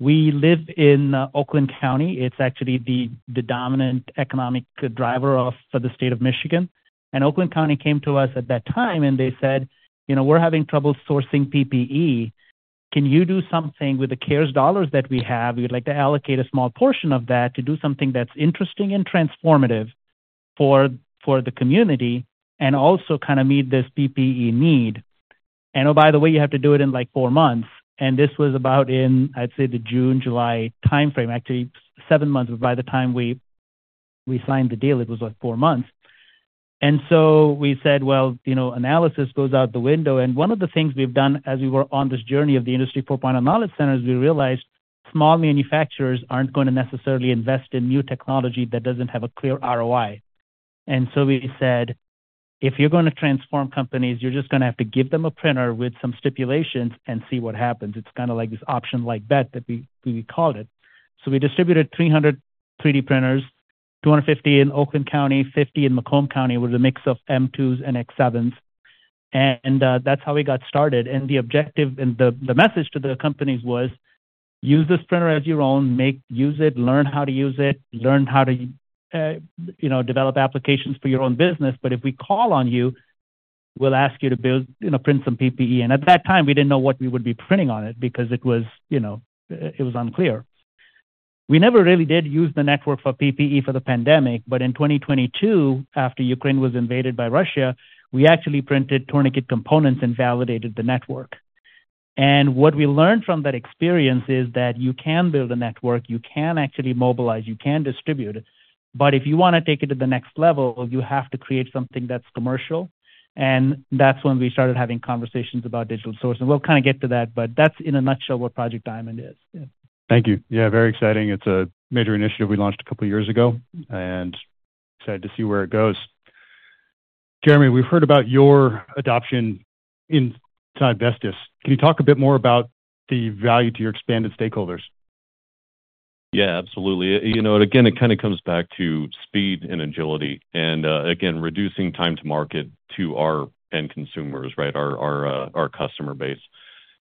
pandemic. We live in Oakland County. It's actually the dominant economic driver of, for the state of Michigan. And Oakland County came to us at that time, and they said, "You know, we're having trouble sourcing PPE. Can you do something with the CARES dollars that we have? We'd like to allocate a small portion of that to do something that's interesting and transformative for the community, and also kind of meet this PPE need. And oh, by the way, you have to do it in, like, 4 months." And this was about in, I'd say, the June, July timeframe. Actually, 7 months, but by the time we signed the deal, it was, like, 4 months. And so we said, "Well, you know, analysis goes out the window." And one of the things we've done as we were on this journey of the Industry 4.0 Knowledge Center, is we realized small manufacturers aren't going to necessarily invest in new technology that doesn't have a clear ROI. And so we said, "If you're going to transform companies, you're just going to have to give them a printer with some stipulations and see what happens." It's kind of like this option-like bet that we, we called it. So we distributed 300 3D printers, 250 in Oakland County, 50 in Macomb County, with a mix of M2s and X7s, and that's how we got started. And the objective and the, the message to the companies was, "Use this printer as your own. Make... Use it, learn how to use it, learn how to, you know, develop applications for your own business. But if we call on you, we'll ask you to build, you know, print some PPE." And at that time, we didn't know what we would be printing on it because it was, you know, it was unclear. We never really did use the network for PPE for the pandemic, but in 2022, after Ukraine was invaded by Russia, we actually printed tourniquet components and validated the network. What we learned from that experience is that you can build a network, you can actually mobilize, you can distribute, but if you want to take it to the next level, you have to create something that's commercial, and that's when we started having conversations about Digital Source, and we'll kind of get to that, but that's in a nutshell what Project DIAMOND is. Yeah. Thank you. Yeah, very exciting. It's a major initiative we launched a couple of years ago, and excited to see where it goes. Jeremy, we've heard about your adoption inside Vestas. Can you talk a bit more about the value to your expanded stakeholders? ... Yeah, absolutely. You know, and again, it kind of comes back to speed and agility and, again, reducing time to market to our end consumers, right? Our, our, our customer base.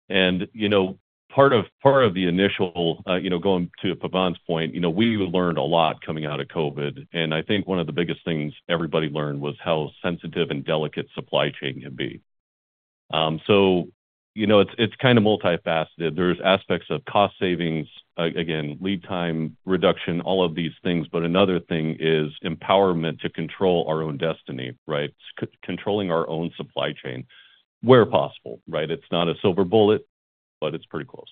And, you know, part of, part of the initial, you know, going to Pavan's point, you know, we learned a lot coming out of COVID, and I think one of the biggest things everybody learned was how sensitive and delicate supply chain can be. So, you know, it's, it's kind of multifaceted. There's aspects of cost savings, again, lead time reduction, all of these things, but another thing is empowerment to control our own destiny, right? Controlling our own supply chain where possible, right? It's not a silver bullet, but it's pretty close.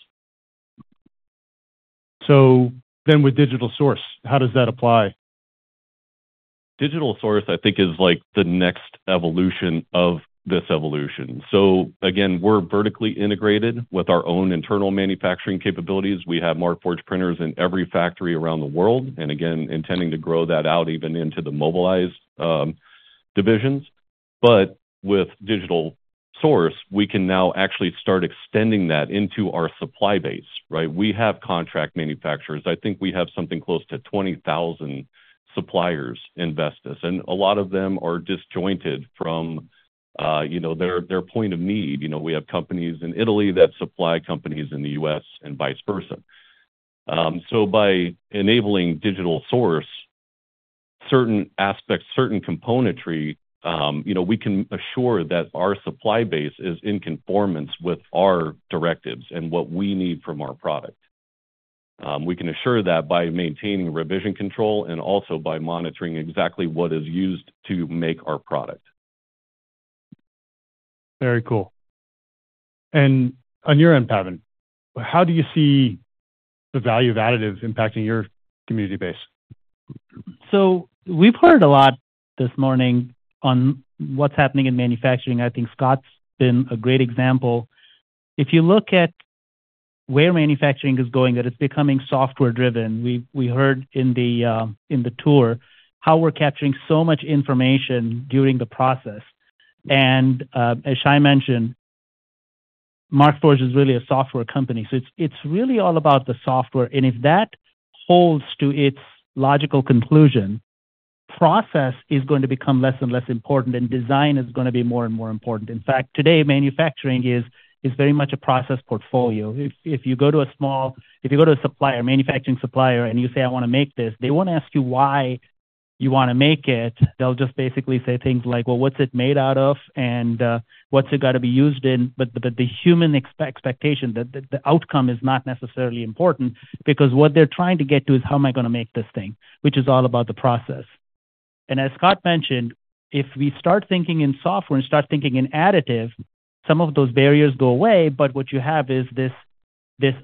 So then, with Digital Source, how does that apply? Digital Source, I think, is like the next evolution of this evolution. So again, we're vertically integrated with our own internal manufacturing capabilities. We have Markforged printers in every factory around the world, and again, intending to grow that out even into the mobilized, divisions. But with Digital Source, we can now actually start extending that into our supply base, right? We have contract manufacturers. I think we have something close to 20,000 suppliers in Vestas, and a lot of them are disjointed from, you know, their, their point of need. You know, we have companies in Italy that supply companies in the U.S. and vice versa. So by enabling Digital Source, certain aspects, certain componentry, you know, we can assure that our supply base is in conformance with our directives and what we need from our product. We can assure that by maintaining revision control and also by monitoring exactly what is used to make our product. Very cool. And on your end, Pavan, how do you see the value of additive impacting your community base? We've heard a lot this morning on what's happening in manufacturing. I think Scott's been a great example. If you look at where manufacturing is going, that it's becoming software driven. We heard in the tour how we're capturing so much information during the process. As I mentioned, Markforged is really a software company, so it's really all about the software, and if that holds to its logical conclusion, process is going to become less and less important, and design is gonna be more and more important. In fact, today, manufacturing is very much a process portfolio. If you go to a small... If you go to a supplier, manufacturing supplier, and you say, "I want to make this," they won't ask you why you want to make it, they'll just basically say things like, "Well, what's it made out of, and what's it gonna be used in?" But the human expectation that the outcome is not necessarily important, because what they're trying to get to is, "How am I gonna make this thing?" Which is all about the process. And as Scott mentioned, if we start thinking in software and start thinking in additive, some of those barriers go away, but what you have is this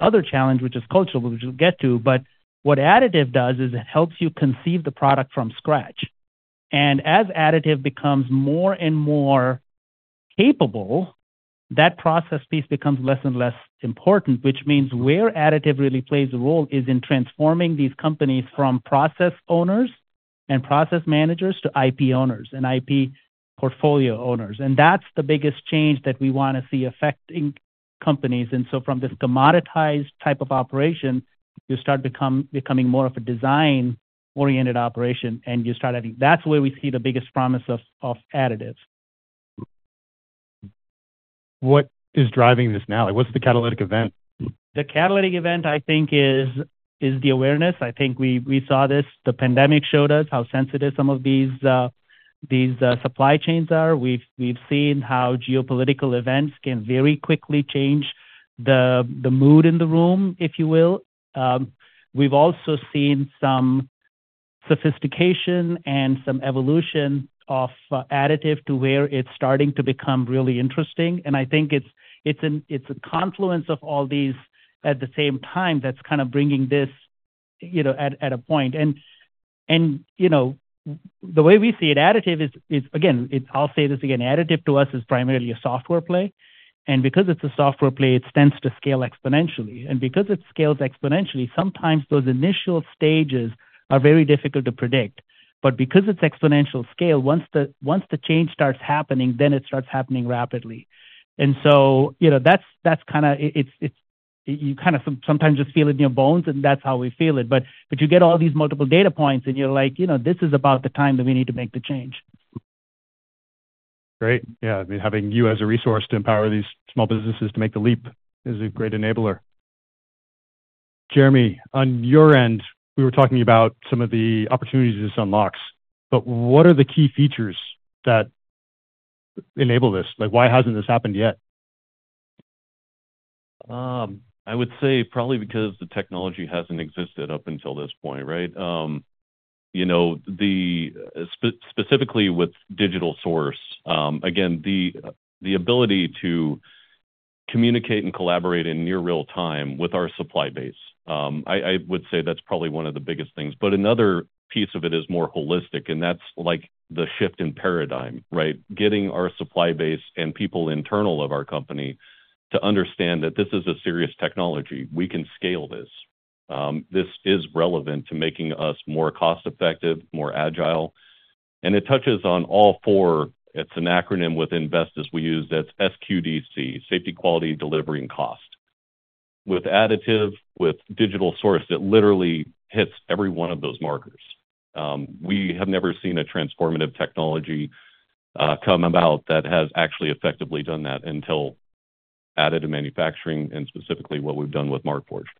other challenge, which is cultural, which we'll get to, but what additive does is it helps you conceive the product from scratch. As additive becomes more and more capable, that process piece becomes less and less important, which means where additive really plays a role is in transforming these companies from process owners and process managers to IP owners and IP portfolio owners. That's the biggest change that we want to see affecting companies. So from this commoditized type of operation, you start becoming more of a design-oriented operation, and you start adding... That's where we see the biggest promise of additive. What is driving this now? Like, what's the catalytic event? The catalytic event, I think, is the awareness. I think we saw this. The pandemic showed us how sensitive some of these, these supply chains are. We've seen how geopolitical events can very quickly change the mood in the room, if you will. We've also seen some sophistication and some evolution of additive to where it's starting to become really interesting, and I think it's a confluence of all these at the same time that's kind of bringing this, you know, at a point. You know, the way we see it, additive is, again, it's... I'll say this again, additive to us is primarily a software play, and because it's a software play, it tends to scale exponentially. And because it scales exponentially, sometimes those initial stages are very difficult to predict. But because it's exponential scale, once the change starts happening, then it starts happening rapidly. And so, you know, that's kinda... it's, you kind of sometimes just feel it in your bones, and that's how we feel it. But you get all these multiple data points, and you're like, "You know, this is about the time that we need to make the change. Great. Yeah, I mean, having you as a resource to empower these small businesses to make the leap is a great enabler. Jeremy, on your end, we were talking about some of the opportunities this unlocks, but what are the key features that enable this? Like, why hasn't this happened yet? I would say probably because the technology hasn't existed up until this point, right? You know, specifically with Digital Source, again, the ability to communicate and collaborate in near real time with our supply base. I would say that's probably one of the biggest things, but another piece of it is more holistic, and that's like the shift in paradigm, right? Getting our supply base and people internal of our company to understand that this is a serious technology. We can scale this. This is relevant to making us more cost-effective, more agile... and it touches on all four. It's an acronym within Vestas we use, that's SQDC, safety, quality, delivery, and cost. With additive, with Digital Source, it literally hits every one of those markers. We have never seen a transformative technology come about that has actually effectively done that until additive manufacturing, and specifically what we've done with Markforged.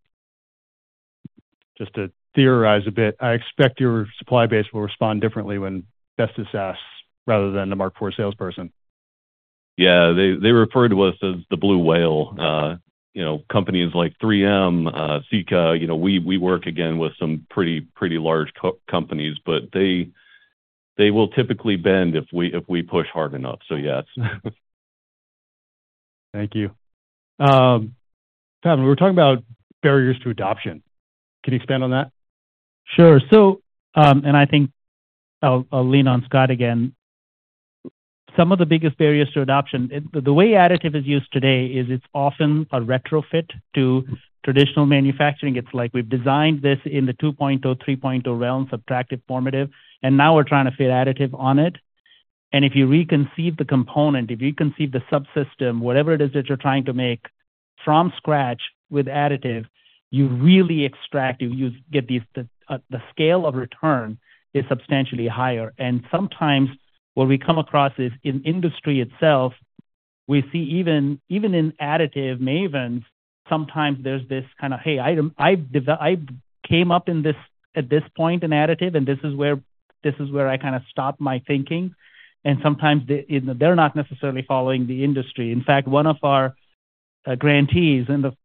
Just to theorize a bit, I expect your supply base will respond differently when Vestas asks, rather than the Markforged salesperson. Yeah, they refer to us as the blue whale. You know, companies like 3M, Sika, you know, we work again with some pretty large companies, but they will typically bend if we push hard enough. So, yes. Thank you. Pavan, we were talking about barriers to adoption. Can you expand on that? Sure. So, and I think I'll lean on Scott again. Some of the biggest barriers to adoption, the way additive is used today is it's often a retrofit to traditional manufacturing. It's like we've designed this in the 2.0, 3.0 realm, subtractive, formative, and now we're trying to fit additive on it. And if you reconceive the component, if you conceive the subsystem, whatever it is that you're trying to make from scratch with additive, you really extract it. You get these, the scale of return is substantially higher, and sometimes what we come across is in industry itself, we see even, even in additive mavens, sometimes there's this kind of, "Hey, I, I dev- I came up in this at this point in additive, and this is where, this is where I kind of stopped my thinking." Sometimes they, you know, they're not necessarily following the industry. In fact, one of our grantees in the,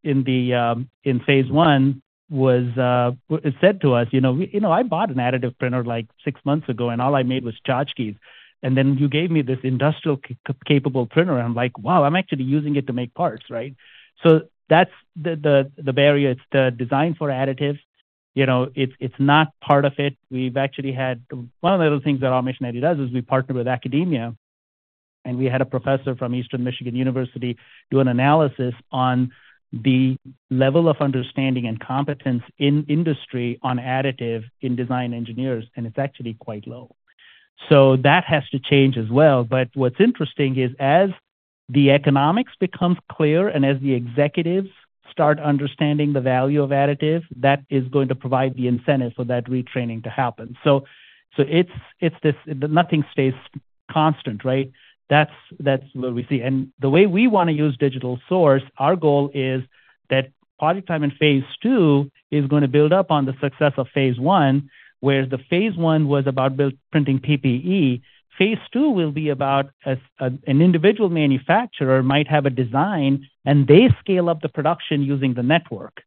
in phase one was, said to us, "You know, you know, I bought an additive printer like 6 months ago, and all I made was tchotchkes, and then you gave me this industrial capable printer, and I'm like, 'Wow, I'm actually using it to make parts,' right?" That's the barrier. It's the design for additive, you know, it's, it's not part of it. We've actually had... One of the other things that our mission actually does is we partner with academia, and we had a professor from Eastern Michigan University do an analysis on the level of understanding and competence in industry on additive in design engineers, and it's actually quite low. So that has to change as well. But what's interesting is as the economics becomes clear and as the executives start understanding the value of additive, that is going to provide the incentive for that retraining to happen. So, so it's, it's this, nothing stays constant, right? That's, that's what we see. The way we want to use Digital Source, our goal is that Project DIAMOND Phase Two is going to build up on the success of Phase One, where Phase One was about building printing PPE. Phase Two will be about an individual manufacturer might have a design, and they scale up the production using the network,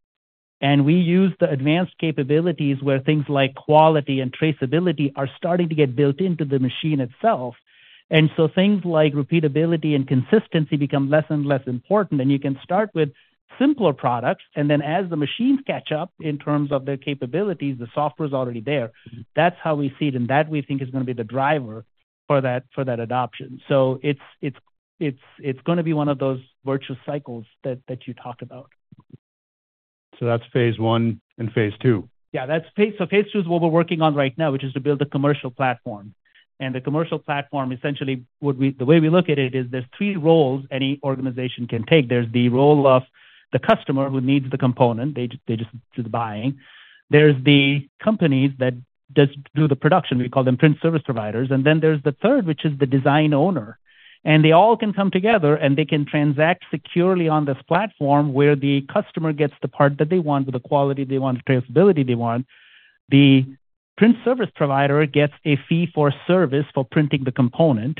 and we use the advanced capabilities where things like quality and traceability are starting to get built into the machine itself. And so things like repeatability and consistency become less and less important, and you can start with simpler products, and then as the machines catch up in terms of their capabilities, the software's already there. That's how we see it, and that we think is going to be the driver for that, for that adoption. So it's gonna be one of those virtual cycles that you talk about. That's phase one and phase two? So phase two is what we're working on right now, which is to build a commercial platform. And the commercial platform, essentially, the way we look at it is there's three roles any organization can take. There's the role of the customer who needs the component, they just do the buying; there's the company that does the production, we call them print service providers; and then there's the third, which is the design owner. And they all can come together, and they can transact securely on this platform, where the customer gets the part that they want with the quality they want, traceability they want. The print service provider gets a fee for service for printing the component,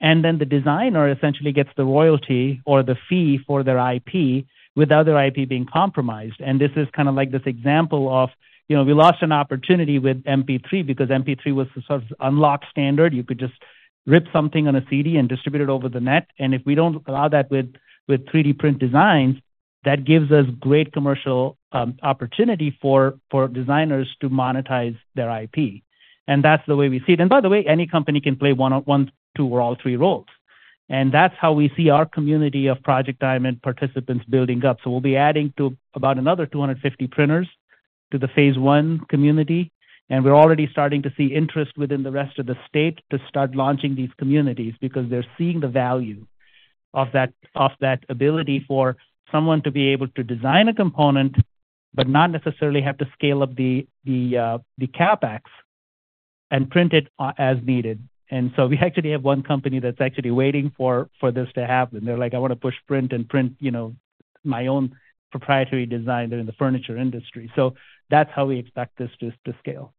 and then the designer essentially gets the royalty or the fee for their IP, without their IP being compromised. This is kind of like this example of, you know, we lost an opportunity with MP3 because MP3 was the sort of unlocked standard. You could just rip something on a CD and distribute it over the net, and if we don't allow that with 3D print designs, that gives us great commercial opportunity for designers to monetize their IP. And that's the way we see it. And by the way, any company can play one, one, two, or all three roles. And that's how we see our community of Project DIAMOND participants building up. We'll be adding about another 250 printers to the phase one community, and we're already starting to see interest within the rest of the state to start launching these communities because they're seeing the value of that, of that ability for someone to be able to design a component, but not necessarily have to scale up the CapEx and print it as needed. We actually have one company that's actually waiting for this to happen. They're like, "I wanna push print and print, you know, my own proprietary design." They're in the furniture industry. That's how we expect this to scale.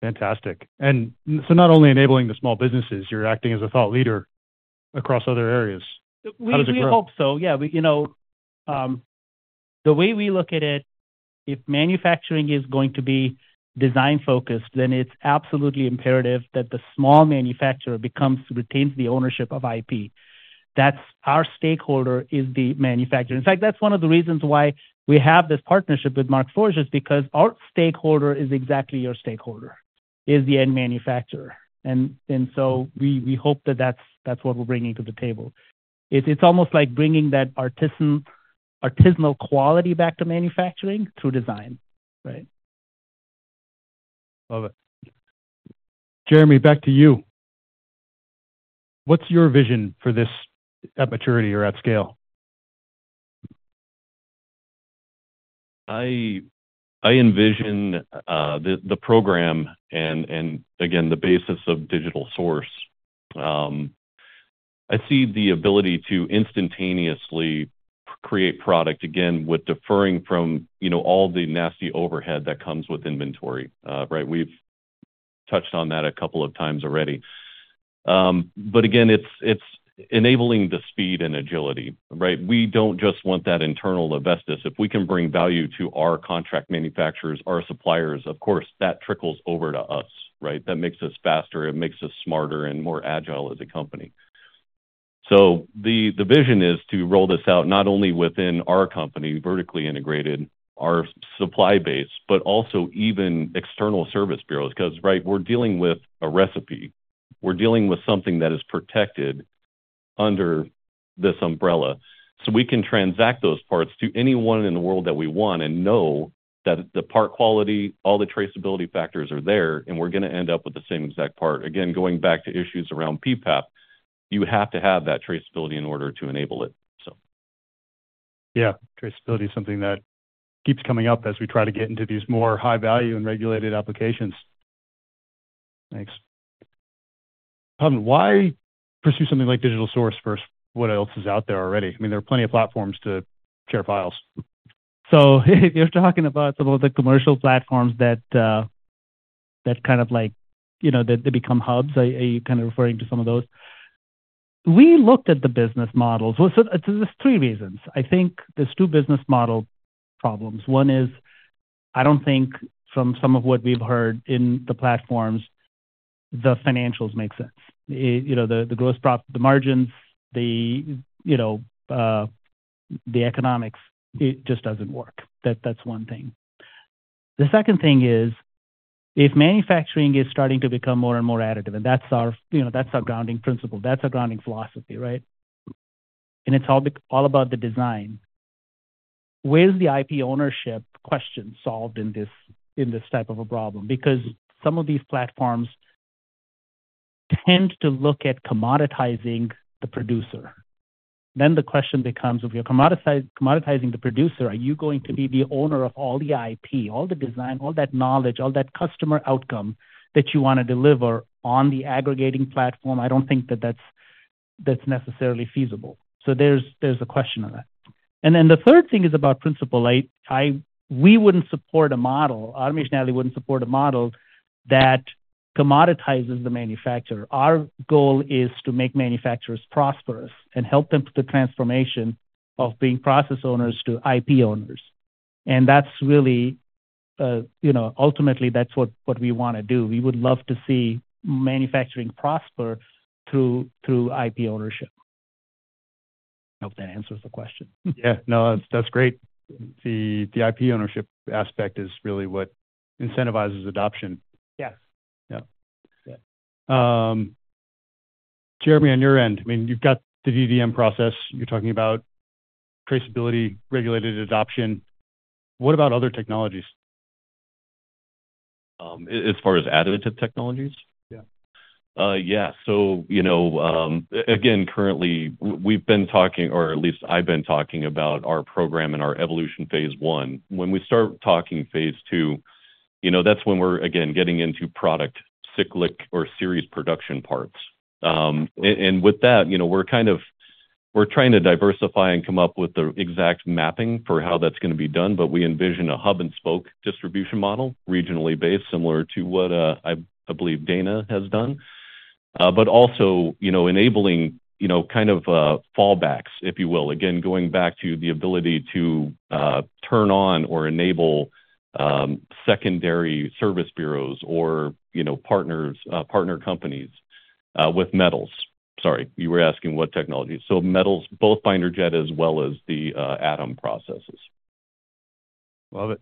Fantastic. And so not only enabling the small businesses, you're acting as a thought leader across other areas as it grows. We hope so. Yeah, you know, the way we look at it, if manufacturing is going to be design-focused, then it's absolutely imperative that the small manufacturer becomes, retains the ownership of IP. That's our stakeholder is the manufacturer. In fact, that's one of the reasons why we have this partnership with Markforged, is because our stakeholder is exactly your stakeholder, is the end manufacturer. And so we hope that that's what we're bringing to the table. It's almost like bringing that artisanal quality back to manufacturing through design, right? Love it. Jeremy, back to you. What's your vision for this at maturity or at scale? I envision the program and again, the basis of Digital Source. I see the ability to instantaneously create product again with deferring from, you know, all the nasty overhead that comes with inventory. Right, we've touched on that a couple of times already. But again, it's enabling the speed and agility, right? We don't just want that internal to Vestas. If we can bring value to our contract manufacturers, our suppliers, of course, that trickles over to us, right? That makes us faster, it makes us smarter and more agile as a company. So the vision is to roll this out not only within our company, vertically integrated, our supply base, but also even external service bureaus. Because, right, we're dealing with a recipe. We're dealing with something that is protected under this umbrella. We can transact those parts to anyone in the world that we want and know that the part quality, all the traceability factors are there, and we're gonna end up with the same exact part. Again, going back to issues around PPAP, you have to have that traceability in order to enable it, so. Yeah, traceability is something that keeps coming up as we try to get into these more high-value and regulated applications. Thanks. Why pursue something like Digital Source versus what else is out there already? I mean, there are plenty of platforms to share files. So if you're talking about some of the commercial platforms that, that kind of like, you know, that they become hubs, are, are you kind of referring to some of those? We looked at the business models. Well, so there's three reasons. I think there's two business model problems. One is, I don't think from some of what we've heard in the platforms, the financials make sense. You know, the, the gross profit, the margins, the, you know, the economics, it just doesn't work. That's one thing. The second thing is, if manufacturing is starting to become more and more additive, and that's our, you know, that's our grounding principle, that's our grounding philosophy, right? And it's all about the design, where is the IP ownership question solved in this, in this type of a problem? Because some of these platforms tend to look at commoditizing the producer. Then the question becomes, if you're commoditizing the producer, are you going to be the owner of all the IP, all the design, all that knowledge, all that customer outcome that you want to deliver on the aggregating platform? I don't think that's necessarily feasible. So there's a question on that. And then the third thing is about principle. I... We wouldn't support a model, Automation Alley wouldn't support a model that commoditizes the manufacturer. Our goal is to make manufacturers prosperous and help them with the transformation of being process owners to IP owners, and that's really, you know, ultimately, that's what we wanna do. We would love to see manufacturing prosper through IP ownership. I hope that answers the question. Yeah. No, that's great. The IP ownership aspect is really what incentivizes adoption. Yes. Yeah. Yeah. Jeremy, on your end, I mean, you've got the DDM process, you're talking about traceability, regulated adoption. What about other technologies? As far as additive technologies? Yeah. Yeah, so, you know, again, currently we've been talking, or at least I've been talking about our program and our evolution phase one. When we start talking phase two, you know, that's when we're, again, getting into product, cyclic or series production parts. And with that, you know, we're kind of trying to diversify and come up with the exact mapping for how that's gonna be done, but we envision a hub-and-spoke distribution model, regionally based, similar to what I believe Dana has done. But also, you know, enabling, you know, kind of fallbacks, if you will. Again, going back to the ability to turn on or enable secondary service bureaus or, you know, partners, partner companies with metals. Sorry, you were asking what technologies. So metals, both binder jet as well as the atom processes. Love it.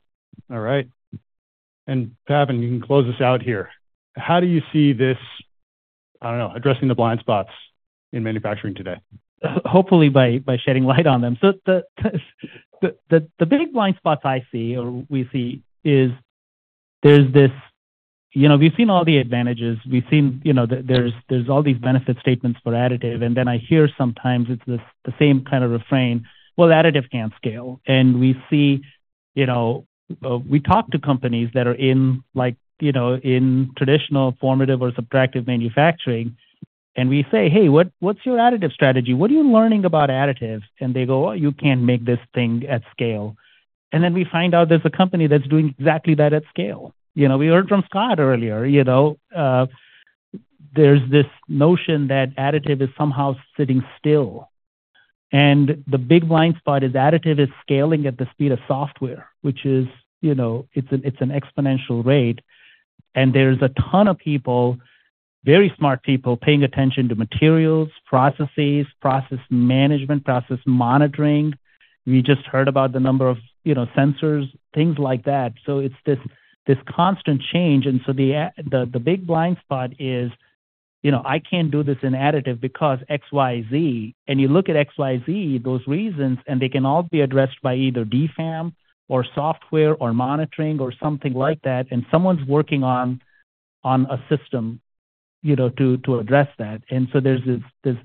All right. Pavan, you can close us out here. How do you see this, I don't know, addressing the blind spots in manufacturing today? Hopefully by shedding light on them. The big blind spots I see or we see is there's this... You know, we've seen all the advantages, we've seen, you know, there's all these benefit statements for additive, and then I hear sometimes it's the same kind of refrain, "Well, additive can't scale." We see, you know, we talk to companies that are in, like, you know, in traditional formative or subtractive manufacturing, and we say, "Hey, what's your additive strategy? What are you learning about additives?" They go, "You can't make this thing at scale." Then we find out there's a company that's doing exactly that at scale. You know, we heard from Scott earlier, you know, there's this notion that additive is somehow sitting still. The big blind spot is additive is scaling at the speed of software, which is, you know, it's an exponential rate, and there's a ton of people, very smart people, paying attention to materials, processes, process management, process monitoring. We just heard about the number of, you know, sensors, things like that. So it's this, this constant change, and so the, the big blind spot is. You know, I can't do this in additive because XYZ, and you look at XYZ, those reasons, and they can all be addressed by either DFAM or software or monitoring or something like that, and someone's working on a system, you know, to address that. And so there's this,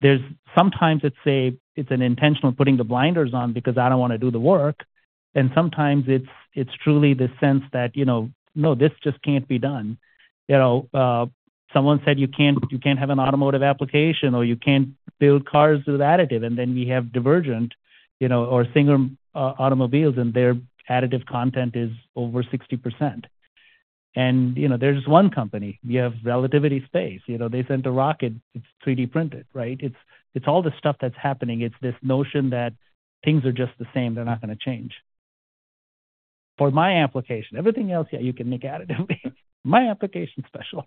there's sometimes it's an intentional putting the blinders on because I don't want to do the work, and sometimes it's truly the sense that, you know, no, this just can't be done. You know, someone said, "You can't, you can't have an automotive application, or you can't build cars with additive," and then we have Divergent, you know, or Singer automobiles, and their additive content is over 60%. And, you know, they're just one company. You have Relativity Space, you know, they sent a rocket, it's 3D printed, right? It's all the stuff that's happening. It's this notion that things are just the same, they're not going to change. For my application, everything else, yeah, you can make additive. My application's special.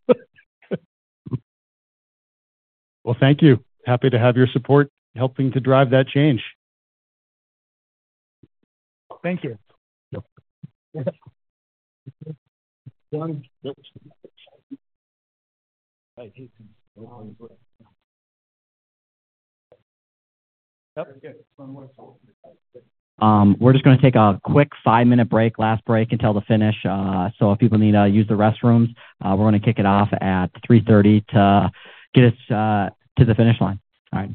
Well, thank you. Happy to have your support, helping to drive that change. Thank you. Yep. We're just gonna take a quick five-minute break, last break until the finish. So if people need to use the restrooms, we're gonna kick it off at 3:30 P.M. to get us to the finish line. All right. ...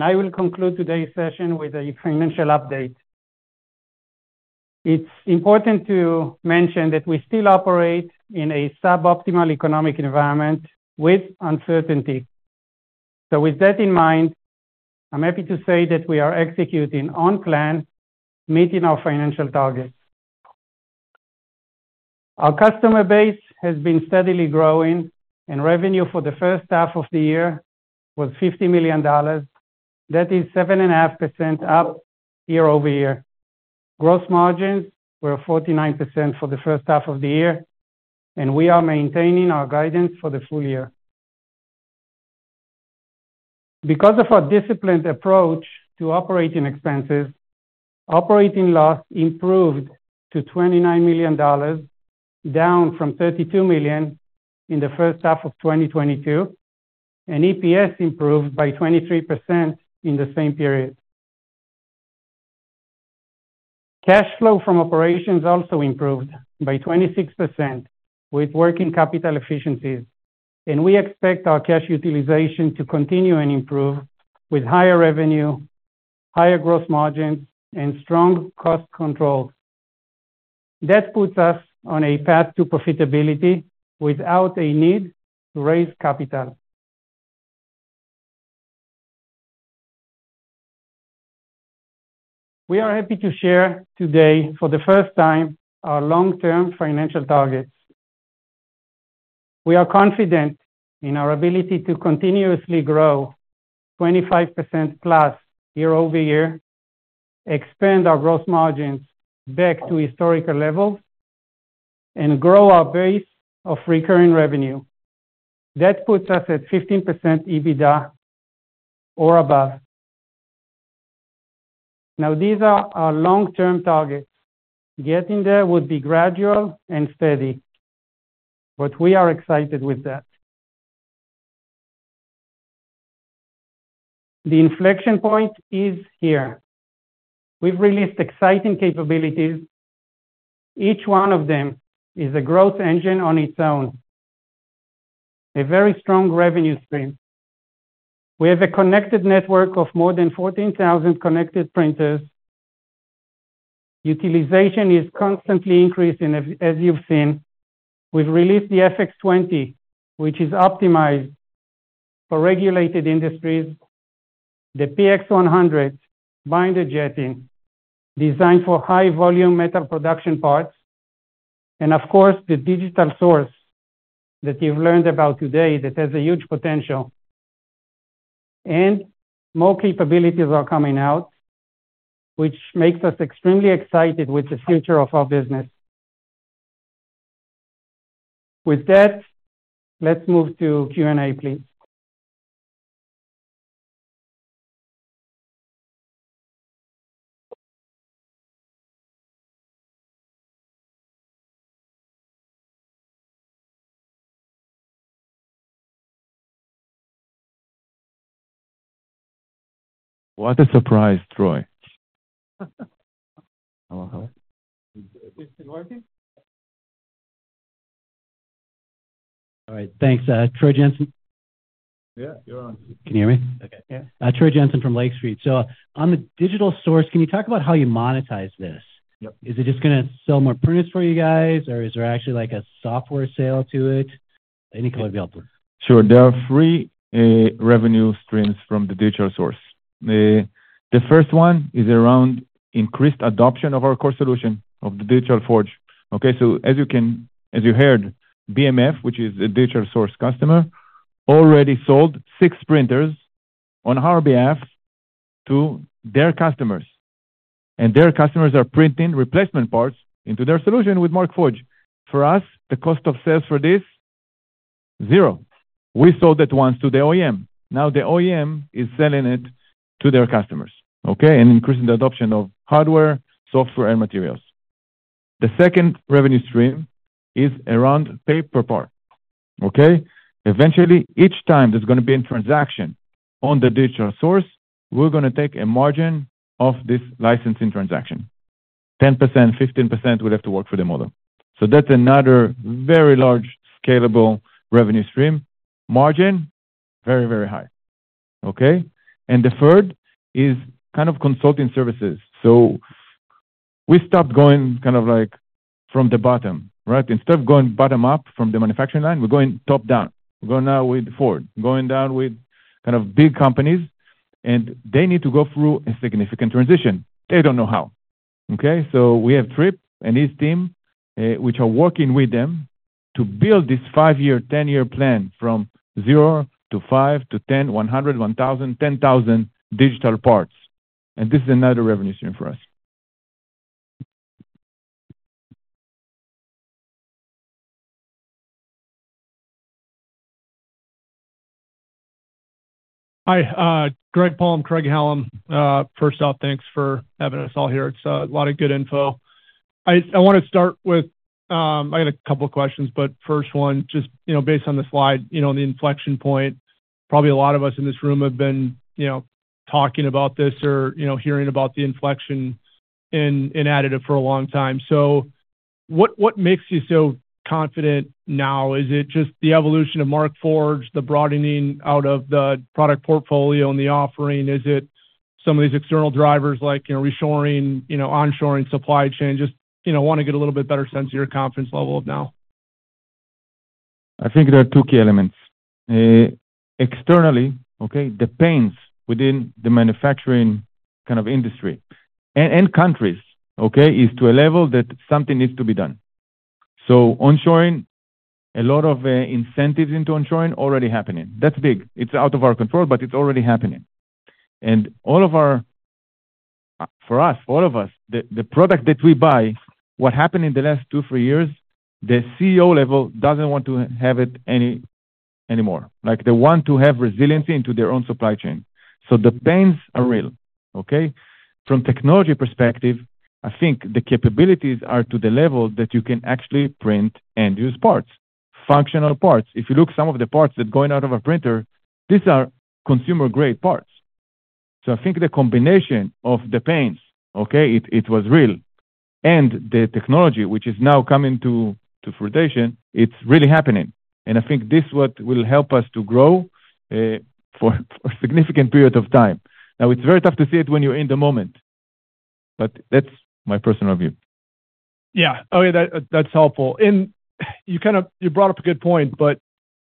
I will conclude today's session with a financial update. It's important to mention that we still operate in a suboptimal economic environment with uncertainty. So with that in mind, I'm happy to say that we are executing on plan, meeting our financial targets. Our customer base has been steadily growing, and revenue for the first half of the year was $50 million. That is 7.5% up year-over-year. Gross margins were 49% for the first half of the year, and we are maintaining our guidance for the full year. Because of our disciplined approach to operating expenses, operating loss improved to $29 million, down from $32 million in the first half of 2022, and EPS improved by 23% in the same period. Cash flow from operations also improved by 26% with working capital efficiencies, and we expect our cash utilization to continue and improve with higher revenue, higher gross margins, and strong cost control. That puts us on a path to profitability without a need to raise capital. We are happy to share today, for the first time, our long-term financial targets. We are confident in our ability to continuously grow 25%+ year-over-year, expand our gross margins back to historical levels, and grow our base of recurring revenue. That puts us at 15% EBITDA or above. Now, these are our long-term targets. Getting there would be gradual and steady, but we are excited with that. The inflection point is here. We've released exciting capabilities. Each one of them is a growth engine on its own, a very strong revenue stream. We have a connected network of more than 14,000 connected printers. Utilization is constantly increasing, as you've seen. We've released the FX20, which is optimized for regulated industries. The PX100 binder jetting, designed for high-volume metal production parts, and of course, the Digital Source that you've learned about today, that has a huge potential. And more capabilities are coming out, which makes us extremely excited with the future of our business. With that, let's move to Q&A, please. What a surprise, Troy. Hello, hello. Is it working? All right. Thanks, Troy Jensen. Yeah, you're on. Can you hear me? Okay. Yeah. Troy Jensen from Lake Street. So on the Digital Source, can you talk about how you monetize this? Yep. Is it just gonna sell more printers for you guys, or is there actually, like, a software sale to it?... Any kind of the output? Sure. There are 3 revenue streams from the Digital Source. The first one is around increased adoption of our core solution, of the Digital Forge. Okay? So as you heard, BMF, which is a Digital Source customer, already sold 6 printers on our behalf to their customers, and their customers are printing replacement parts into their solution with Markforged. For us, the cost of sales for this, 0. We sold it once to the OEM. Now the OEM is selling it to their customers, okay? And increasing the adoption of hardware, software, and materials. The second revenue stream is around pay per part, okay? Eventually, each time there's gonna be a transaction on the Digital Source, we're gonna take a margin of this licensing transaction. 10%, 15%, would have to work for the model. So that's another very large scalable revenue stream. Margin, very, very high. Okay? And the third is kind of consulting services. So we stopped going kind of like from the bottom, right? Instead of going bottom up from the manufacturing line, we're going top-down. We're going now with Ford, going down with kind of big companies, and they need to go through a significant transition. They don't know how. Okay? So we have Trip and his team, which are working with them to build this 5-year, 10-year plan from 0 to 5 to 10, 100, 1,000, 10,000 digital parts. And this is another revenue stream for us. Hi, Greg Palm, Craig Hallum. First off, thanks for having us all here. It's a lot of good info. I wanted to start with, I had a couple of questions, but first one, just, you know, based on the slide, you know, the inflection point, probably a lot of us in this room have been, you know, talking about this or, you know, hearing about the inflection in, in additive for a long time. What makes you so confident now? Is it just the evolution of Markforged, the broadening out of the product portfolio and the offering? Is it some of these external drivers like, you know, reshoring, you know, onshoring, supply chain? Just, you know, want to get a little bit better sense of your confidence level now. I think there are two key elements. Externally, the pains within the manufacturing kind of industry and countries is to a level that something needs to be done. Onshoring, a lot of incentives into onshoring already happening. That's big. It's out of our control, but it's already happening. For us, all of us, the product that we buy, what happened in the last 2, 3 years, the CEO level doesn't want to have it any- anymore. Like, they want to have resiliency into their own supply chain. The pains are real. From technology perspective, I think the capabilities are to the level that you can actually print and use parts, functional parts. If you look some of the parts that are going out of a printer, these are consumer-grade parts. I think the combination of the pains, okay, it, it was real, and the technology which is now coming to, to fruition, it's really happening. I think this what will help us to grow for a significant period of time. Now, it's very tough to see it when you're in the moment, but that's my personal view. Yeah. Okay, that's helpful. And you kind of... You brought up a good point, but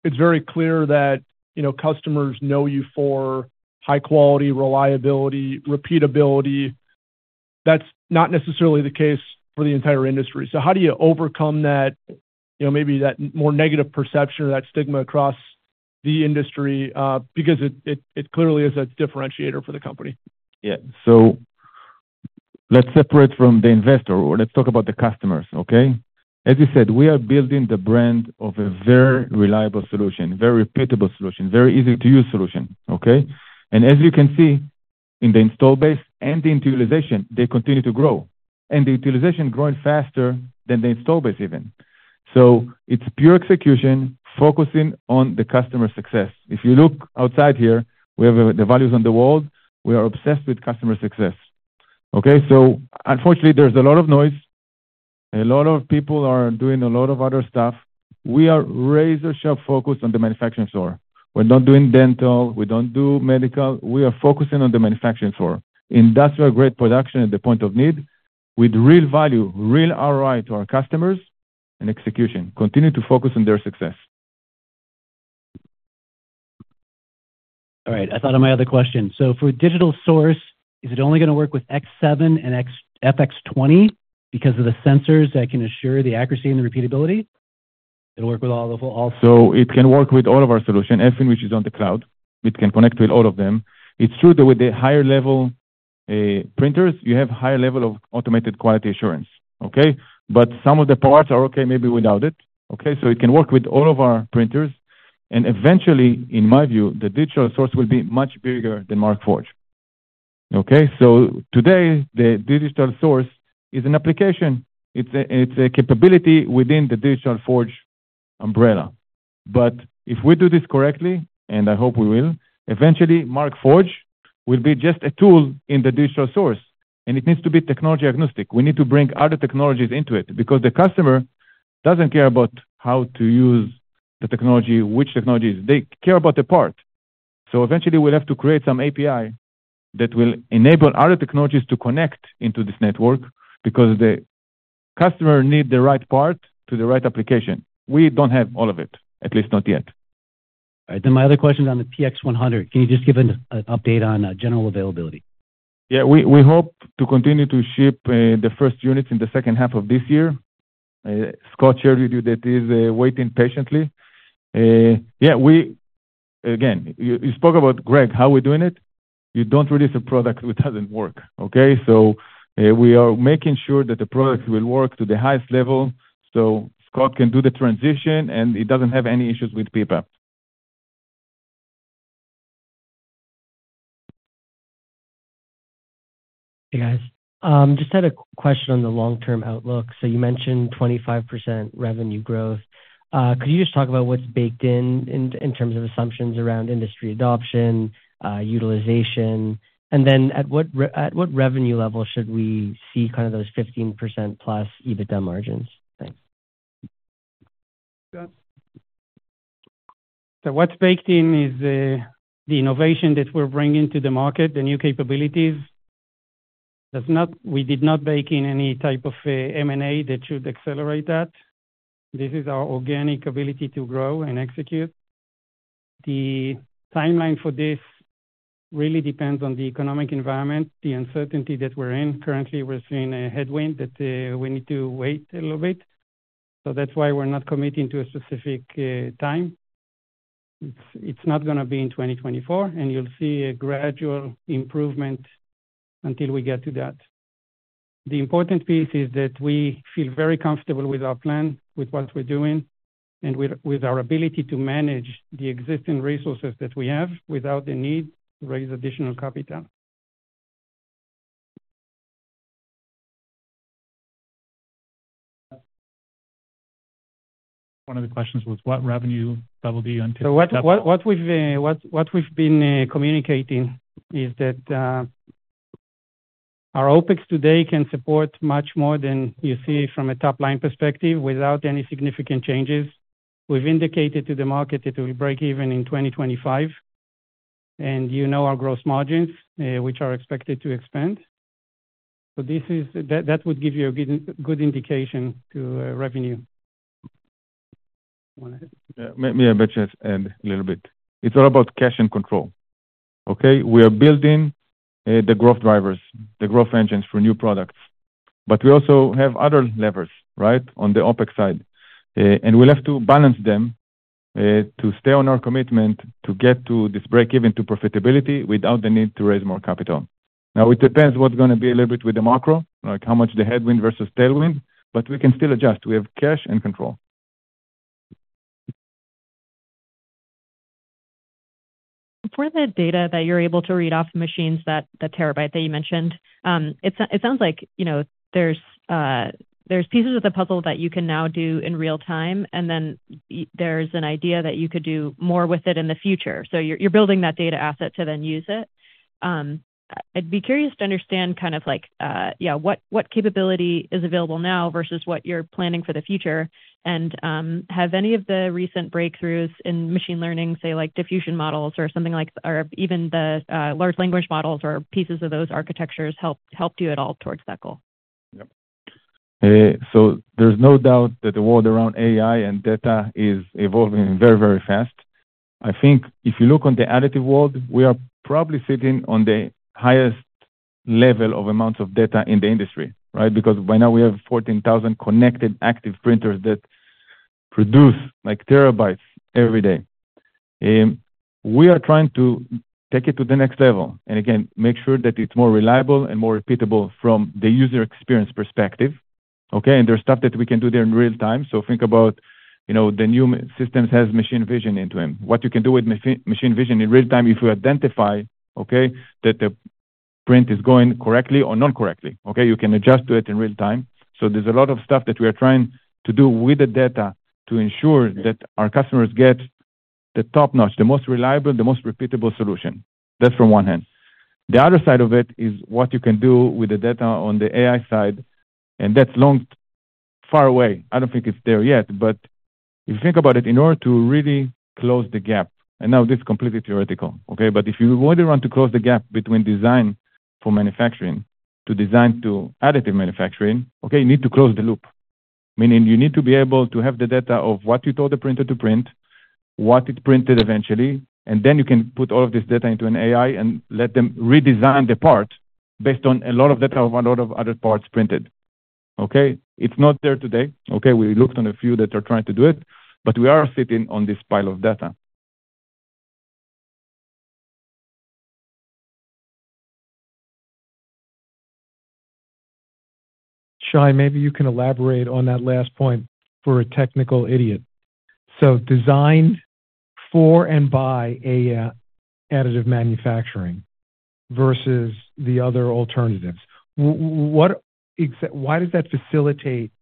it's very clear that, you know, customers know you for high quality, reliability, repeatability. That's not necessarily the case for the entire industry. So how do you overcome that, you know, maybe that more negative perception or that stigma across the industry? Because it clearly is a differentiator for the company. Yeah. So let's separate from the investor, or let's talk about the customers, okay? As you said, we are building the brand of a very reliable solution, very repeatable solution, very easy-to-use solution, okay? And as you can see, in the install base and the utilization, they continue to grow. And the utilization growing faster than the install base, even. So it's pure execution, focusing on the customer success. If you look outside here, we have the values on the wall. We are obsessed with customer success, okay? So unfortunately, there's a lot of noise, and a lot of people are doing a lot of other stuff. We are razor-sharp focused on the manufacturing floor. We're not doing dental, we don't do medical. We are focusing on the manufacturing floor. Industrial-grade production at the point of need, with real value, real ROI to our customers and execution. Continue to focus on their success. All right. I thought of my other question. So for Digital Source, is it only gonna work with X7 and X-- FX20 because of the sensors that can assure the accuracy and the repeatability? It'll work with all, So it can work with all of our solution, Eiger, which is on the cloud. It can connect with all of them. It's true that with the higher level printers, you have higher level of automated quality assurance, okay? But some of the parts are okay, maybe without it, okay? So it can work with all of our printers, and eventually, in my view, the Digital Source will be much bigger than Markforged. Okay? So today, the Digital Source is an application. It's a, it's a capability within the Digital Forge umbrella. But if we do this correctly, and I hope we will, eventually, Markforged will be just a tool in the Digital Source, and it needs to be technology agnostic. We need to bring other technologies into it because the customer doesn't care about how to use the technology, which technologies. They care about the part. Eventually, we'll have to create some API that will enable other technologies to connect into this network because the customer need the right part to the right application. We don't have all of it, at least not yet. All right, then my other question on the PX100, can you just give an update on general availability? Yeah, we hope to continue to ship the first units in the second half of this year. Scott shared with you that he's waiting patiently. Yeah, again, you spoke about Greg, how we're doing it. You don't release a product that doesn't work, okay? So, we are making sure that the product will work to the highest level, so Scott can do the transition, and he doesn't have any issues with paper. Hey, guys. Just had a question on the long-term outlook. So you mentioned 25% revenue growth. Could you just talk about what's baked in, in terms of assumptions around industry adoption, utilization? And then at what revenue level should we see kind of those 15%+ EBITDA margins? Thanks. So what's baked in is the innovation that we're bringing to the market, the new capabilities. We did not bake in any type of M&A that should accelerate that. This is our organic ability to grow and execute. The timeline for this really depends on the economic environment, the uncertainty that we're in. Currently, we're seeing a headwind that we need to wait a little bit. So that's why we're not committing to a specific time. It's not gonna be in 2024, and you'll see a gradual improvement until we get to that. The important piece is that we feel very comfortable with our plan, with what we're doing, and with our ability to manage the existing resources that we have without the need to raise additional capital. One of the questions was what revenue that will be on- So what we've been communicating is that our OpEx today can support much more than you see from a top-line perspective without any significant changes. We've indicated to the market it will break even in 2025, and you know our gross margins, which are expected to expand. So this is. That would give you a good indication to revenue. You want to- Yeah. May I just add a little bit? It's all about cash and control, okay? We are building the growth drivers, the growth engines for new products, but we also have other levers, right? On the OpEx side. And we'll have to balance them to stay on our commitment to get to this break-even to profitability without the need to raise more capital. Now, it depends what's gonna be a little bit with the macro, like how much the headwind versus tailwind, but we can still adjust. We have cash and control. For the data that you're able to read off the machines, that, the terabyte that you mentioned, it sounds like, you know, there's, there's pieces of the puzzle that you can now do in real time, and then y- there's an idea that you could do more with it in the future. You're building that data asset to then use it. I'd be curious to understand kind of like, yeah, what capability is available now versus what you're planning for the future. Have any of the recent breakthroughs in machine learning, say, like diffusion models or something like... or even the large language models or pieces of those architectures, helped, helped you at all towards that goal? Yep. So there's no doubt that the world around AI and data is evolving very, very fast. I think if you look on the additive world, we are probably sitting on the highest level of amounts of data in the industry, right? Because by now we have 14,000 connected active printers that produce like terabytes every day. We are trying to take it to the next level, and again, make sure that it's more reliable and more repeatable from the user experience perspective, okay? And there's stuff that we can do there in real time. So think about, you know, the new systems has machine vision into them. What you can do with machine vision in real time, if you identify, okay, that the print is going correctly or not correctly, okay? You can adjust to it in real time. So there's a lot of stuff that we are trying to do with the data to ensure that our customers get the top-notch, the most reliable, the most repeatable solution. That's from one hand. The other side of it is what you can do with the data on the AI side, and that's long, far away. I don't think it's there yet, but if you think about it, in order to really close the gap, and now this is completely theoretical, okay? But if you really want to close the gap between design for manufacturing to design to additive manufacturing, okay, you need to close the loop. Meaning you need to be able to have the data of what you told the printer to print, what it printed eventually, and then you can put all of this data into an AI and let them redesign the part based on a lot of data of a lot of other parts printed, okay? It's not there today, okay? We looked on a few that are trying to do it, but we are sitting on this pile of data. Shai, maybe you can elaborate on that last point for a technical idiot. So design for and by AI additive manufacturing versus the other alternatives. Why does that facilitate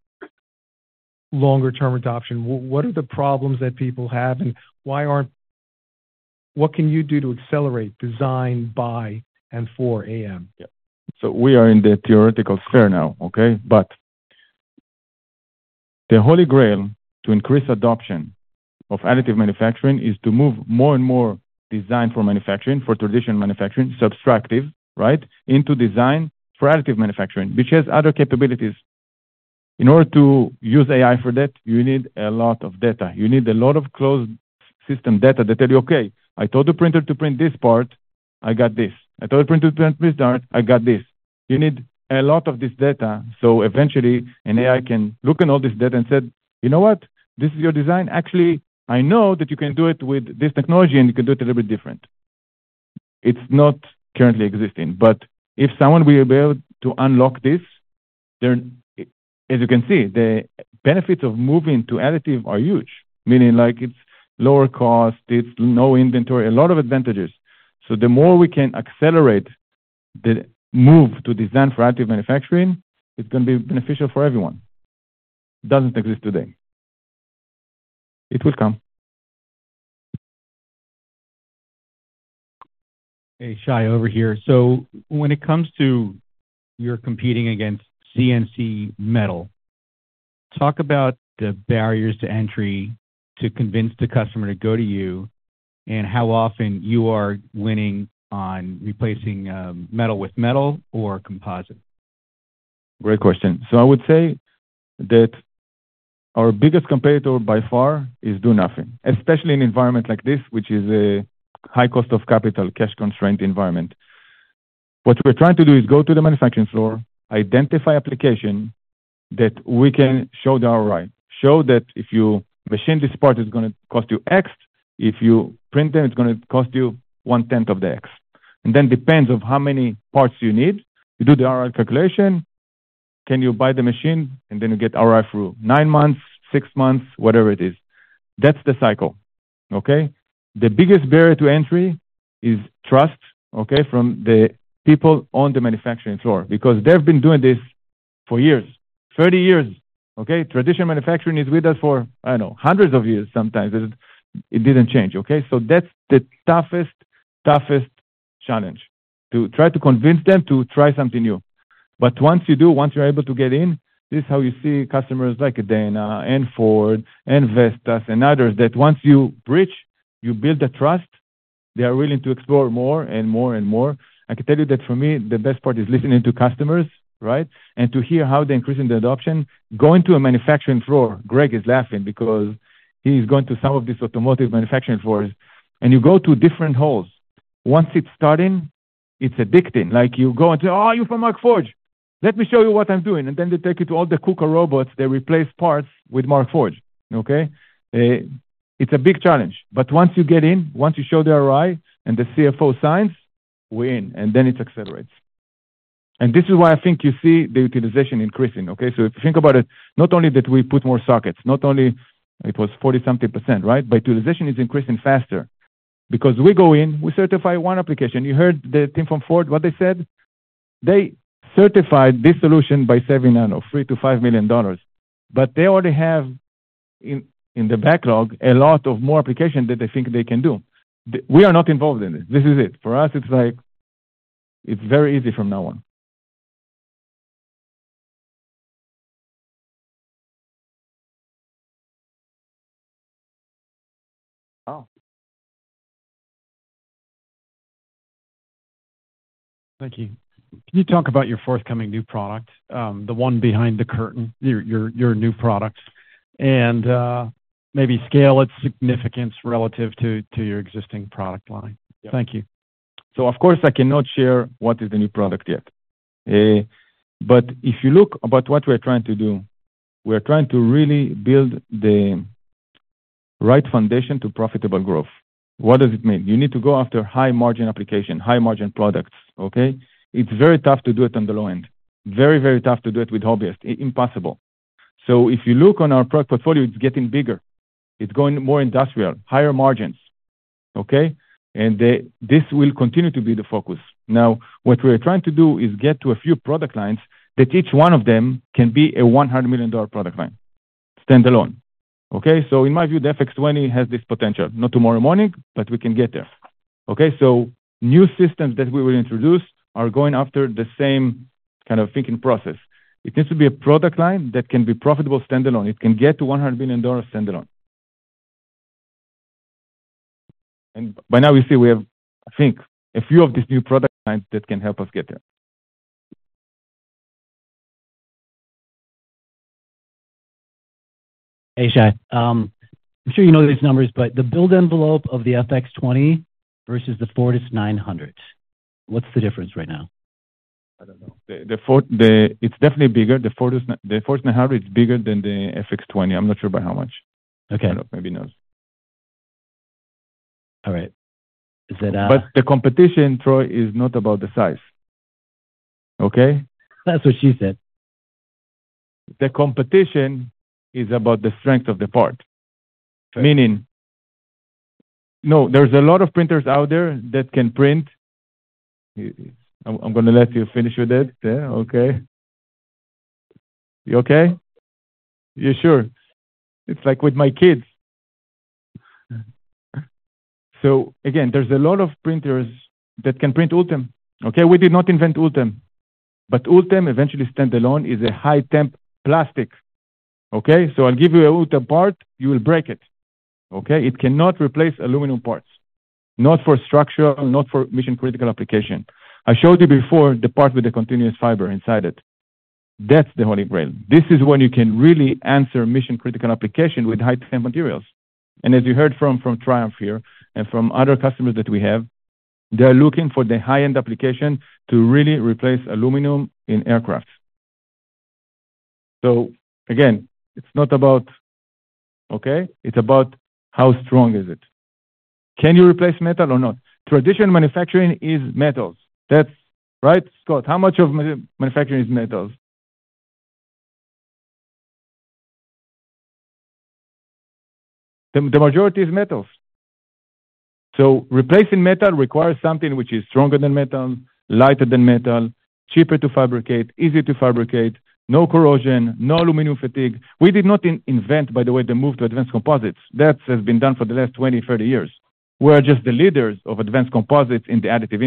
longer-term adoption? What are the problems that people have, and what can you do to accelerate design by and for AM? Yeah. We are in the theoretical sphere now, okay? The holy grail to increase adoption of additive manufacturing is to move more and more design for manufacturing, for traditional manufacturing, subtractive, right? Into design for additive manufacturing, which has other capabilities. In order to use AI for that, you need a lot of data. You need a lot of closed system data that tell you, okay, I told the printer to print this part, I got this. I told the printer to print this part, I got this. You need a lot of this data, so eventually an AI can look at all this data and said, "You know what? This is your design. Actually, I know that you can do it with this technology, and you can do it a little bit different. It's not currently existing, but if someone will be able to unlock this, then as you can see, the benefits of moving to additive are huge. Meaning, like, it's lower cost, it's no inventory, a lot of advantages. The more we can accelerate the move to design for additive manufacturing, it's going to be beneficial for everyone. Doesn't exist today. It will come. Hey, Shai, over here. So when it comes to you're competing against CNC metal, talk about the barriers to entry to convince the customer to go to you and how often you are winning on replacing metal with metal or composite. Great question. So I would say that our biggest competitor by far is doing nothing, especially in an environment like this, which is a high cost of capital, cash constraint environment. What we're trying to do is go to the manufacturing floor, identify application that we can show the ROI. Show that if you machine this part, it's gonna cost you X. If you print it, it's gonna cost you 1/10 of the X. And then depends on how many parts you need, you do the ROI calculation, can you buy the machine? And then you get ROI through 9 months, 6 months, whatever it is. That's the cycle, okay? The biggest barrier to entry is trust, okay? From the people on the manufacturing floor, because they've been doing this for years, 30 years, okay? Traditional manufacturing is with us for, I don't know, hundreds of years, sometimes. It, it didn't change, okay? So that's the toughest, toughest challenge, to try to convince them to try something new. But once you do, once you're able to get in, this is how you see customers like Dana and Ford and Vestas and others, that once you bridge, you build the trust, they are willing to explore more and more and more. I can tell you that for me, the best part is listening to customers, right? And to hear how they're increasing the adoption. Going to a manufacturing floor, Greg is laughing because he's going to some of these automotive manufacturing floors, and you go to different halls. Once it's starting, it's addicting. Like you go and say, "Oh, you're from Markforged. Let me show you what I'm doing." And then they take you to all the KUKA robots. They replace parts with Markforged, okay? It's a big challenge, but once you get in, once you show the ROI and the CFO signs, we're in, and then it accelerates. And this is why I think you see the utilization increasing, okay? So if you think about it, not only that we put more sockets, not only it was 40-something%, right? But utilization is increasing faster because we go in, we certify one application. You heard the team from Ford, what they said? They certified this solution by saving an $3-$5 million, but they already have in, in the backlog, a lot of more application that they think they can do. We are not involved in this. This is it. For us, it's like... It's very easy from now on. Wow! Thank you. Can you talk about your forthcoming new product, the one behind the curtain, your new products, and maybe scale its significance relative to your existing product line? Yeah. Thank you. Of course, I cannot share what is the new product yet. But if you look about what we're trying to do, we're trying to really build the right foundation to profitable growth. What does it mean? You need to go after high-margin application, high-margin products, okay? It's very tough to do it on the low end. Very, very tough to do it with hobbyist. Impossible. If you look on our product portfolio, it's getting bigger. It's going more industrial, higher margins, okay? This will continue to be the focus. Now, what we're trying to do is get to a few product lines that each one of them can be a $100 million product line, standalone, okay? In my view, the FX20 has this potential. Not tomorrow morning, but we can get there, okay? So new systems that we will introduce are going after the same kind of thinking process. It needs to be a product line that can be profitable, standalone. It can get to $100 million standalone. And by now, we see we have, I think, a few of these new product lines that can help us get there. Hey, Shai. I'm sure you know these numbers, but the build envelope of the FX20 versus the Fortus 900, what's the difference right now? I don't know. The Fortus 900 is definitely bigger than the FX20. I'm not sure by how much. Okay. I don't know. Maybe he knows. All right. Is it But the competition, Troy, is not about the size, okay? That's what she said. The competition is about the strength of the part. Right. No, there's a lot of printers out there that can print. I'm gonna let you finish with that. Yeah, okay. You okay? You sure? It's like with my kids. So again, there's a lot of printers that can print ULTEM, okay? We did not invent ULTEM, but ULTEM eventually standalone is a high temp plastic, okay? So I'll give you a ULTEM part, you will break it, okay? It cannot replace aluminum parts. Not for structural, not for mission-critical application. I showed you before the part with the continuous fiber inside it. That's the holy grail. This is when you can really answer mission-critical application with high temp materials. And as you heard from Triumph here and from other customers that we have, they are looking for the high-end application to really replace aluminum in aircraft. So again, it's not about... Okay? It's about how strong is it. Can you replace metal or not? Traditional manufacturing is metals. That's right. Scott, how much of manufacturing is metals? The majority is metals. So replacing metal requires something which is stronger than metal, lighter than metal, cheaper to fabricate, easier to fabricate, no corrosion, no aluminum fatigue. We did not invent, by the way, the move to advanced composites. That has been done for the last 20, 30 years. We are just the leaders of advanced composites in the additive industry.